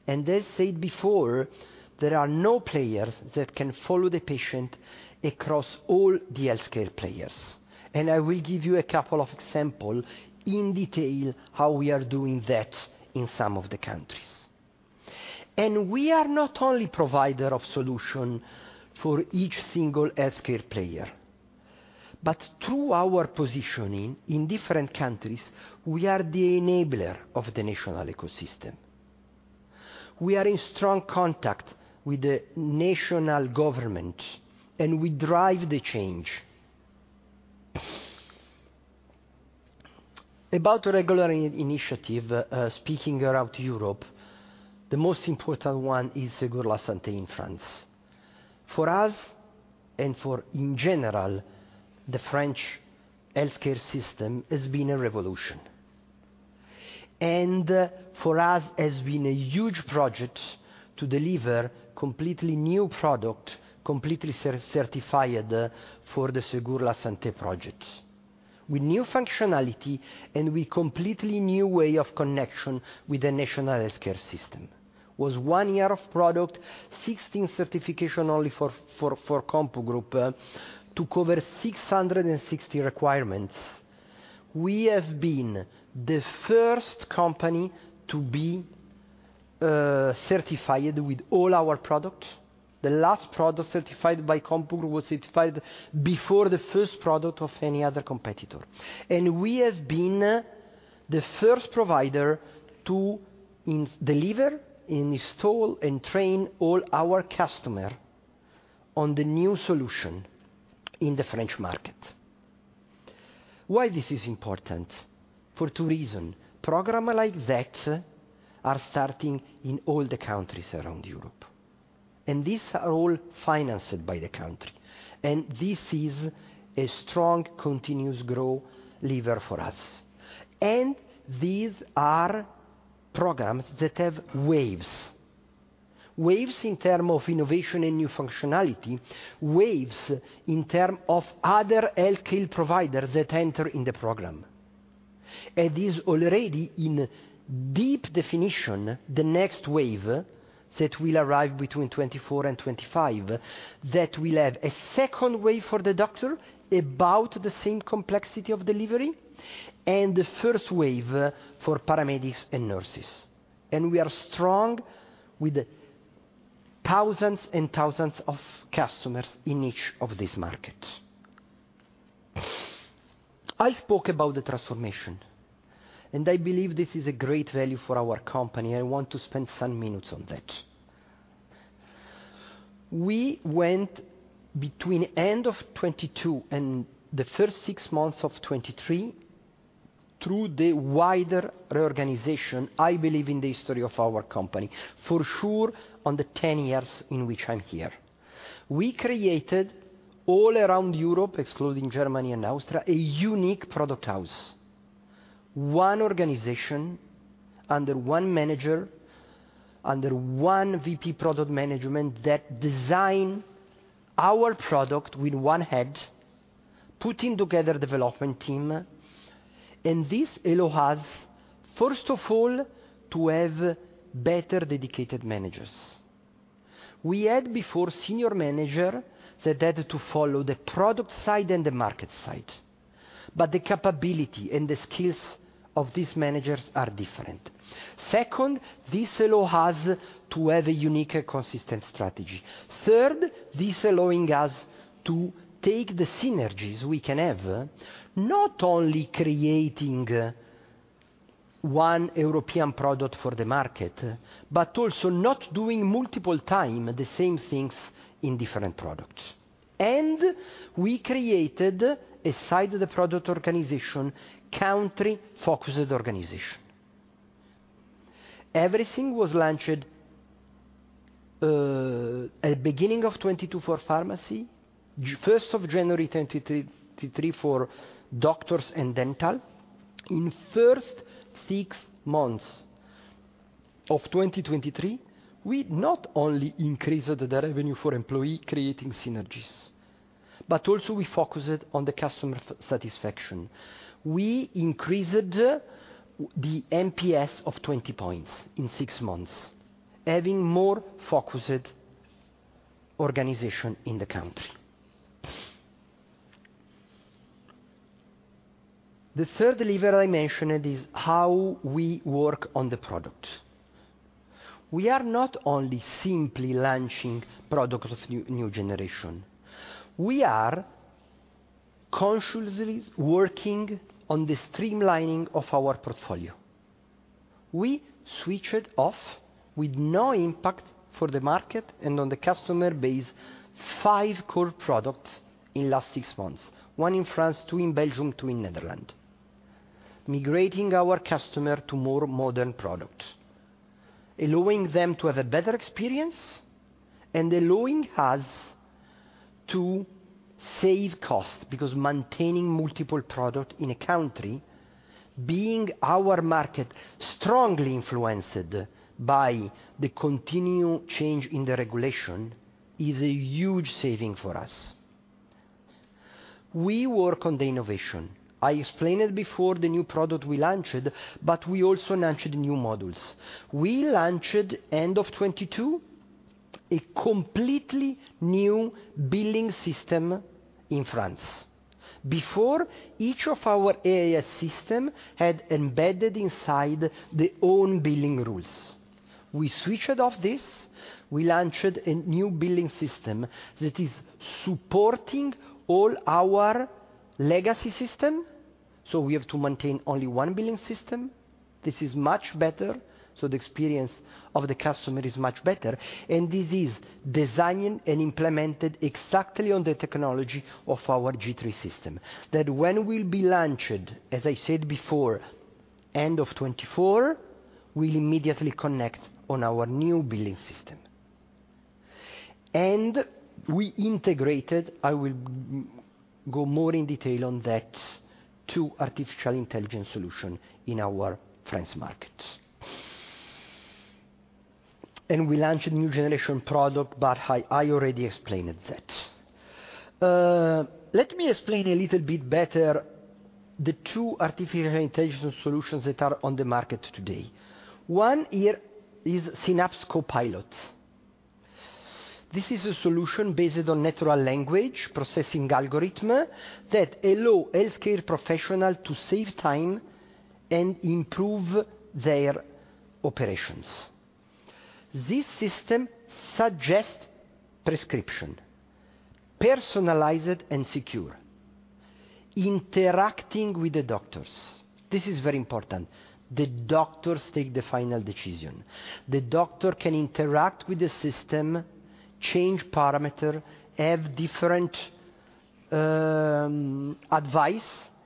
Speaker 8: and as said before, there are no players that can follow the patient across all the healthcare players. I will give you a couple of example in detail, how we are doing that in some of the countries. We are not only provider of solution for each single healthcare player, but through our positioning in different countries, we are the enabler of the national ecosystem. We are in strong contact with the national government, and we drive the change. About the regulatory initiative, speaking around Europe, the most important one is Ségur de la Santé in France. For us, and for in general, the French healthcare system has been a revolution, and for us, has been a huge project to deliver completely new product, completely certified for the Ségur de la Santé project. With new functionality and with completely new way of connection with the national healthcare system, was one year of product, 16 certification only for CompuGroup to cover 660 requirements. We have been the first company to be certified with all our products. The last product certified by CompuGroup was certified before the first product of any other competitor. We have been the first provider to deliver, install, and train all our customers on the new solution in the French market. Why this is important? For two reasons. Programs like that are starting in all the countries around Europe, and these are all financed by the country, and this is a strong, continuous growth lever for us. These are programs that have waves. Waves in terms of innovation and new functionality, waves in terms of other healthcare providers that enter in the program, and it is already in deep definition, the next wave that will arrive between 2024 and 2025, that will have a second wave for the doctor, about the same complexity of delivery.... and the first wave for paramedics and nurses. We are strong with thousands and thousands of customers in each of these markets. I spoke about the transformation, and I believe this is a great value for our company. I want to spend some minutes on that. We went between end of 2022 and the first six months of 2023, through the wider reorganization, I believe, in the history of our company, for sure, on the 10 years in which I'm here. We created all around Europe, excluding Germany and Austria, a unique product house. One organization, under one manager, under one VP product management, that design our product with one head, putting together development team, and this allow us, first of all, to have better dedicated managers. We had before, senior manager that had to follow the product side and the market side, but the capability and the skills of these managers are different. Second, this allow us to have a unique and consistent strategy. Third, this allowing us to take the synergies we can have, not only creating one European product for the market, but also not doing multiple time the same things in different products. We created, aside the product organization, country-focused organization. Everything was launched at beginning of 2022 for pharmacy, the first of January 2023 for doctors and dental. In first six months of 2023, we not only increased the revenue for employee, creating synergies, but also we focused on the customer satisfaction. We increased the NPS of 20 points in six months, having more focused organization in the country. The third lever I mentioned is how we work on the product. We are not only simply launching products of new generation, we are consciously working on the streamlining of our portfolio. We switched off, with no impact for the market and on the customer base, 5 core products in last 6 months, 1 in France, 2 in Belgium, 2 in Netherlands, migrating our customer to more modern product, allowing them to have a better experience, and allowing us to save cost, because maintaining multiple product in a country, being our market strongly influenced by the continued change in the regulation, is a huge saving for us. We work on the innovation. I explained before the new product we launched, but we also launched new models. We launched, end of 2022, a completely new billing system in France. Before, each of our AIS system had embedded inside their own billing rules. We switched off this, we launched a new billing system that is supporting all our legacy system, so we have to maintain only one billing system. This is much better, so the experience of the customer is much better, and this is designed and implemented exactly on the technology of our G3 system, that when will be launched, as I said before, end of 2024, will immediately connect on our new billing system. We integrated, I will go more in detail on that, two artificial intelligence solution in our French market. We launched a new generation product, but I already explained that. Let me explain a little bit better the two artificial intelligence solutions that are on the market today. One here is Synapse Copilot. This is a solution based on natural language processing algorithm that allow healthcare professional to save time and improve their operations. This system suggests prescription, personalized and secure, interacting with the doctors. This is very important. The doctors take the final decision. The doctor can interact with the system, change parameter, have different advice,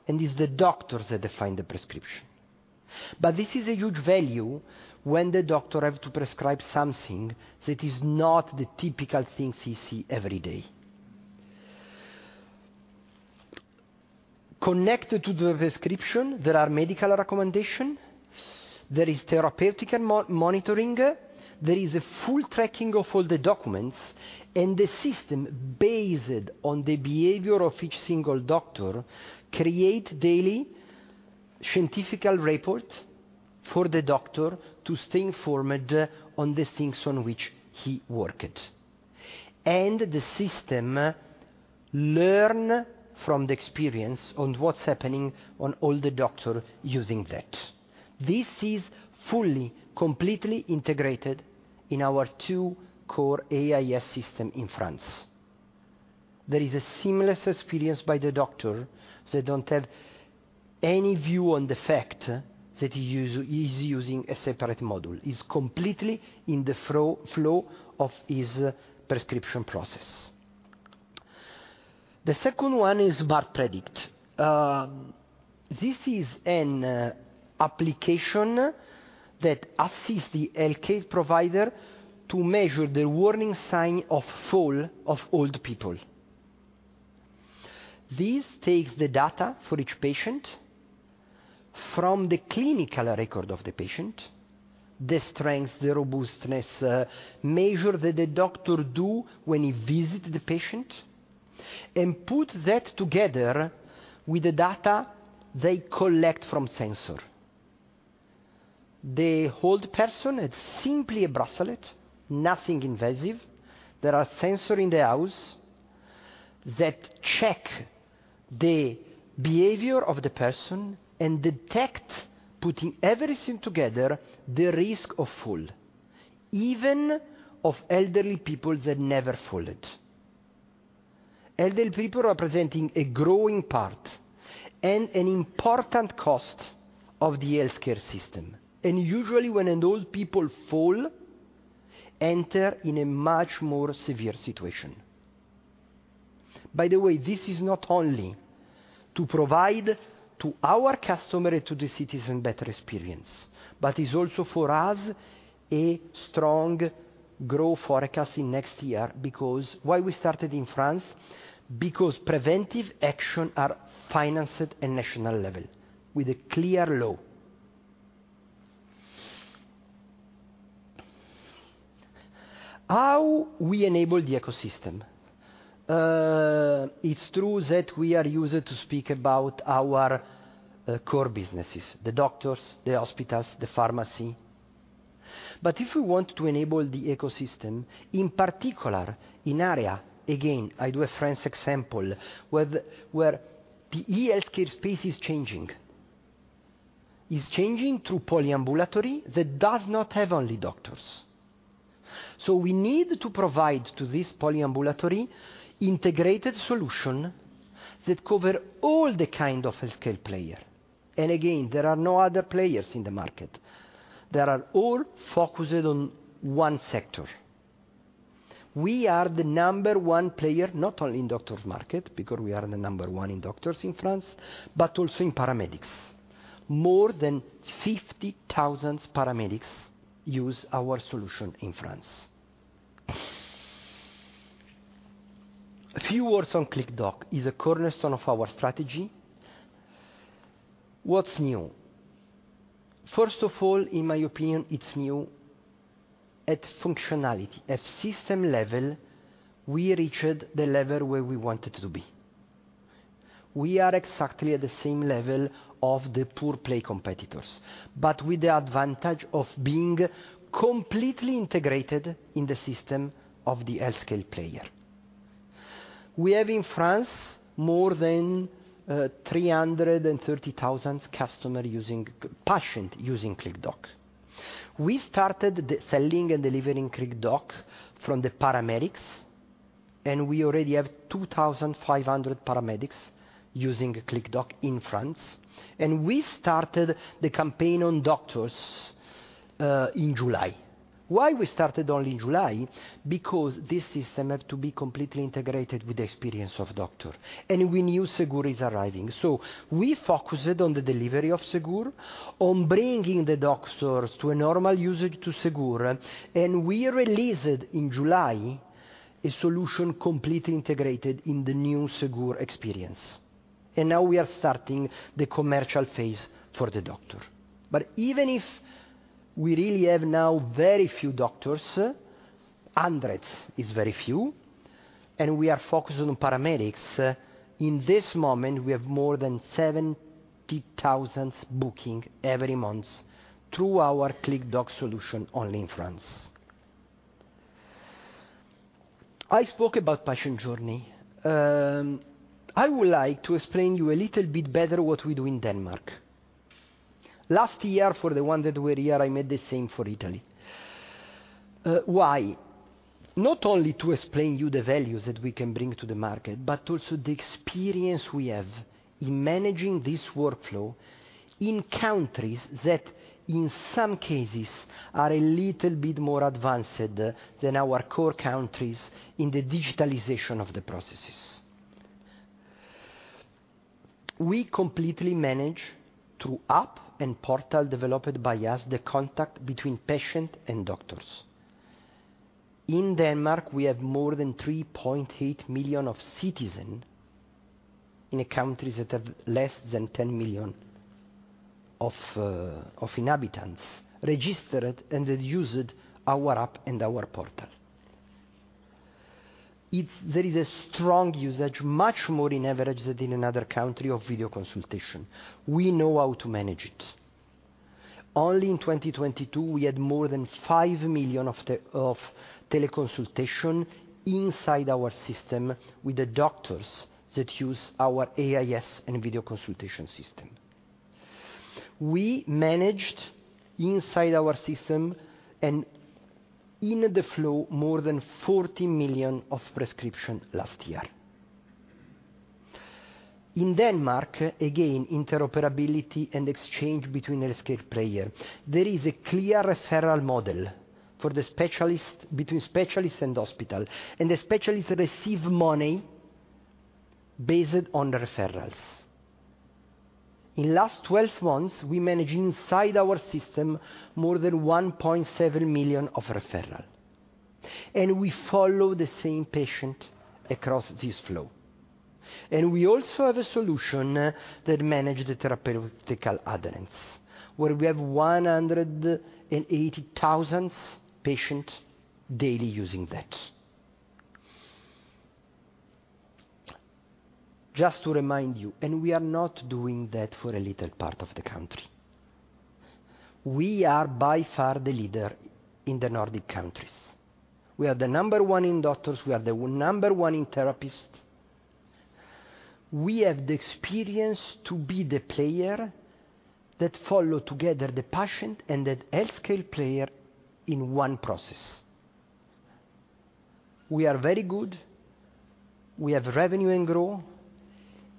Speaker 8: and it's the doctors that define the prescription. But this is a huge value when the doctor have to prescribe something that is not the typical things he see every day. Connected to the prescription, there are medical recommendation, there is therapeutic monitoring, there is a full tracking of all the documents, and the system, based on the behavior of each single doctor, create daily scientific reports for the doctor to stay informed on the things on which he worked. And the system learn from the experience on what's happening on all the doctor using that. This is fully, completely integrated in our two core AIS system in France. There is a seamless experience by the doctor, they don't have any view on the fact that he use, he's using a separate module, is completely in the flow of his prescription process. The second one is Bart Predict. This is an application that assists the healthcare provider to measure the warning sign of fall of old people. This takes the data for each patient from the clinical record of the patient, the strength, the robustness, measure that the doctor do when he visit the patient, and put that together with the data they collect from sensor. The old person, it's simply a bracelet, nothing invasive. There are sensor in the house that check the behavior of the person and detect, putting everything together, the risk of fall, even of elderly people that never fallen. Elderly people representing a growing part and an important cost of the healthcare system, and usually when an old people fall, enter in a much more severe situation. By the way, this is not only to provide to our customer and to the citizen better experience, but is also for us, a strong growth forecast in next year. Because why we started in France? Because preventive action are financed at national level with a clear law. How we enable the ecosystem? It's true that we are used to speak about our core businesses, the doctors, the hospitals, the pharmacy. But if we want to enable the ecosystem, in particular, in area, again, I do a France example, where the e-healthcare space is changing. It's changing through polyambulatory that does not have only doctors. So we need to provide to this polyambulatory, integrated solution that cover all the kind of healthcare player. And again, there are no other players in the market. They are all focused on one sector. We are the number one player, not only in doctors market, because we are the number one in doctors in France, but also in paramedics. More than 50,000 paramedics use our solution in France. A few words on CLICKDOC, is a cornerstone of our strategy. What's new? First of all, in my opinion, it's new at functionality. At system level, we reached the level where we wanted to be. We are exactly at the same level of the pure-play competitors, but with the advantage of being completely integrated in the system of the healthcare player. We have, in France, more than 330,000 patients using CLICKDOC. We started the selling and delivering CLICKDOC from the paramedics, and we already have 2,500 paramedics using CLICKDOC in France, and we started the campaign on doctors in July. Why we started only in July? Because this system had to be completely integrated with the experience of doctor, and we knew Ségur is arriving. So we focused on the delivery of Ségur, on bringing the doctors to a normal usage to Ségur, and we released in July a solution completely integrated in the new Ségur experience. And now we are starting the commercial phase for the doctor. But even if we really have now very few doctors, hundreds is very few, and we are focused on paramedics in this moment, we have more than 70,000 booking every month through our CLICKDOC solution, only in France. I spoke about patient journey. I would like to explain you a little bit better what we do in Denmark. Last year, for the one that were here, I made the same for Italy. Why? Not only to explain you the values that we can bring to the market, but also the experience we have in managing this workflow in countries that, in some cases, are a little bit more advanced than our core countries in the digitalization of the processes. We completely manage, through app and portal developed by us, the contact between patient and doctors. In Denmark, we have more than 3.8 million of citizen, in a country that have less than 10 million of inhabitants, registered and that used our app and our portal. It's, there is a strong usage, much more in average than in another country, of video consultation. We know how to manage it. Only in 2022, we had more than 5 million of teleconsultation inside our system, with the doctors that use our AIS and video consultation system. We managed, inside our system, and in the flow, more than 40 million of prescription last year. In Denmark, again, interoperability and exchange between healthcare player. There is a clear referral model for the specialist, between specialist and hospital, and the specialist receive money based on the referrals. In last twelve months, we manage inside our system, more than 1.7 million of referral, and we follow the same patient across this flow. And we also have a solution that manage the therapeutical adherence, where we have 180,000 patient daily using that. Just to remind you, and we are not doing that for a little part of the country. We are by far the leader in the Nordic countries. We are the number one in doctors, we are the number one in therapists. We have the experience to be the player that follow together the patient and the healthcare player in one process. We are very good. We have revenue and growth.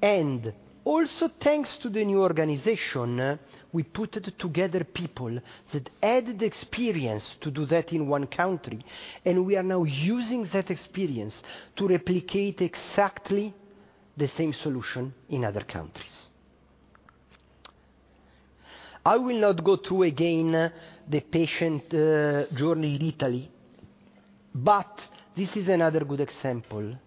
Speaker 8: And also, thanks to the new organization, we put together people that had the experience to do that in one country, and we are now using that experience to replicate exactly the same solution in other countries. I will not go through again the patient journey in Italy, but this is another good example to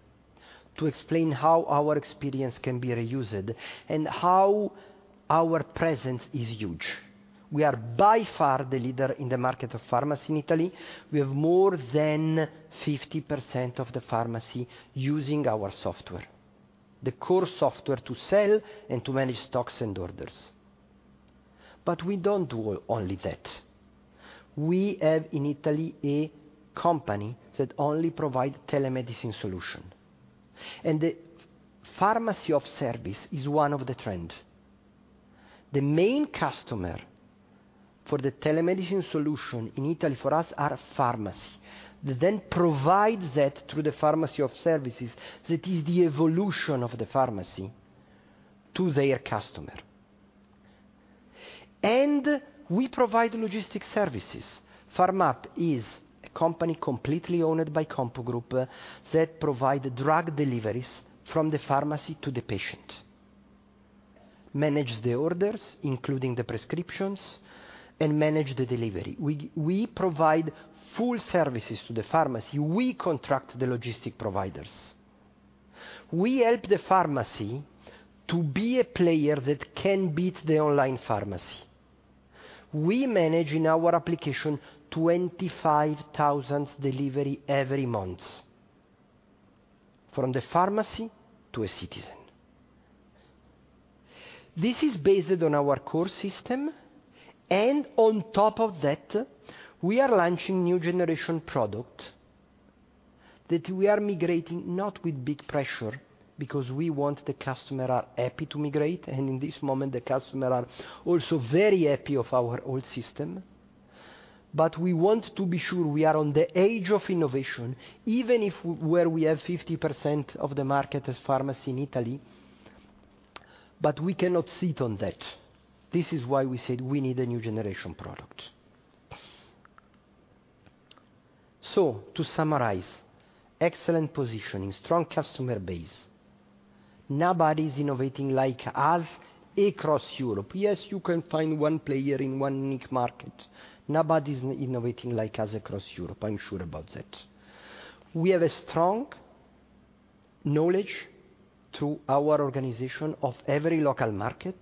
Speaker 8: explain how our experience can be reused and how our presence is huge. We are by far the leader in the market of pharmacy in Italy. We have more than 50% of the pharmacy using our software, the core software to sell and to manage stocks and orders. But we don't do only that. We have, in Italy, a company that only provide telemedicine solution, and the pharmacy of service is one of the trend. The main customer for the telemedicine solution in Italy, for us, are pharmacy, that then provide that through the pharmacy of services, that is the evolution of the pharmacy to their customer. And we provide logistic services. FarmaUPis a company completely owned by CompuGroup, that provide drug deliveries from the pharmacy to the patient, manage the orders, including the prescriptions, and manage the delivery. We provide full services to the pharmacy. We contract the logistic providers. We help the pharmacy to be a player that can beat the online pharmacy. We manage, in our application, 25,000 deliveries every month from the pharmacy to a citizen. This is based on our core system, and on top of that, we are launching new generation product, that we are migrating, not with big pressure, because we want the customer are happy to migrate, and in this moment, the customer are also very happy of our old system. But we want to be sure we are on the edge of innovation, even if we, where we have 50% of the market as pharmacy in Italy, but we cannot sit on that. This is why we said we need a new generation product. So to summarize, excellent positioning, strong customer base. Nobody's innovating like us across Europe. Yes, you can find one player in one niche market. Nobody's innovating like us across Europe, I'm sure about that. We have a strong knowledge through our organization of every local market.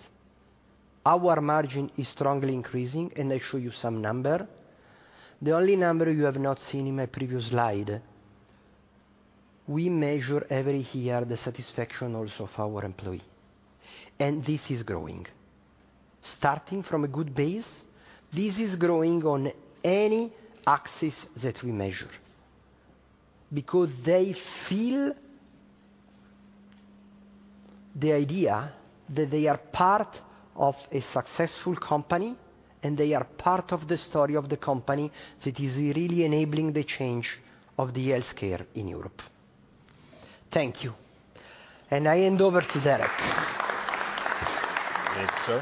Speaker 8: Our margin is strongly increasing, and I show you some number. The only number you have not seen in my previous slide. We measure every year the satisfaction also of our employee, and this is growing. Starting from a good base, this is growing on any axis that we measure. Because they feel... the idea that they are part of a successful company, and they are part of the story of the company, that is really enabling the change of the healthcare in Europe. Thank you. I hand over to Derek.
Speaker 9: Thank you,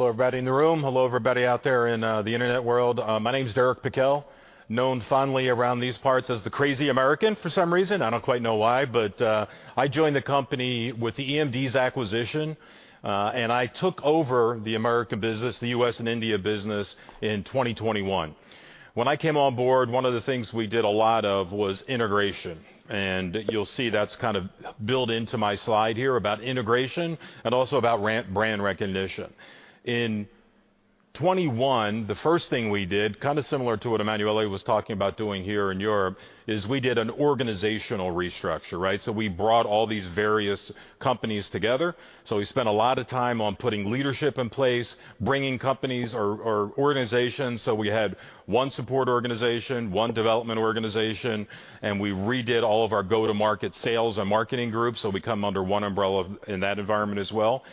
Speaker 9: sir. Hello, everybody in the room. Hello, everybody out there in the internet world. My name's Derek Pickell, known fondly around these parts as the Crazy American, for some reason. I don't quite know why, but I joined the company with the eMDs acquisition, and I took over the American business, the U.S. and India business, in 2021. When I came on board, one of the things we did a lot of was integration, and you'll see that's kind of built into my slide here about integration and also about brand recognition. In 2021, the first thing we did, kind of similar to what Emanuele was talking about doing here in Europe, is we did an organizational restructure, right? So we brought all these various companies together. So we spent a lot of time on putting leadership in place, bringing companies or, or organizations. So we had one support organization, one development organization, and we redid all of our go-to-market sales and marketing groups, so we come under one umbrella in that environment as well.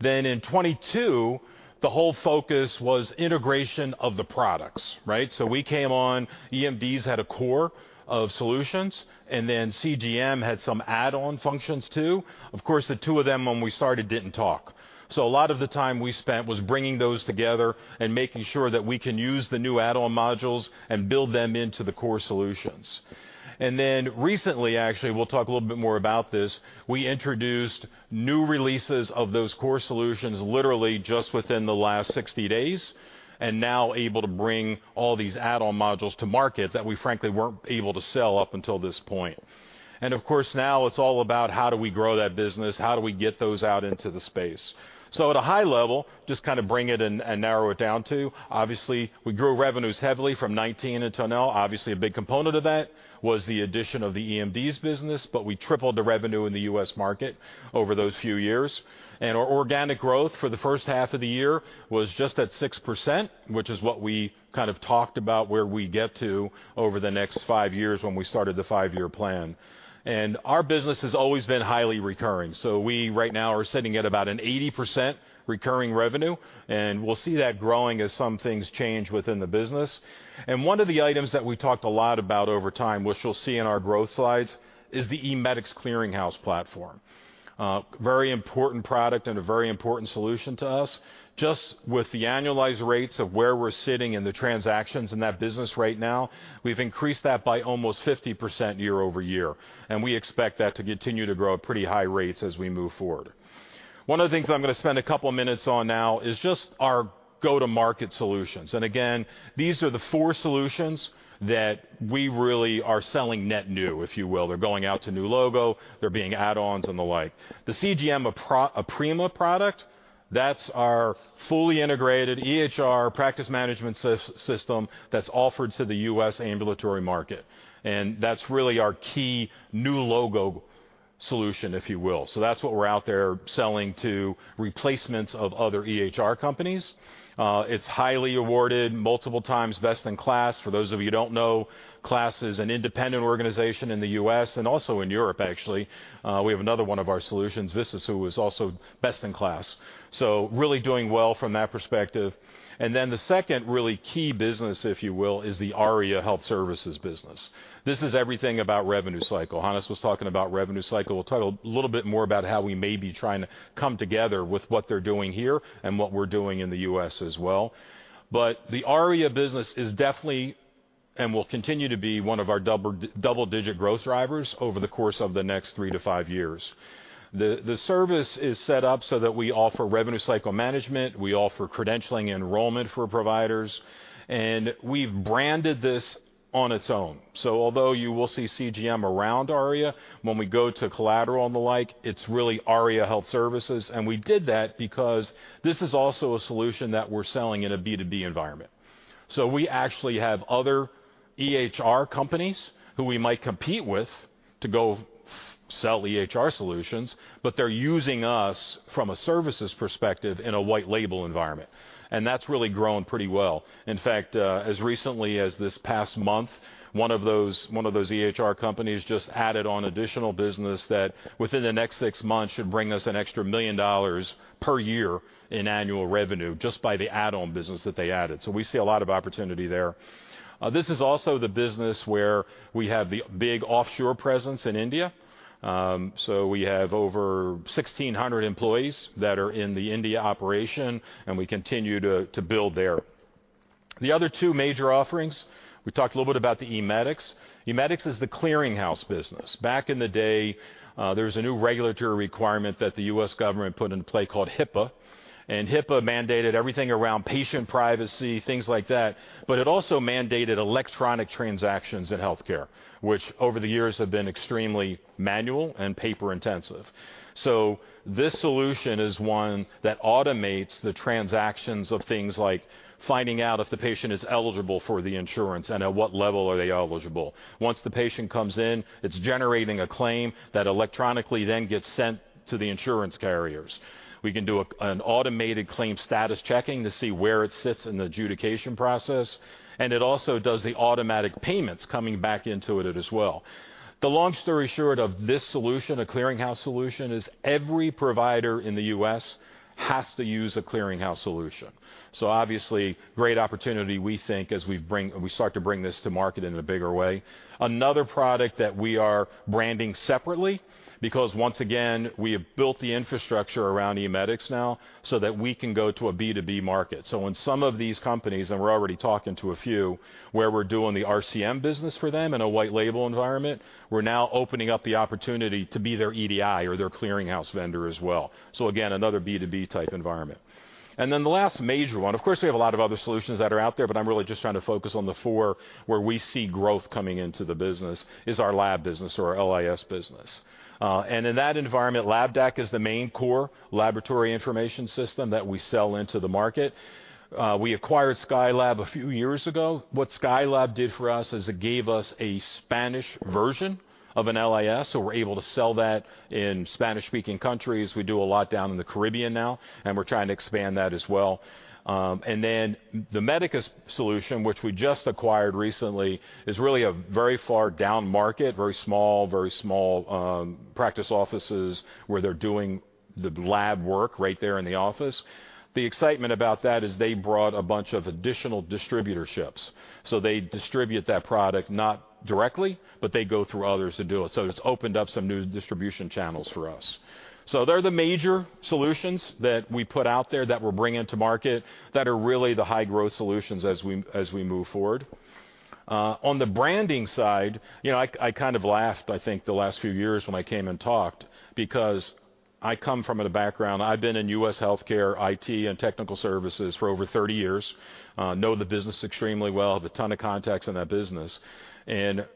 Speaker 9: Then in 2022, the whole focus was integration of the products, right? So we came on, eMDs had a core of solutions, and then CGM had some add-on functions, too. Of course, the two of them, when we started, didn't talk. So a lot of the time we spent was bringing those together and making sure that we can use the new add-on modules and build them into the core solutions. And then recently, actually, we'll talk a little bit more about this, we introduced new releases of those core solutions, literally just within the last 60 days, and now able to bring all these add-on modules to market that we frankly weren't able to sell up until this point. And of course, now it's all about: How do we grow that business? How do we get those out into the space? So at a high level, just kind of bring it and narrow it down, too. Obviously, we grew revenues heavily from 2019 until now. Obviously, a big component of that was the addition of the eMDs business, but we tripled the revenue in the U.S. market over those few years. Our organic growth for the first half of the year was just at 6%, which is what we kind of talked about, where we'd get to over the next five years when we started the five-year plan. Our business has always been highly recurring. We right now are sitting at about an 80% recurring revenue, and we'll see that growing as some things change within the business. One of the items that we talked a lot about over time, which you'll see in our growth slides, is the eMedix Clearinghouse platform. Very important product and a very important solution to us. Just with the annualized rates of where we're sitting in the transactions in that business right now, we've increased that by almost 50% year-over-year, and we expect that to continue to grow at pretty high rates as we move forward. One of the things I'm going to spend a couple minutes on now is just our go-to-market solutions. And again, these are the four solutions that we really are selling net new, if you will. They're going out to new logo, they're being add-ons and the like. The CGM Aprima product, that's our fully integrated EHR practice management system that's offered to the U.S. ambulatory market, and that's really our key new logo solution, if you will. So that's what we're out there selling to replacements of other EHR companies. It's highly awarded, multiple times, Best in KLAS. For those of you who don't know, KLAS is an independent organization in the US and also in Europe, actually. We have another one of our solutions, Visus, who was also best in class, so really doing well from that perspective. And then the second really key business, if you will, is the Aria Health Services business. This is everything about revenue cycle. Hannes was talking about revenue cycle. We'll talk a little bit more about how we may be trying to come together with what they're doing here and what we're doing in the US as well. But the Aria business is definitely and will continue to be one of our double-digit growth drivers over the course of the next three to five years. The service is set up so that we offer revenue cycle management, we offer credentialing enrollment for providers, and we've branded this on its own. So although you will see CGM around Aria, when we go to collateral and the like, it's really Aria Health Services. And we did that because this is also a solution that we're selling in a B2B environment. So we actually have other EHR companies who we might compete with to go sell EHR solutions, but they're using us from a services perspective in a white label environment, and that's really grown pretty well. In fact, as recently as this past month, one of those EHR companies just added on additional business that within the next six months, should bring us an extra $1 million per year in annual revenue, just by the add-on business that they added. So we see a lot of opportunity there. This is also the business where we have the big offshore presence in India. So we have over 1,600 employees that are in the India operation, and we continue to build there. The other two major offerings, we talked a little bit about the eMedix. eMedix is the clearinghouse business. Back in the day, there was a new regulatory requirement that the U.S. government put in play called HIPAA, and HIPAA mandated everything around patient privacy, things like that, but it also mandated electronic transactions in healthcare, which over the years have been extremely manual and paper intensive. So this solution is one that automates the transactions of things like finding out if the patient is eligible for the insurance and at what level are they eligible. Once the patient comes in, it's generating a claim that electronically then gets sent to the insurance carriers. We can do an automated claim status checking to see where it sits in the adjudication process, and it also does the automatic payments coming back into it as well. The long story short of this solution, a clearinghouse solution, is every provider in the U.S. has to use a clearinghouse solution. So obviously, great opportunity, we think, as we start to bring this to market in a bigger way. Another product that we are branding separately, because once again, we have built the infrastructure around eMedix now, so that we can go to a B2B market. So when some of these companies, and we're already talking to a few, where we're doing the RCM business for them in a white label environment, we're now opening up the opportunity to be their EDI or their clearinghouse vendor as well. So again, another B2B type environment. And then the last major one... Of course, we have a lot of other solutions that are out there, but I'm really just trying to focus on the four where we see growth coming into the business, is our lab business or our LIS business. And in that environment, LabDAQ is the main core laboratory information system that we sell into the market. we acquired SchuyLab a few years ago. What SchuyLab did for us is it gave us a Spanish version of an LIS, so we're able to sell that in Spanish-speaking countries. We do a lot down in the Caribbean now, and we're trying to expand that as well. And then the Medicus solution, which we just acquired recently, is really a very far down market, very small, very small, practice offices where they're doing the lab work right there in the office. The excitement about that is they brought a bunch of additional distributorships, so they distribute that product, not directly, but they go through others to do it. So it's opened up some new distribution channels for us. So they're the major solutions that we put out there that we're bringing to market, that are really the high-growth solutions as we, as we move forward. On the branding side, you know, I, I kind of laughed, I think, the last few years when I came and talked, because I come from a background—I've been in U.S. healthcare, IT, and technical services for over 30 years, know the business extremely well, have a ton of contacts in that business. And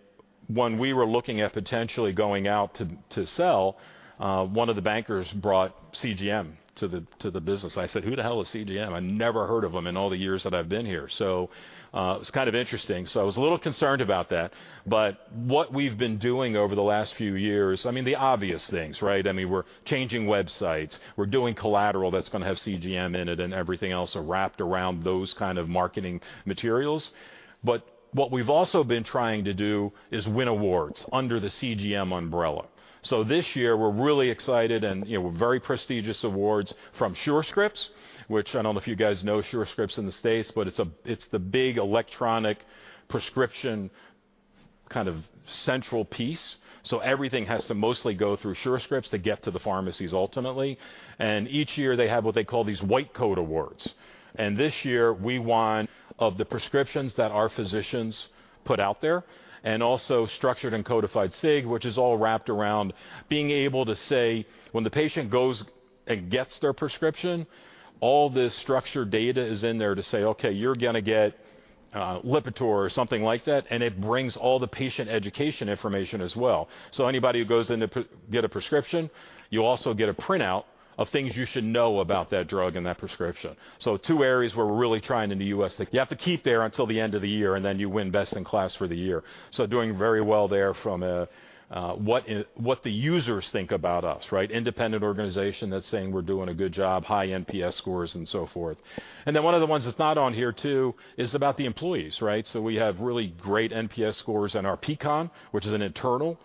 Speaker 9: when we were looking at potentially going out to sell, one of the bankers brought CGM to the business. I said, "Who the hell is CGM? I never heard of them in all the years that I've been here." So, it's kind of interesting. So I was a little concerned about that, but what we've been doing over the last few years... I mean, the obvious things, right? I mean, we're changing websites. We're doing collateral that's gonna have CGM in it, and everything else are wrapped around those kind of marketing materials. But what we've also been trying to do is win awards under the CGM umbrella. So this year, we're really excited, and, you know, very prestigious awards from Surescripts, which I don't know if you guys know Surescripts in the States, but it's—it's the big electronic prescription kind of central piece. So everything has to mostly go through Surescripts to get to the pharmacies, ultimately. Each year, they have what they call these White Coat Awards, and this year, we won of the prescriptions that our physicians put out there, and also structured and codified Sig, which is all wrapped around being able to say when the patient goes and gets their prescription, all this structured data is in there to say, "Okay, you're gonna get, Lipitor," or something like that, and it brings all the patient education information as well. So anybody who goes in to get a prescription, you also get a printout of things you should know about that drug and that prescription. So two areas we're really trying in the U.S. You have to keep there until the end of the year, and then you win Best in Class for the year. So doing very well there from a, what the users think about us, right? Independent organization that's saying we're doing a good job, high NPS scores, and so forth. And then one of the ones that's not on here, too, is about the employees, right? So we have really great NPS scores in our Peakon, which is an internal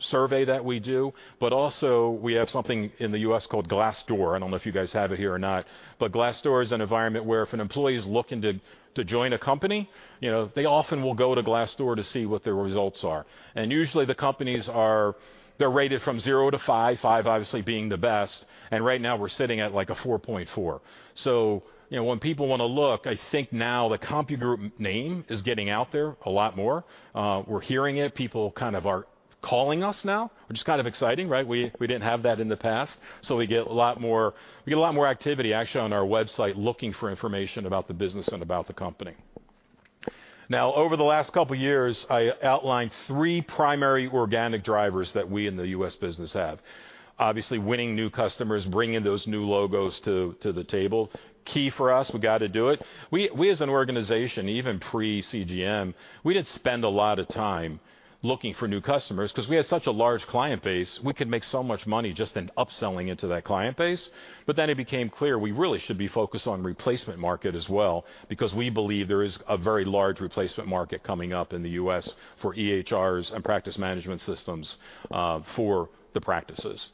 Speaker 9: survey that we do, but also, we have something in the U.S. called Glassdoor. I don't know if you guys have it here or not, but Glassdoor is an environment where if an employee is looking to join a company, you know, they often will go to Glassdoor to see what their results are. And usually, the companies are... They're rated from 0 to 5, 5 obviously being the best, and right now we're sitting at, like, 4.4. So, you know, when people wanna look, I think now the CompuGroup name is getting out there a lot more. We're hearing it. People kind of are calling us now, which is kind of exciting, right? We, we didn't have that in the past. So we get a lot more, we get a lot more activity, actually, on our website, looking for information about the business and about the company. Now, over the last couple of years, I outlined three primary organic drivers that we in the U.S. business have. Obviously, winning new customers, bringing those new logos to the table, key for us. We got to do it. We, we, as an organization, even pre-CGM, we didn't spend a lot of time looking for new customers because we had such a large client base, we could make so much money just in upselling into that client base. But then it became clear we really should be focused on replacement market as well, because we believe there is a very large replacement market coming up in the U.S. for EHRs and practice management systems, for the practices.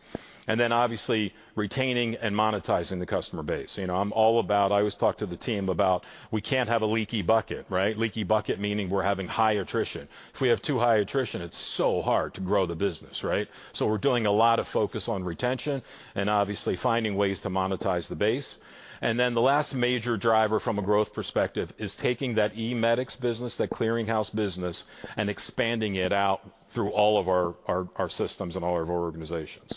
Speaker 9: And then, obviously, retaining and monetizing the customer base. You know, I'm all about... I always talk to the team about, we can't have a leaky bucket, right? Leaky bucket, meaning we're having high attrition. If we have too high attrition, it's so hard to grow the business, right? So we're doing a lot of focus on retention and obviously finding ways to monetize the base. And then the last major driver from a growth perspective is taking that eMedix business, that clearing house business, and expanding it out through all of our systems and all of our organizations.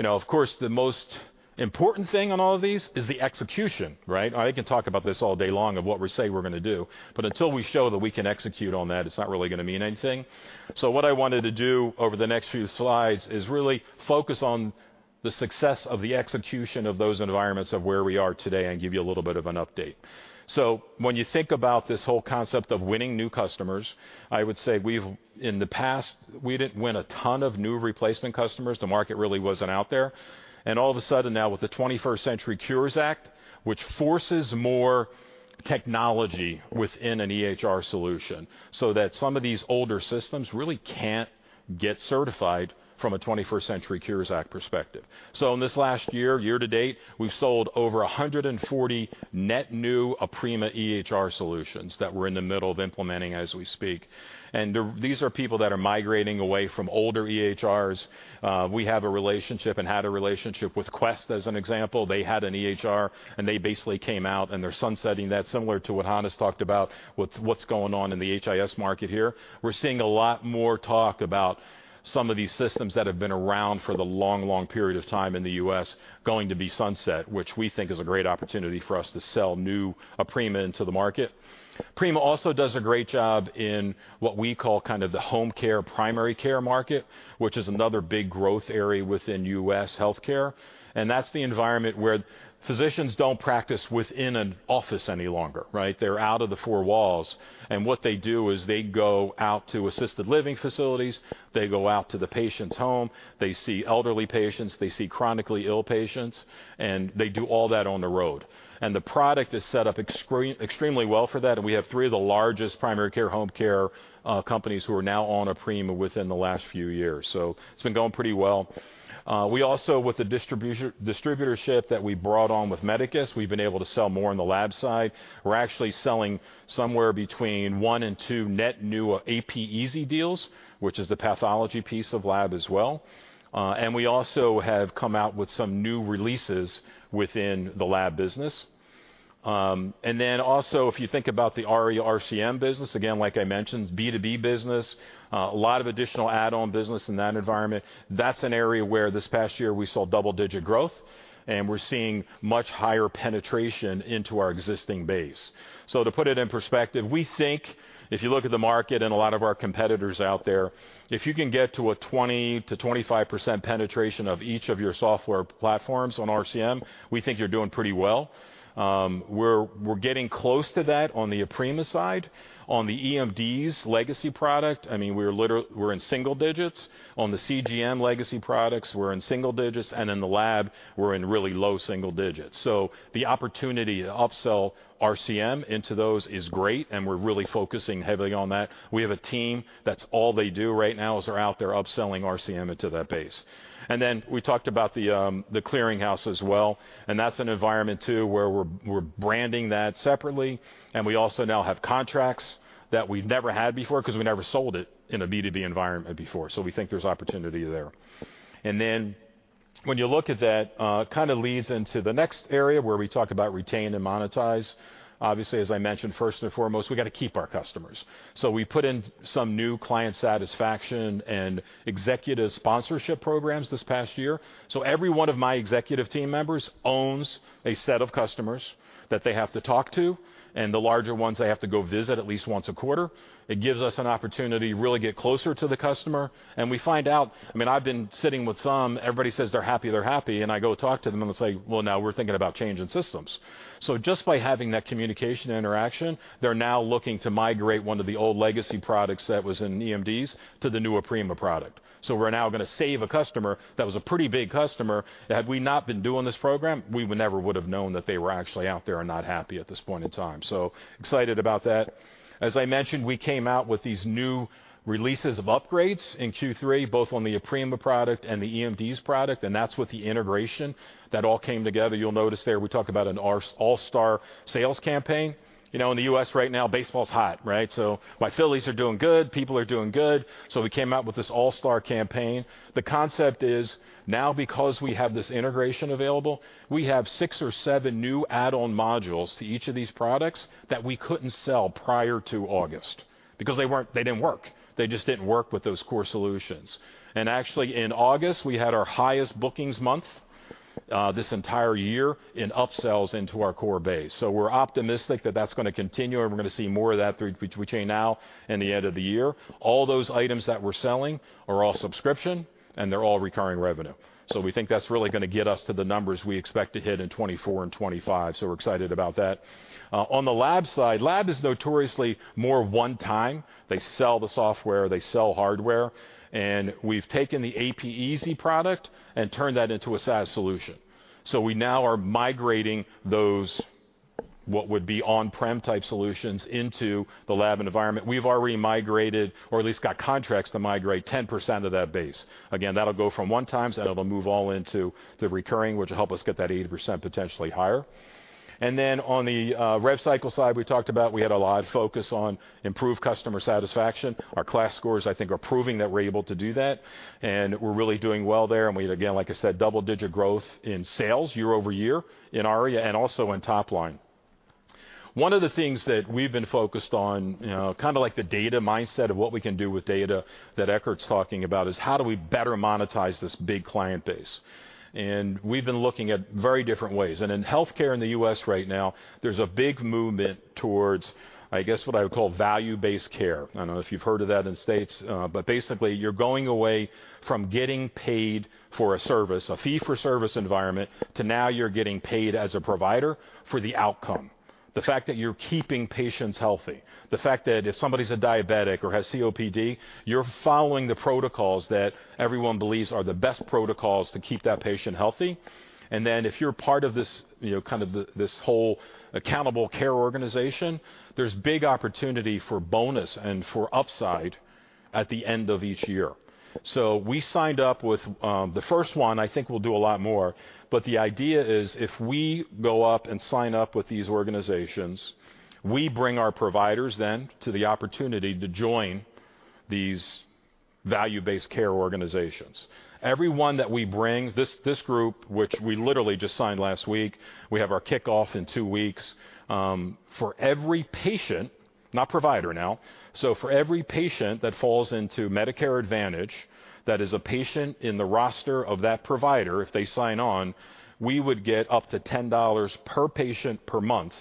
Speaker 9: You know, of course, the most important thing on all of these is the execution, right? I can talk about this all day long of what we say we're gonna do, but until we show that we can execute on that, it's not really gonna mean anything. So what I wanted to do over the next few slides is really focus on the success of the execution of those environments, of where we are today and give you a little bit of an update. So when you think about this whole concept of winning new customers, I would say we've, in the past, we didn't win a ton of new replacement customers. The market really wasn't out there. And all of a sudden now, with the Twenty-First Century Cures Act, which forces more technology within an EHR solution, so that some of these older systems really can't... get certified from a 21st Century Cures Act perspective. So in this last year, year to date, we've sold over 140 net new Aprima EHR solutions that we're in the middle of implementing as we speak. And these are people that are migrating away from older EHRs. We have a relationship and had a relationship with Quest, as an example. They had an EHR, and they basically came out, and they're sunsetting that, similar to what Hannes talked about with what's going on in the HIS market here. We're seeing a lot more talk about some of these systems that have been around for the long, long period of time in the U.S. going to be sunset, which we think is a great opportunity for us to sell new Aprima into the market. Aprima also does a great job in what we call kind of the home care, primary care market, which is another big growth area within U.S. healthcare. That's the environment where physicians don't practice within an office any longer, right? They're out of the four walls, and what they do is they go out to assisted living facilities. They go out to the patient's home. They see elderly patients, they see chronically ill patients, and they do all that on the road. The product is set up extremely well for that, and we have three of the largest primary care, home care companies who are now on Aprima within the last few years. It's been going pretty well. We also, with the distributorship that we brought on with Medicus, we've been able to sell more on the lab side. We're actually selling somewhere between 1 and 2 net new APeasy deals, which is the pathology piece of lab as well. We also have come out with some new releases within the lab business. Then also, if you think about the AR RCM business, again, like I mentioned, B2B business, a lot of additional add-on business in that environment. That's an area where this past year we saw double-digit growth, and we're seeing much higher penetration into our existing base. So to put it in perspective, we think if you look at the market and a lot of our competitors out there, if you can get to a 20%-25% penetration of each of your software platforms on RCM, we think you're doing pretty well. We're getting close to that on the Aprima side. On the EMD's legacy product, I mean, we're literally in single digits. On the CGM legacy products, we're in single digits, and in the lab, we're in really low single digits. So the opportunity to upsell RCM into those is great, and we're really focusing heavily on that. We have a team, that's all they do right now, is they're out there upselling RCM into that base. And then we talked about the clearinghouse as well, and that's an environment, too, where we're branding that separately, and we also now have contracts that we've never had before, 'cause we never sold it in a B2B environment before, so we think there's opportunity there. And then when you look at that, kind of leads into the next area where we talk about retain and monetize. Obviously, as I mentioned, first and foremost, we got to keep our customers. So we put in some new client satisfaction and executive sponsorship programs this past year. So every one of my executive team members owns a set of customers that they have to talk to, and the larger ones, they have to go visit at least once a quarter. It gives us an opportunity to really get closer to the customer, and we find out... I mean, I've been sitting with some. Everybody says they're happy, they're happy, and I go talk to them, and they'll say, "Well, now we're thinking about changing systems." So just by having that communication interaction, they're now looking to migrate one of the old legacy products that was in eMDs to the new Aprima product. So we're now gonna save a customer that was a pretty big customer, that had we not been doing this program, we would never would have known that they were actually out there and not happy at this point in time. So excited about that. As I mentioned, we came out with these new releases of upgrades in Q3, both on the Aprima product and the eMDs product, and that's with the integration. That all came together. You'll notice there, we talk about an All-Star sales campaign. You know, in the U.S. right now, baseball's hot, right? So my Phillies are doing good, people are doing good, so we came out with this All-Star campaign. The concept is, now because we have this integration available, we have 6 or 7 new add-on modules to each of these products that we couldn't sell prior to August because they weren't. They didn't work. They just didn't work with those core solutions. And actually, in August, we had our highest bookings month this entire year in upsells into our core base. So we're optimistic that that's gonna continue, and we're gonna see more of that between now and the end of the year. All those items that we're selling are all subscription, and they're all recurring revenue. So we think that's really gonna get us to the numbers we expect to hit in 2024 and 2025. So we're excited about that. On the lab side, lab is notoriously more one time. They sell the software, they sell hardware, and we've taken the AP Easy product and turned that into a SaaS solution. So we now are migrating those, what would be on-prem type solutions into the lab environment. We've already migrated, or at least got contracts to migrate, 10% of that base. Again, that'll go from one times, and it'll move all into the recurring, which will help us get that 80%, potentially higher. And then on the rev cycle side, we talked about, we had a lot of focus on improved customer satisfaction. Our KLAS scores, I think, are proving that we're able to do that, and we're really doing well there. And we, again, like I said, double-digit growth in sales year-over-year in ARIA and also in top line. One of the things that we've been focused on, you know, kind of like the data mindset of what we can do with data that Eckart's talking about, is how do we better monetize this big client base? We've been looking at very different ways. In healthcare in the U.S. right now, there's a big movement towards, I guess, what I would call value-based care. I don't know if you've heard of that in the States, but basically, you're going away from getting paid for a service, a fee-for-service environment, to now you're getting paid as a provider for the outcome, the fact that you're keeping patients healthy, the fact that if somebody's a diabetic or has COPD, you're following the protocols that everyone believes are the best protocols to keep that patient healthy. Then, if you're part of this, you know, kind of this whole accountable care organization, there's big opportunity for bonus and for upside at the end of each year. So we signed up with the first one, I think we'll do a lot more. But the idea is, if we go up and sign up with these organizations, we bring our providers then to the opportunity to join these value-based care organizations. Everyone that we bring, this, this group, which we literally just signed last week, we have our kickoff in 2 weeks, for every patient, not provider now, so for every patient that falls into Medicare Advantage, that is a patient in the roster of that provider, if they sign on, we would get up to $10 per patient per month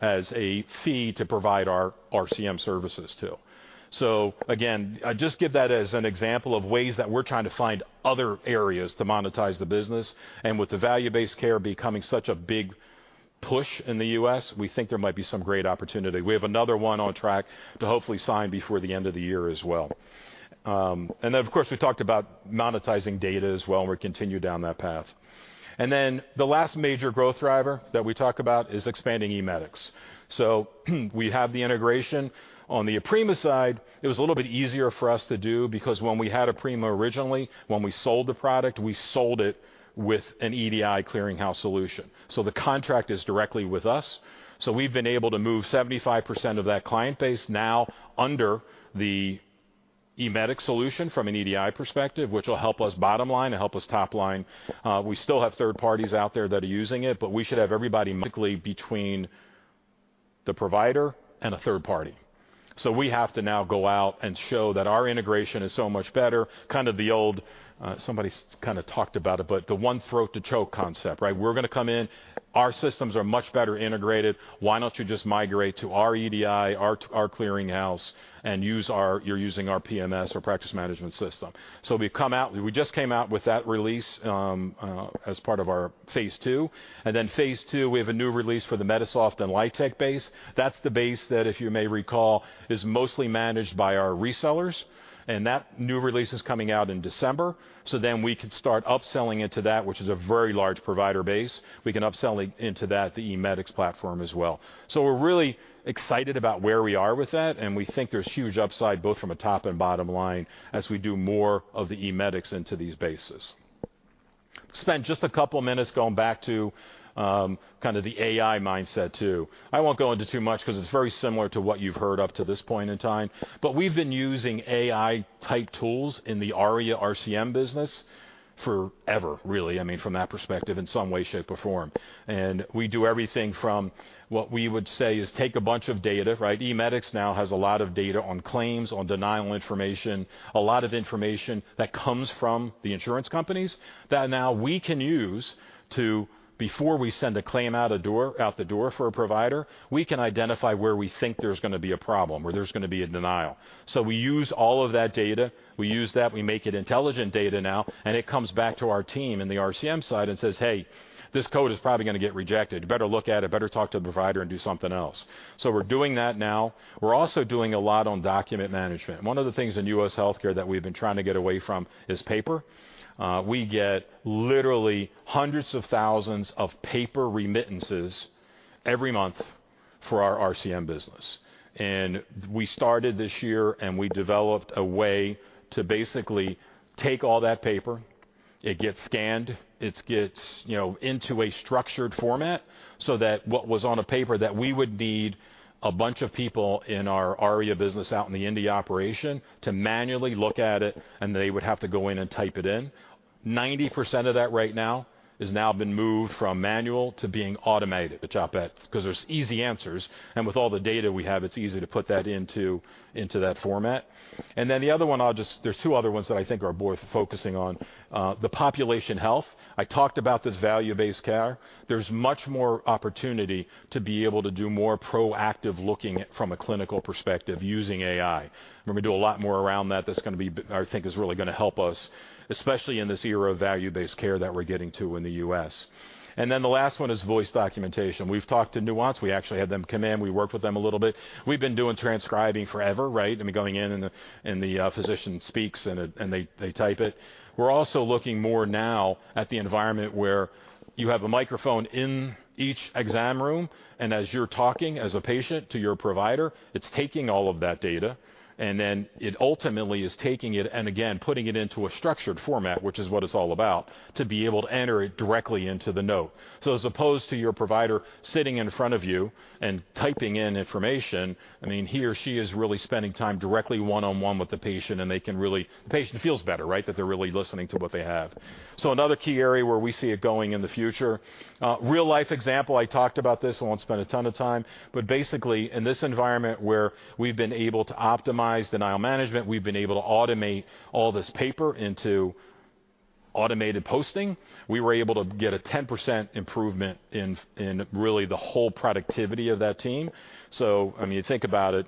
Speaker 9: as a fee to provide our RCM services, too. So again, I just give that as an example of ways that we're trying to find other areas to monetize the business. With the value-based care becoming such a big push in the U.S., we think there might be some great opportunity. We have another one on track to hopefully sign before the end of the year as well. And then, of course, we talked about monetizing data as well, and we're continued down that path. And then the last major growth driver that we talk about is expanding eMedix. So, we have the integration. On the Aprima side, it was a little bit easier for us to do because when we had Aprima originally, when we sold the product, we sold it with an EDI clearinghouse solution. So the contract is directly with us, so we've been able to move 75% of that client base now under the eMedix solution from an EDI perspective, which will help us bottom line and help us top line. We still have third parties out there that are using it, but we should have everybody, mostly between the provider and a third party. So we have to now go out and show that our integration is so much better, kind of the old, somebody's kind of talked about it, but the one throat to choke concept, right? We're going to come in. Our systems are much better integrated. Why don't you just migrate to our EDI, our clearing house and use our-- you're using our PMS, our practice management system. So we've come out. We just came out with that release as part of our phase two, and then phase two, we have a new release for the Medisoft and Lytec base. That's the base that, if you may recall, is mostly managed by our resellers, and that new release is coming out in December. So then we could start upselling into that, which is a very large provider base. We can upsell into that, the eMedix platform as well. So we're really excited about where we are with that, and we think there's huge upside, both from a top and bottom line, as we do more of the eMedix into these bases. Spend just a couple minutes going back to kind of the AI mindset, too. I won't go into too much because it's very similar to what you've heard up to this point in time, but we've been using AI-type tools in the Aria RCM business forever, really, I mean, from that perspective, in some way, shape, or form. And we do everything from what we would say is, "Take a bunch of data," right? eMedix now has a lot of data on claims, on denial information, a lot of information that comes from the insurance companies that now we can use to, before we send a claim out a door, out the door for a provider, we can identify where we think there's going to be a problem or there's going to be a denial. So we use all of that data. We use that, we make it intelligent data now, and it comes back to our team in the RCM side and says, "Hey, this code is probably going to get rejected. You better look at it, better talk to the provider and do something else." So we're doing that now. We're also doing a lot on document management. One of the things in U.S. healthcare that we've been trying to get away from is paper. We get literally hundreds of thousands of paper remittances every month for our RCM business. And we started this year, and we developed a way to basically take all that paper. It gets scanned, it gets, you know, into a structured format, so that what was on a paper that we would need a bunch of people in our Aria business out in the India operation to manually look at it, and they would have to go in and type it in. 90% of that right now has now been moved from manual to being automated. The chop at, because there's easy answers, and with all the data we have, it's easy to put that into, into that format. And then the other one, I'll just, there's two other ones that I think are worth focusing on. The population health. I talked about this value-based care. There's much more opportunity to be able to do more proactive looking from a clinical perspective using AI. We're going to do a lot more around that. That's going to be, I think, is really going to help us, especially in this era of value-based care that we're getting to in the U.S. And then the last one is voice documentation. We've talked to Nuance. We actually had them come in. We worked with them a little bit. We've been doing transcribing forever, right? I mean, going in and the physician speaks, and they type it. We're also looking more now at the environment where you have a microphone in each exam room, and as you're talking as a patient to your provider, it's taking all of that data, and then it ultimately is taking it and again, putting it into a structured format, which is what it's all about, to be able to enter it directly into the note. So as opposed to your provider sitting in front of you and typing in information, I mean, he or she is really spending time directly one-on-one with the patient, and they can really... The patient feels better, right? That they're really listening to what they have. So another key area where we see it going in the future. Real-life example, I talked about this, I won't spend a ton of time, but basically, in this environment where we've been able to optimize denial management, we've been able to automate all this paper into automated posting. We were able to get a 10% improvement in really the whole productivity of that team. So, I mean, think about it,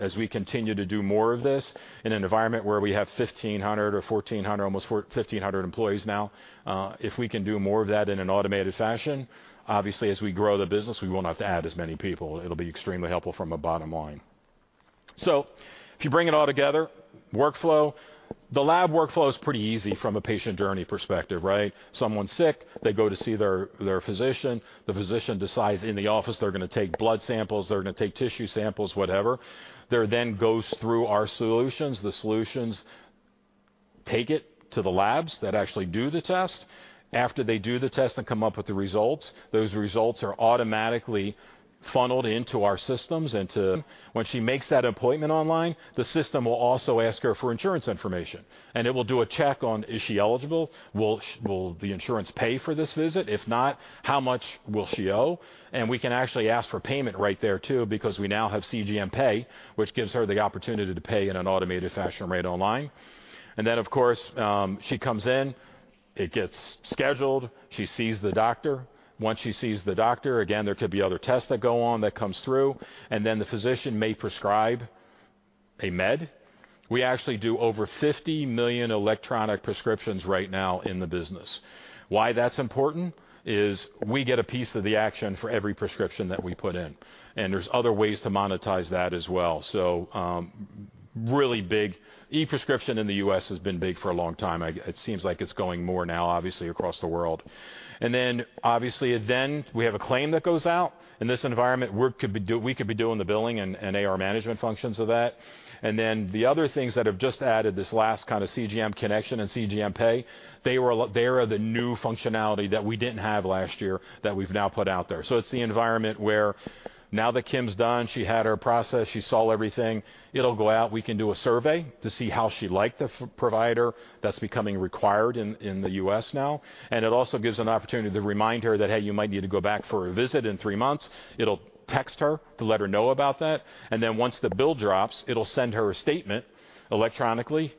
Speaker 9: as we continue to do more of this in an environment where we have 1,500 or 1,400, almost 1,500 employees now, if we can do more of that in an automated fashion, obviously, as we grow the business, we will not have to add as many people. It'll be extremely helpful from a bottom line... So if you bring it all together, workflow, the lab workflow is pretty easy from a patient journey perspective, right? Someone's sick, they go to see their physician. The physician decides in the office, they're gonna take blood samples, they're gonna take tissue samples, whatever. There then goes through our solutions. The solutions take it to the labs that actually do the test. After they do the test and come up with the results, those results are automatically funneled into our systems. When she makes that appointment online, the system will also ask her for insurance information, and it will do a check on, is she eligible? Will the insurance pay for this visit? If not, how much will she owe? And we can actually ask for payment right there, too, because we now have CGM Pay, which gives her the opportunity to pay in an automated fashion right online. And then, of course, she comes in, it gets scheduled, she sees the doctor. Once she sees the doctor, again, there could be other tests that go on that comes through, and then the physician may prescribe a med. We actually do over 50 million electronic prescriptions right now in the business. Why that's important is we get a piece of the action for every prescription that we put in, and there's other ways to monetize that as well. So really big. E-prescription in the US has been big for a long time. It seems like it's going more now, obviously, across the world. And then, obviously, then we have a claim that goes out. In this environment, we could be doing the billing and AR management functions of that. And then the other things that have just added this last kind of CGM connection and CGM pay, they are the new functionality that we didn't have last year, that we've now put out there. So it's the environment where now that Kim's done, she had her process, she saw everything, it'll go out. We can do a survey to see how she liked the provider. That's becoming required in the US now, and it also gives an opportunity to remind her that, "Hey, you might need to go back for a visit in three months." It'll text her to let her know about that, and then once the bill drops, it'll send her a statement electronically,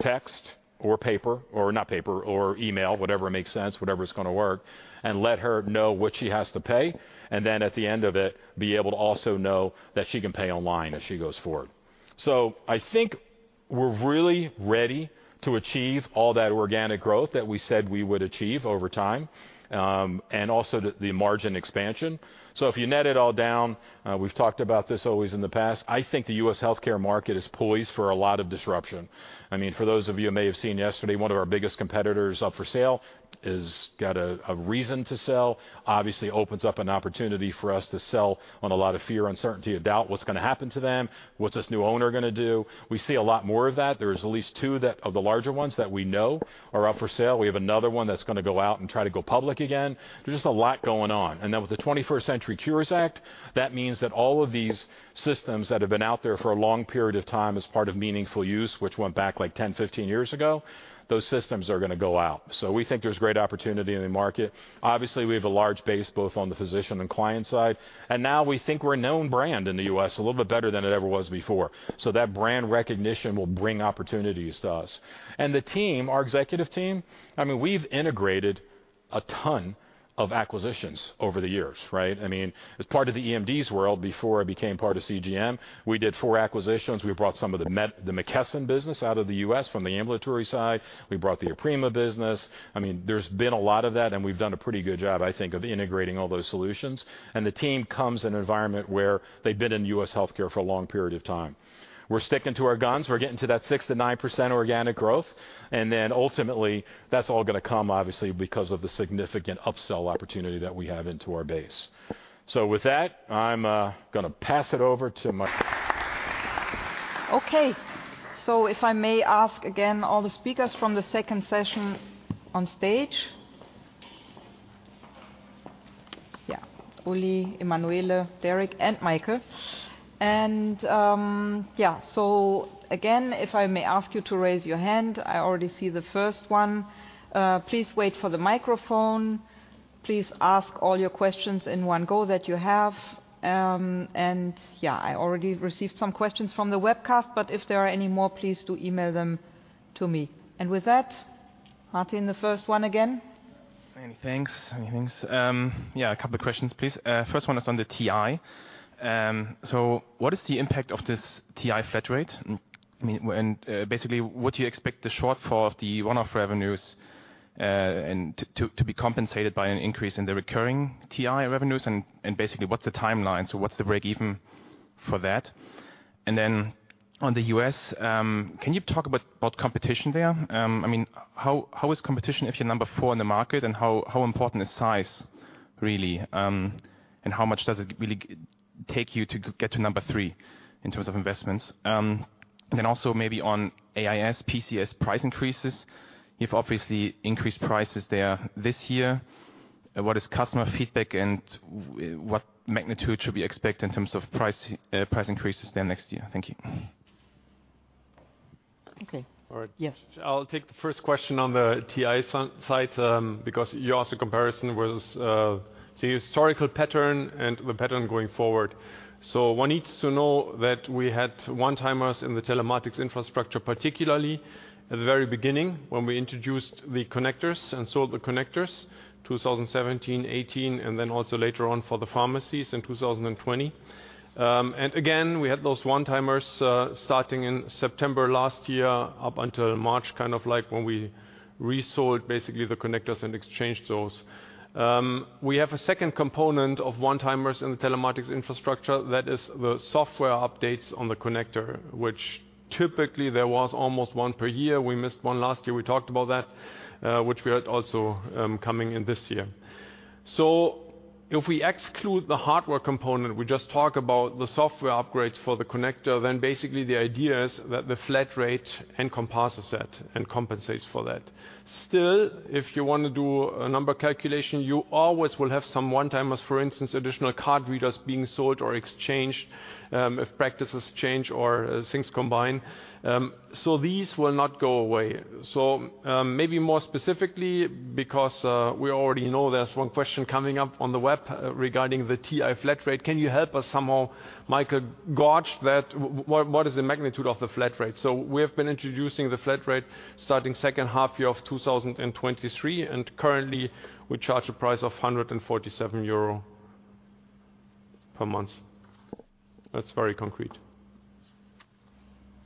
Speaker 9: text or paper, or not paper, or email, whatever makes sense, whatever's gonna work, and let her know what she has to pay, and then at the end of it, be able to also know that she can pay online as she goes forward. So I think we're really ready to achieve all that organic growth that we said we would achieve over time, and also the margin expansion. So if you net it all down, we've talked about this always in the past, I think the US healthcare market is poised for a lot of disruption. I mean, for those of you who may have seen yesterday, one of our biggest competitors up for sale got a reason to sell. Obviously, opens up an opportunity for us to sell on a lot of fear, uncertainty, and doubt. What's gonna happen to them? What's this new owner gonna do? We see a lot more of that. There is at least two of the larger ones that we know are up for sale. We have another one that's gonna go out and try to go public again. There's just a lot going on. And then with the 21st Century Cures Act, that means that all of these systems that have been out there for a long period of time as part of meaningful use, which went back like 10, 15 years ago, those systems are gonna go out. So we think there's great opportunity in the market. Obviously, we have a large base, both on the physician and client side, and now we think we're a known brand in the U.S., a little bit better than it ever was before. So that brand recognition will bring opportunities to us. And the team, our executive team, I mean, we've integrated a ton of acquisitions over the years, right? I mean, as part of the eMDs world, before I became part of CGM, we did 4 acquisitions. We brought some of the McKesson business out of the U.S. from the ambulatory side. We brought the Aprima business. I mean, there's been a lot of that, and we've done a pretty good job, I think, of integrating all those solutions. The team comes in an environment where they've been in U.S. healthcare for a long period of time. We're sticking to our guns. We're getting to that 6%-9% organic growth, and then ultimately, that's all gonna come, obviously, because of the significant upsell opportunity that we have into our base. So with that, I'm gonna pass it over to Micheal.
Speaker 1: Okay. So if I may ask again, all the speakers from the second session on stage. Yeah, Ulrich, Emanuele, Derek, and Michael. And, yeah, so again, if I may ask you to raise your hand. I already see the first one. Please wait for the microphone. Please ask all your questions in one go that you have. And yeah, I already received some questions from the webcast, but if there are any more, please do email them to me. And with that, Martin, the first one again.
Speaker 5: Many thanks. Many thanks. Yeah, a couple of questions, please. First one is on the TI. So what is the impact of this TI flat rate? I mean, and basically, would you expect the shortfall of the one-off revenues, and to be compensated by an increase in the recurring TI revenues? And basically, what's the timeline? So what's the break even for that? And then on the US, can you talk about competition there? I mean, how is competition if you're number 4 in the market, and how important is size really? And how much does it really take you to get to number 3 in terms of investments? Then also maybe on AIS, PCS price increases. You've obviously increased prices there this year. What is customer feedback, and what magnitude should we expect in terms of price, price increases there next year? Thank you.
Speaker 1: Okay.
Speaker 2: All right.
Speaker 1: Yes.
Speaker 2: I'll take the first question on the TI side, because you asked a comparison with the historical pattern and the pattern going forward. So one needs to know that we had one-timers in the Telematics Infrastructure, particularly at the very beginning when we introduced the connectors and sold the connectors, 2017, 2018, and then also later on for the pharmacies in 2020. And again, we had those one-timers starting in September last year up until March, kind of like when we resold basically the connectors and exchanged those. We have a second component of one-timers in the Telematics Infrastructure. That is the software updates on the connector, which typically there was almost one per year. We missed one last year. We talked about that, which we had also coming in this year... So if we exclude the hardware component, we just talk about the software upgrades for the connector, then basically the idea is that the flat rate encompasses that and compensates for that. Still, if you want to do a number calculation, you always will have some one-timers, for instance, additional card readers being sold or exchanged, if practices change or things combine. So these will not go away. So, maybe more specifically, because we already know there's one question coming up on the web regarding the TI flat rate, can you help us somehow, Michael, gauge that? What is the magnitude of the flat rate? So we have been introducing the flat rate starting second half of 2023, and currently, we charge a price of 147 euro per month. That's very concrete.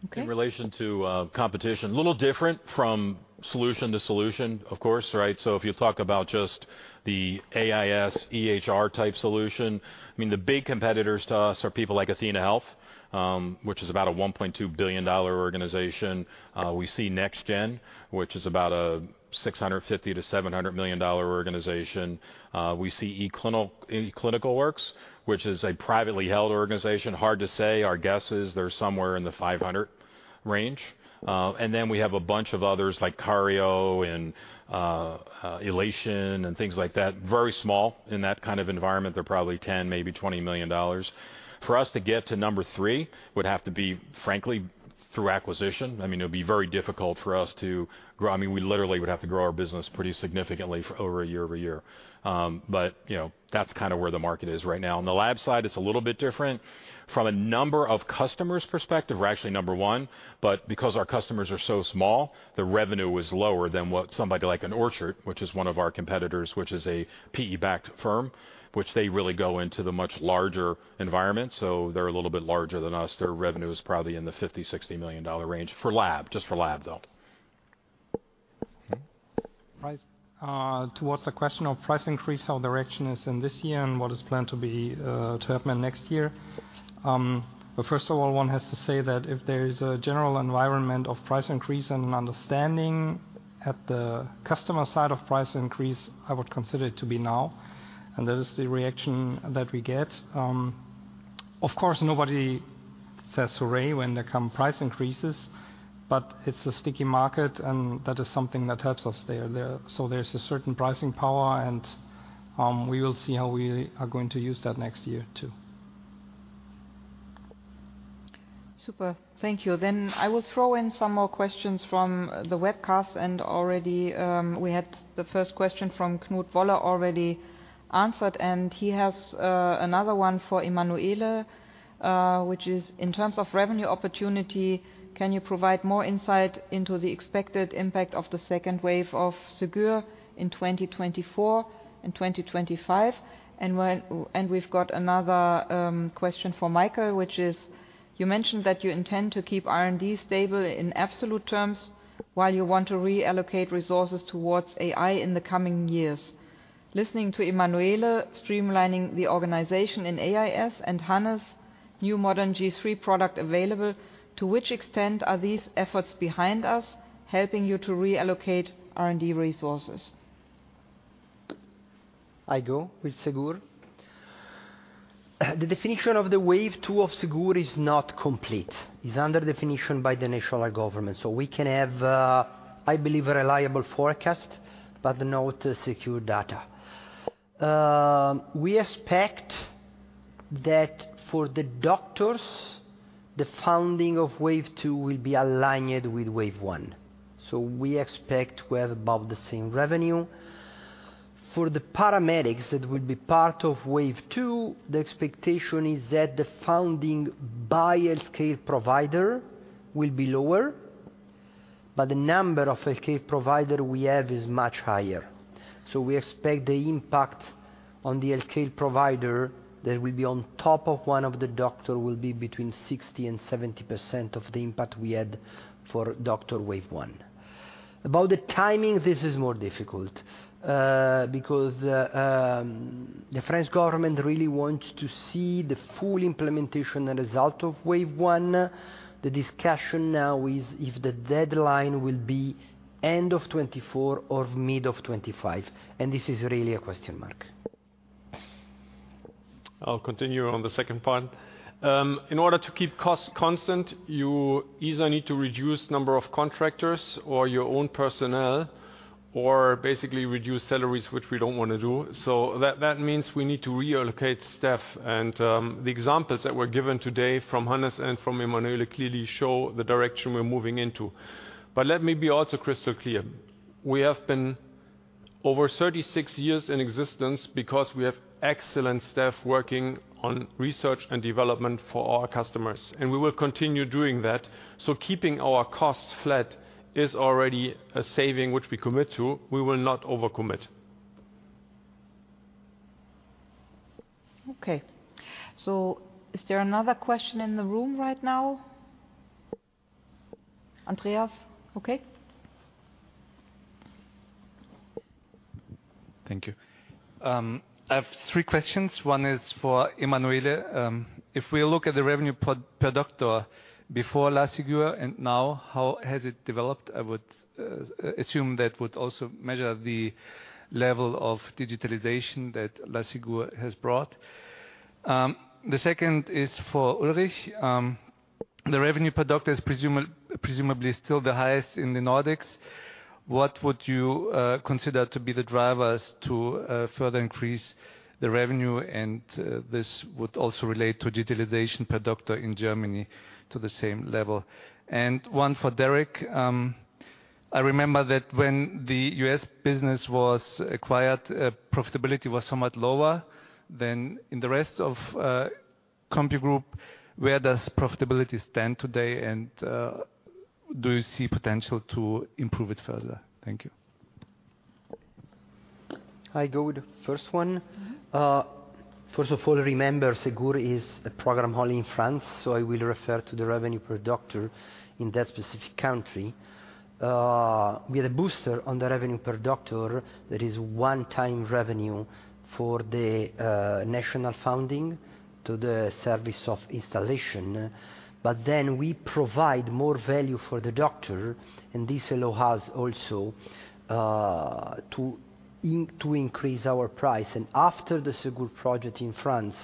Speaker 1: Okay.
Speaker 9: In relation to competition, a little different from solution to solution, of course, right? So if you talk about just the AIS, EHR-type solution, I mean, the big competitors to us are people like athenahealth, which is about a $1.2 billion organization. We see NextGen, which is about a $650 million-$700 million organization. We see eClinicalWorks, which is a privately held organization. Hard to say, our guess is they're somewhere in the $500 million range. And then we have a bunch of others like Kareo and Elation and things like that. Very small in that kind of environment. They're probably $10 million, maybe $20 million. For us to get to number three, would have to be, frankly, through acquisition. I mean, it would be very difficult for us to grow. I mean, we literally would have to grow our business pretty significantly year-over-year. But, you know, that's kind of where the market is right now. On the lab side, it's a little bit different. From a number of customers perspective, we're actually number one, but because our customers are so small, the revenue is lower than what somebody like an Orchard, which is one of our competitors, which is a PE-backed firm, which they really go into the much larger environment, so they're a little bit larger than us. Their revenue is probably in the $50-$60 million range for lab, just for lab, though.
Speaker 1: Okay.
Speaker 7: Towards the question of price increase, how direction is in this year, and what is planned to be to happen next year? But first of all, one has to say that if there is a general environment of price increase and an understanding at the customer side of price increase, I would consider it to be now, and that is the reaction that we get. Of course, nobody says hooray when there come price increases, but it's a sticky market, and that is something that helps us there. So there's a certain pricing power, and we will see how we are going to use that next year, too.
Speaker 1: Super. Thank you. Then I will throw in some more questions from the webcast, and already, we had the first question from Knut Woller already answered, and he has another one for Emanuele, which is: in terms of revenue opportunity, can you provide more insight into the expected impact of the second wave of Ségur in 2024 and 2025? And we've got another question for Michael, which is: You mentioned that you intend to keep R&D stable in absolute terms, while you want to reallocate resources towards AI in the coming years. Listening to Emanuele streamlining the organization in AIS and Hannes' new modern G3 product available, to which extent are these efforts behind us, helping you to reallocate R&D resources?
Speaker 8: I go with Ségur. The definition of the wave two of Ségur is not complete. It's under definition by the national government. So we can have, I believe, a reliable forecast, but not secure data. We expect that for the doctors, the funding of wave two will be aligned with wave one. So we expect to have about the same revenue. For the paramedics, that will be part of wave two, the expectation is that the funding by healthcare provider will be lower, but the number of healthcare provider we have is much higher. So we expect the impact on the healthcare provider that will be on top of one of the doctor, will be between 60% and 70% of the impact we had for doctor wave one. About the timing, this is more difficult, because the French government really wants to see the full implementation and result of wave one. The discussion now is if the deadline will be end of 2024 or mid of 2025, and this is really a question mark.
Speaker 2: I'll continue on the second part. In order to keep costs constant, you either need to reduce number of contractors or your own personnel, or basically reduce salaries, which we don't want to do. So that, that means we need to reallocate staff, and, the examples that were given today from Hannes and from Emanuele clearly show the direction we're moving into. But let me be also crystal clear. We have been over 36 years in existence because we have excellent staff working on research and development for our customers, and we will continue doing that. So keeping our costs flat is already a saving, which we commit to. We will not overcommit.
Speaker 1: Okay, so is there another question in the room right now? Andreas? Okay.
Speaker 6: Thank you. I have three questions. One is for Emanuele. If we look at the revenue per doctor before La Ségur and now, how has it developed? I would assume that would also measure the level of digitalization that La Ségur has brought. The second is for Ulrich. The revenue per doctor is presumably still the highest in the Nordics. What would you consider to be the drivers to further increase the revenue? And this would also relate to digitalization per doctor in Germany to the same level. And one for Derek. I remember that when the U.S. business was acquired, profitability was somewhat lower than in the rest of CompuGroup. Where does profitability stand today, and do you see potential to improve it further? Thank you.
Speaker 8: I go with the first one. First of all, remember, Ségur is a program only in France, so I will refer to the revenue per doctor in that specific country. We had a booster on the revenue per doctor that is one-time revenue for the national funding to the service of installation. But then we provide more value for the doctor, and this allows also to increase our price. And after the Ségur project in France,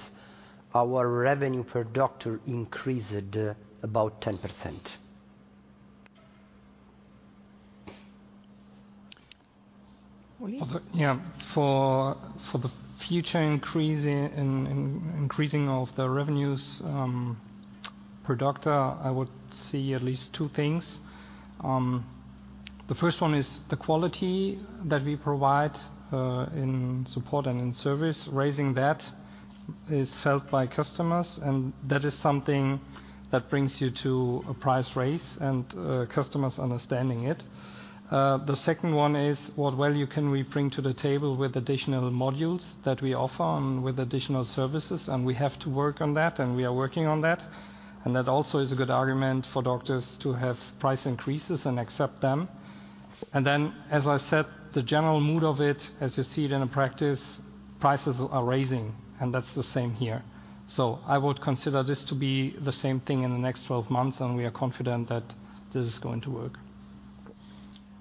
Speaker 8: our revenue per doctor increased about 10%.
Speaker 7: Yeah, for the future increase in increasing of the revenues per doctor, I would see at least two things. The first one is the quality that we provide in support and in service. Raising that is helped by customers, and that is something that brings you to a price raise and customers understanding it. The second one is what value can we bring to the table with additional modules that we offer and with additional services, and we have to work on that, and we are working on that. And that also is a good argument for doctors to have price increases and accept them. And then, as I said, the general mood of it, as you see it in a practice, prices are raising, and that's the same here. I would consider this to be the same thing in the next 12 months, and we are confident that this is going to work.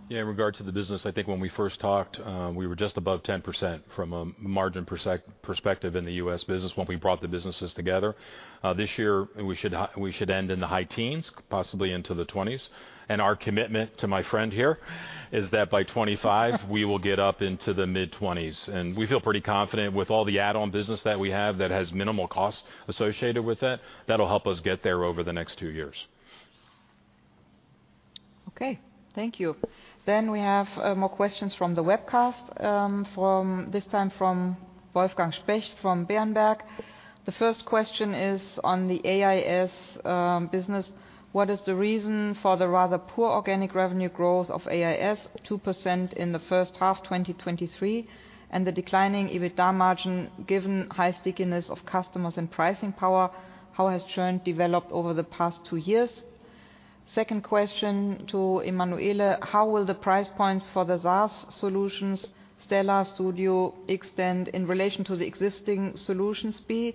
Speaker 9: Yeah, in regard to the business, I think when we first talked, we were just above 10% from a margin perspective in the U.S. business when we brought the businesses together. This year, we should end in the high teens, possibly into the twenties. And our commitment to my friend here is that by 2025 we will get up into the mid-twenties. And we feel pretty confident with all the add-on business that we have that has minimal cost associated with it, that'll help us get there over the next two years.
Speaker 1: Okay, thank you. Then we have more questions from the webcast, from this time from Wolfgang Specht, from Berenberg. The first question is on the AIS business. What is the reason for the rather poor organic revenue growth of AIS, 2% in the first half, 2023, and the declining EBITDA margin, given high stickiness of customers and pricing power, how has churn developed over the past two years? Second question to Emanuele: How will the price points for the SaaS solutions, Stella, Studio, extend in relation to the existing solutions be?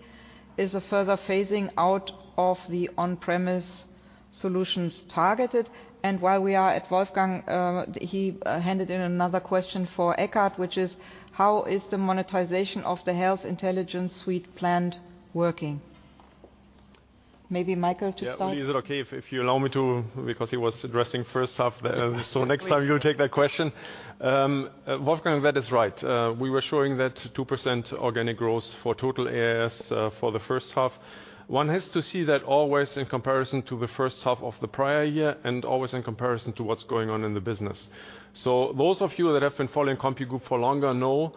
Speaker 1: Is a further phasing out of the on-premise solutions targeted? And while we are at Wolfgang, he handed in another question for Eckart, which is: How is the monetization of the health intelligence suite planned working? Maybe Michael, to start?
Speaker 2: Ulrich, is it okay if you allow me to, because he was addressing first half, so next time you take that question. Wolfgang, that is right. We were showing that 2% organic growth for total AIS, for the first half. One has to see that always in comparison to the first half of the prior year and always in comparison to what's going on in the business. So those of you that have been following CompuGroup for longer know,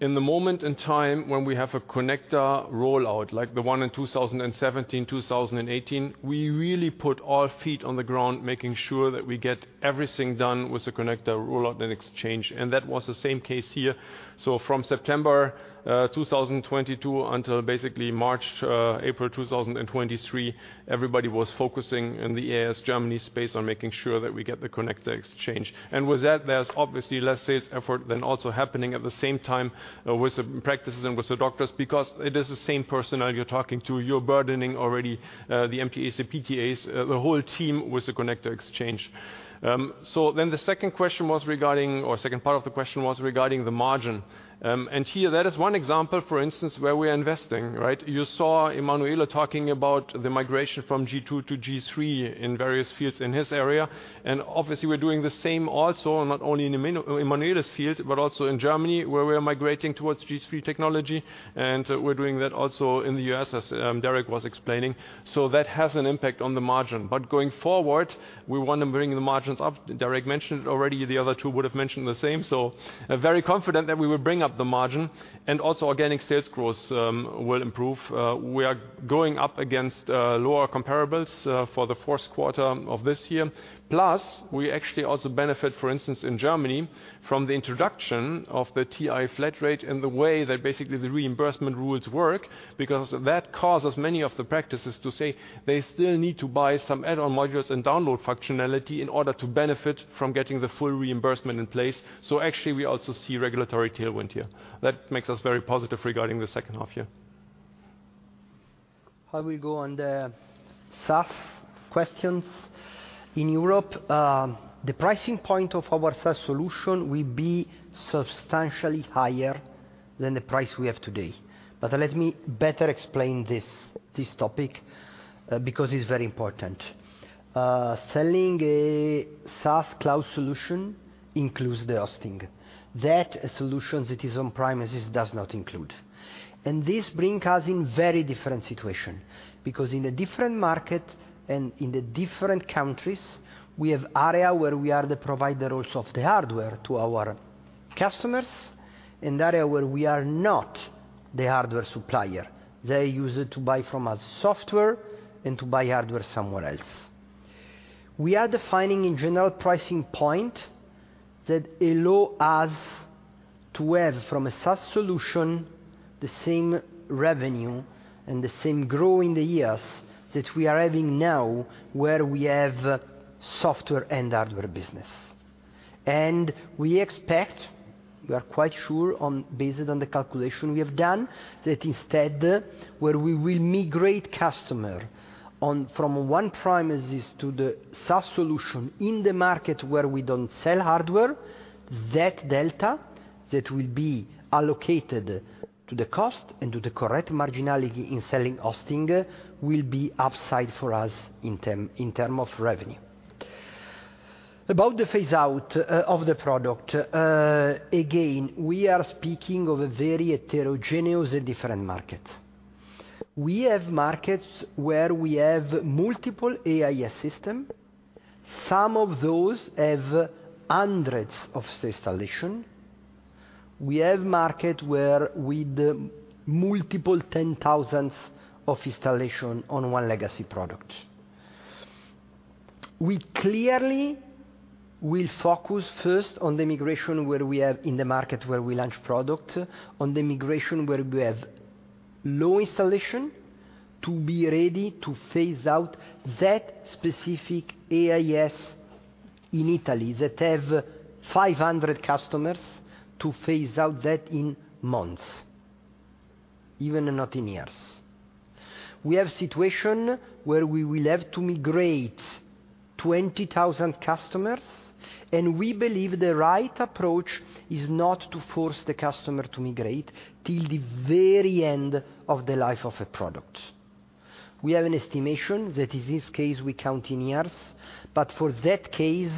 Speaker 2: in the moment in time when we have a connector rollout, like the one in 2017, 2018, we really put all feet on the ground, making sure that we get everything done with the connector rollout and exchange, and that was the same case here. So from September 2022 until basically March-April 2023, everybody was focusing in the AIS Germany space on making sure that we get the connector exchange. And with that, there's obviously less sales effort than also happening at the same time with the practices and with the doctors, because it is the same person that you're talking to. You're burdening already, the MTAs, the PTAs, the whole team with the connector exchange. So then the second question was regarding, or second part of the question, was regarding the margin. And here, that is one example, for instance, where we are investing, right? You saw Emanuele talking about the migration from G2 to G3 in various fields in his area, and obviously, we're doing the same also, not only in Emanuele's field, but also in Germany, where we are migrating towards G3 technology, and we're doing that also in the US, as Derek was explaining. So that has an impact on the margin. But going forward, we want to bring the margins up. Derek mentioned it already, the other two would have mentioned the same. So I'm very confident that we will bring up the margin and also organic sales growth will improve. We are going up against lower comparables for the fourth quarter of this year. Plus, we actually also benefit, for instance, in Germany, from the introduction of the TI flat rate and the way that basically the reimbursement rules work, because that causes many of the practices to say they still need to buy some add-on modules and download functionality in order to benefit from getting the full reimbursement in place. So actually, we also see regulatory tailwind here. That makes us very positive regarding the second half year.
Speaker 8: I will go on the SaaS questions. In Europe, the pricing point of our SaaS solution will be substantially higher than the price we have today. But let me better explain this, this topic, because it's very important. Selling a SaaS cloud solution includes the hosting. That solutions that is on-premises does not include. And this bring us in very different situation, because in a different market and in the different countries, we have area where we are the provider also of the hardware to our customers, and area where we are not the hardware supplier. They use it to buy from us software and to buy hardware somewhere else. We are defining in general pricing point that allow us to have, from a SaaS solution, the same revenue and the same growth in the years that we are having now, where we have software and hardware business. We expect, we are quite sure based on the calculation we have done, that instead, where we will migrate customer from on-premises to the SaaS solution in the market where we don't sell hardware, that delta that will be allocated to the cost and to the correct marginality in selling hosting, will be upside for us in term, in term of revenue. About the phase out of the product, again, we are speaking of a very heterogeneous and different market. We have markets where we have multiple AIS system. Some of those have hundreds of installation. We have market where with multiple 10,000s of installation on one legacy product. We clearly will focus first on the migration, where we have in the market, where we launch product, on the migration, where we have low installation, to be ready to phase out that specific AIS in Italy that have 500 customers, to phase out that in months, even not in years. We have situation where we will have to migrate 20,000 customers, and we believe the right approach is not to force the customer to migrate till the very end of the life of a product. We have an estimation that in this case, we count in years, but for that case,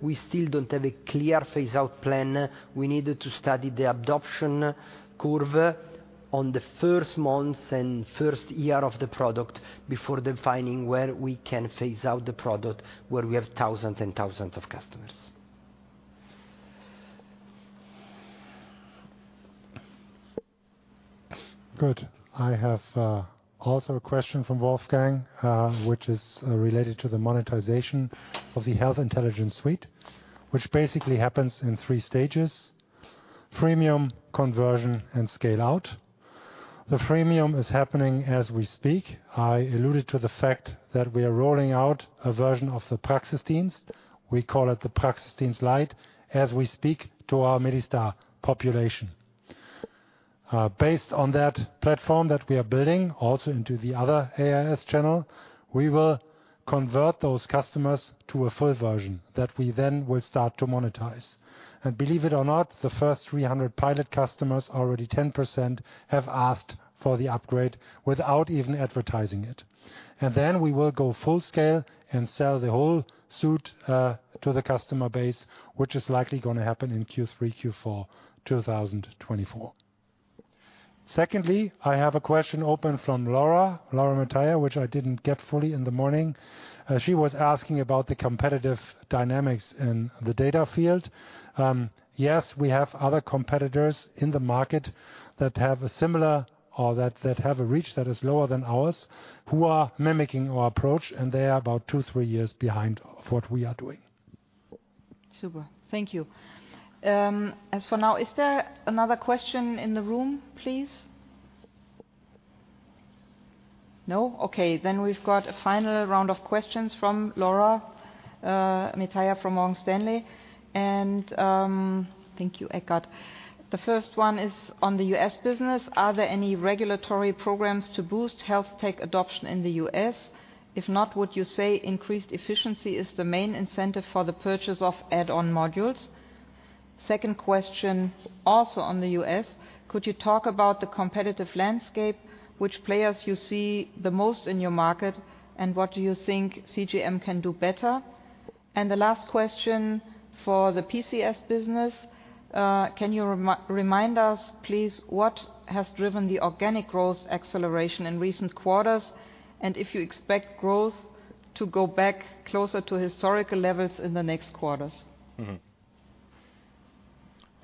Speaker 8: we still don't have a clear phase-out plan. We need to study the adoption curve on the first months and first year of the product before defining where we can phase out the product, where we have thousands and thousands of customers.
Speaker 4: Good. I have also a question from Wolfgang, which is related to the monetization of the Health Intelligence Suite, which basically happens in three stages: freemium, conversion, and scale out. The freemium is happening as we speak. I alluded to the fact that we are rolling out a version of the Praxisdienst. We call it the Praxisdienst Light, as we speak to our MediStar population. Based on that platform that we are building, also into the other AIS channel, we will convert those customers to a full version, that we then will start to monetize. And believe it or not, the first 300 pilot customers, already 10%, have asked for the upgrade without even advertising it. And then we will go full scale and sell the whole suite to the customer base, which is likely going to happen in Q3, Q4, 2024. Secondly, I have a question open from Laura, Laura Mataya, which I didn't get fully in the morning. She was asking about the competitive dynamics in the data field. Yes, we have other competitors in the market that have a similar or that, that have a reach that is lower than ours, who are mimicking our approach, and they are about 2, 3 years behind of what we are doing.
Speaker 1: Super. Thank you. As for now, is there another question in the room, please? No? Okay, then we've got a final round of questions from Laura Mataya from Morgan Stanley. And thank you, Eckart. The first one is on the US business: Are there any regulatory programs to boost health tech adoption in the US? If not, would you say increased efficiency is the main incentive for the purchase of add-on modules? Second question, also on the US: Could you talk about the competitive landscape, which players you see the most in your market, and what do you think CGM can do better? And the last question for the PCS business: Can you remind us, please, what has driven the organic growth acceleration in recent quarters, and if you expect growth to go back closer to historical levels in the next quarters?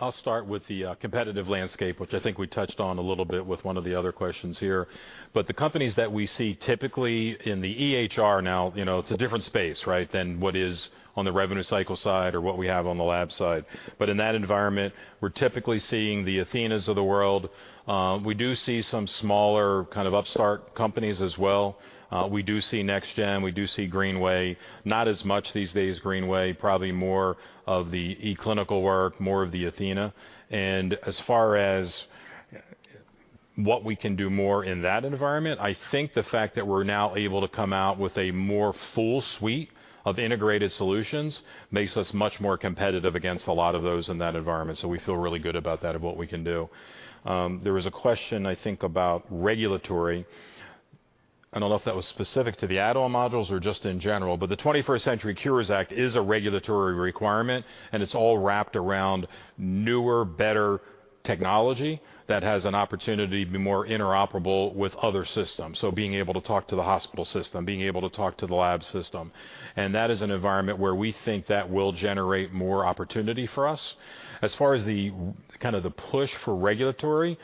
Speaker 9: I'll start with the competitive landscape, which I think we touched on a little bit with one of the other questions here. But the companies that we see typically in the EHR now, you know, it's a different space, right, than what is on the revenue cycle side or what we have on the lab side. But in that environment, we're typically seeing the Athenas of the world. We do see some smaller kind of upstart companies as well. We do see NextGen, we do see Greenway. Not as much these days, Greenway, probably more of the eClinicalWorks, more of the Athena. And as far as what we can do more in that environment. I think the fact that we're now able to come out with a more full suite of integrated solutions makes us much more competitive against a lot of those in that environment, so we feel really good about that and what we can do. There was a question, I think, about regulatory. I don't know if that was specific to the add-on modules or just in general, but the Twenty-First Century Cures Act is a regulatory requirement, and it's all wrapped around newer, better technology that has an opportunity to be more interoperable with other systems, so being able to talk to the hospital system, being able to talk to the lab system. That is an environment where we think that will generate more opportunity for us. As far as the, kind of the push for regulatory,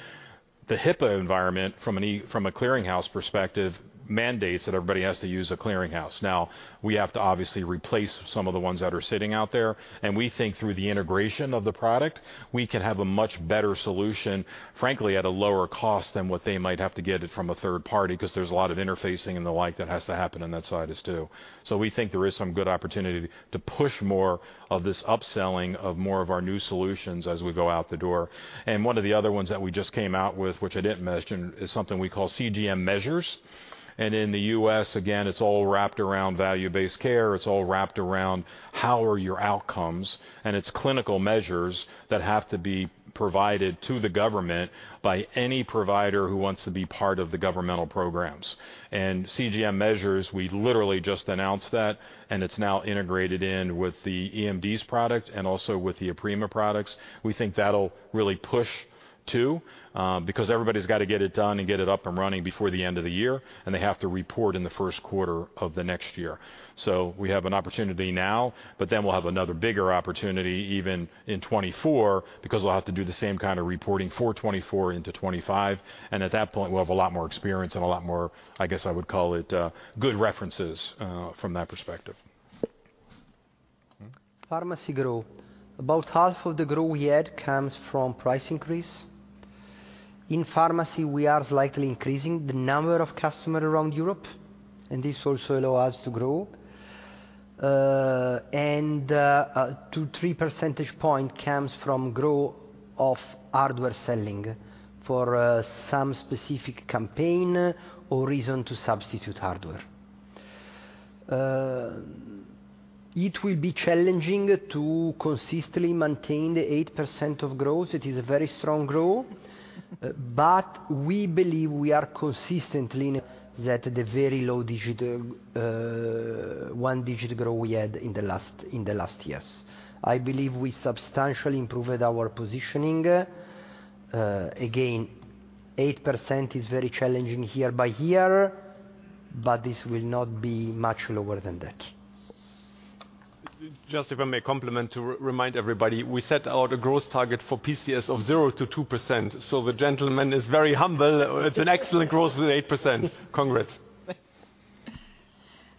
Speaker 9: the HIPAA environment, from a clearinghouse perspective, mandates that everybody has to use a clearinghouse. Now, we have to obviously replace some of the ones that are sitting out there, and we think through the integration of the product, we can have a much better solution, frankly, at a lower cost than what they might have to get it from a third party, 'cause there's a lot of interfacing and the like that has to happen on that side as too. So we think there is some good opportunity to push more of this upselling of more of our new solutions as we go out the door. And one of the other ones that we just came out with, which I didn't mention, is something we call CGM Measures. In the US, again, it's all wrapped around value-based care. It's all wrapped around how are your outcomes, and it's clinical measures that have to be provided to the government by any provider who wants to be part of the governmental programs. CGM Measures, we literally just announced that, and it's now integrated in with the eMDs product and also with the Aprima products. We think that'll really push, too, because everybody's got to get it done and get it up and running before the end of the year, and they have to report in the first quarter of the next year. We have an opportunity now, but then we'll have another bigger opportunity even in 2024, because we'll have to do the same kind of reporting for 2024 into 2025. At that point, we'll have a lot more experience and a lot more, I guess I would call it, good references from that perspective.
Speaker 8: Pharmacy growth. About half of the growth we had comes from price increase. In pharmacy, we are slightly increasing the number of customer around Europe, and this also allow us to grow. 2-3 percentage points comes from growth of hardware selling for, some specific campaign or reason to substitute hardware. It will be challenging to consistently maintain the 8% of growth. It is a very strong growth, but we believe we are consistently that the very low digit, one digit growth we had in the last, in the last years. I believe we substantially improved our positioning. Again, 8% is very challenging year by year, but this will not be much lower than that.
Speaker 2: Just if I may comment to remind everybody, we set out a growth target for PCS of 0%-2%, so the gentleman is very humble. It's an excellent growth with 8%. Congrats.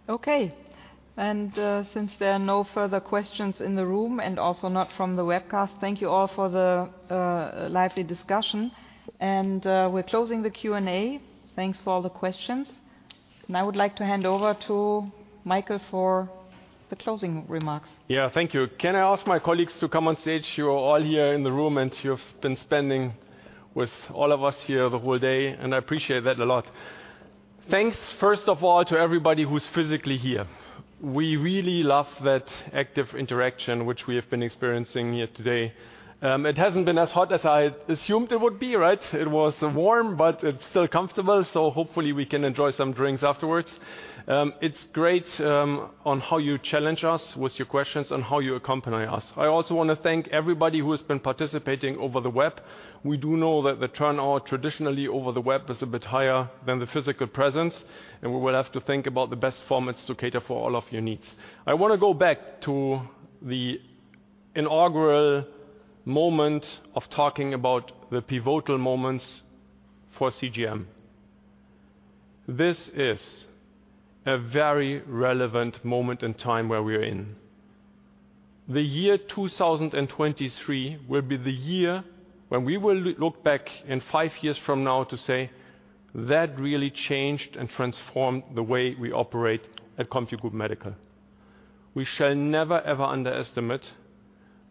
Speaker 1: Okay, and since there are no further questions in the room and also not from the webcast, thank you all for the lively discussion, and we're closing the Q&A. Thanks for all the questions, and I would like to hand over to Michael for the closing remarks.
Speaker 2: Yeah. Thank you. Can I ask my colleagues to come on stage? You are all here in the room, and you've been spending with all of us here the whole day, and I appreciate that a lot. Thanks, first of all, to everybody who's physically here. We really love that active interaction, which we have been experiencing here today. It hasn't been as hot as I assumed it would be, right? It was warm, but it's still comfortable, so hopefully, we can enjoy some drinks afterwards. It's great, on how you challenge us with your questions and how you accompany us. I also wanna thank everybody who has been participating over the web. We do know that the turnout traditionally over the web is a bit higher than the physical presence, and we will have to think about the best formats to cater for all of your needs. I wanna go back to the inaugural moment of talking about the pivotal moments for CGM. This is a very relevant moment in time where we are in. The year 2023 will be the year when we will look back in five years from now to say, "That really changed and transformed the way we operate at CompuGroup Medical." We shall never, ever underestimate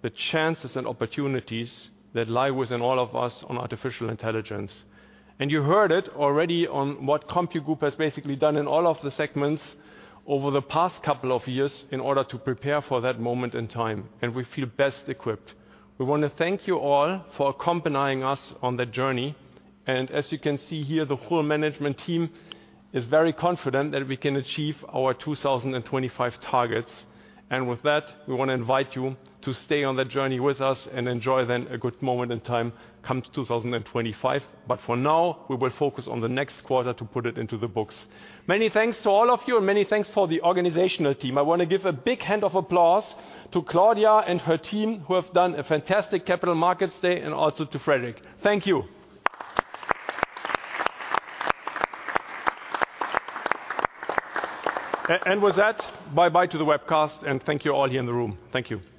Speaker 2: the chances and opportunities that lie within all of us on artificial intelligence. You heard it already on what CompuGroup Medical has basically done in all of the segments over the past couple of years in order to prepare for that moment in time, and we feel best equipped. We want to thank you all for accompanying us on that journey. As you can see here, the whole management team is very confident that we can achieve our 2025 targets. With that, we want to invite you to stay on that journey with us and enjoy then a good moment in time, come 2025. For now, we will focus on the next quarter to put it into the books. Many thanks to all of you, and many thanks for the organizational team. I want to give a big hand of applause to Claudia and her team, who have done a fantastic Capital Markets Day, and also to Frederick. Thank you. And with that, bye-bye to the webcast, and thank you all here in the room. Thank you.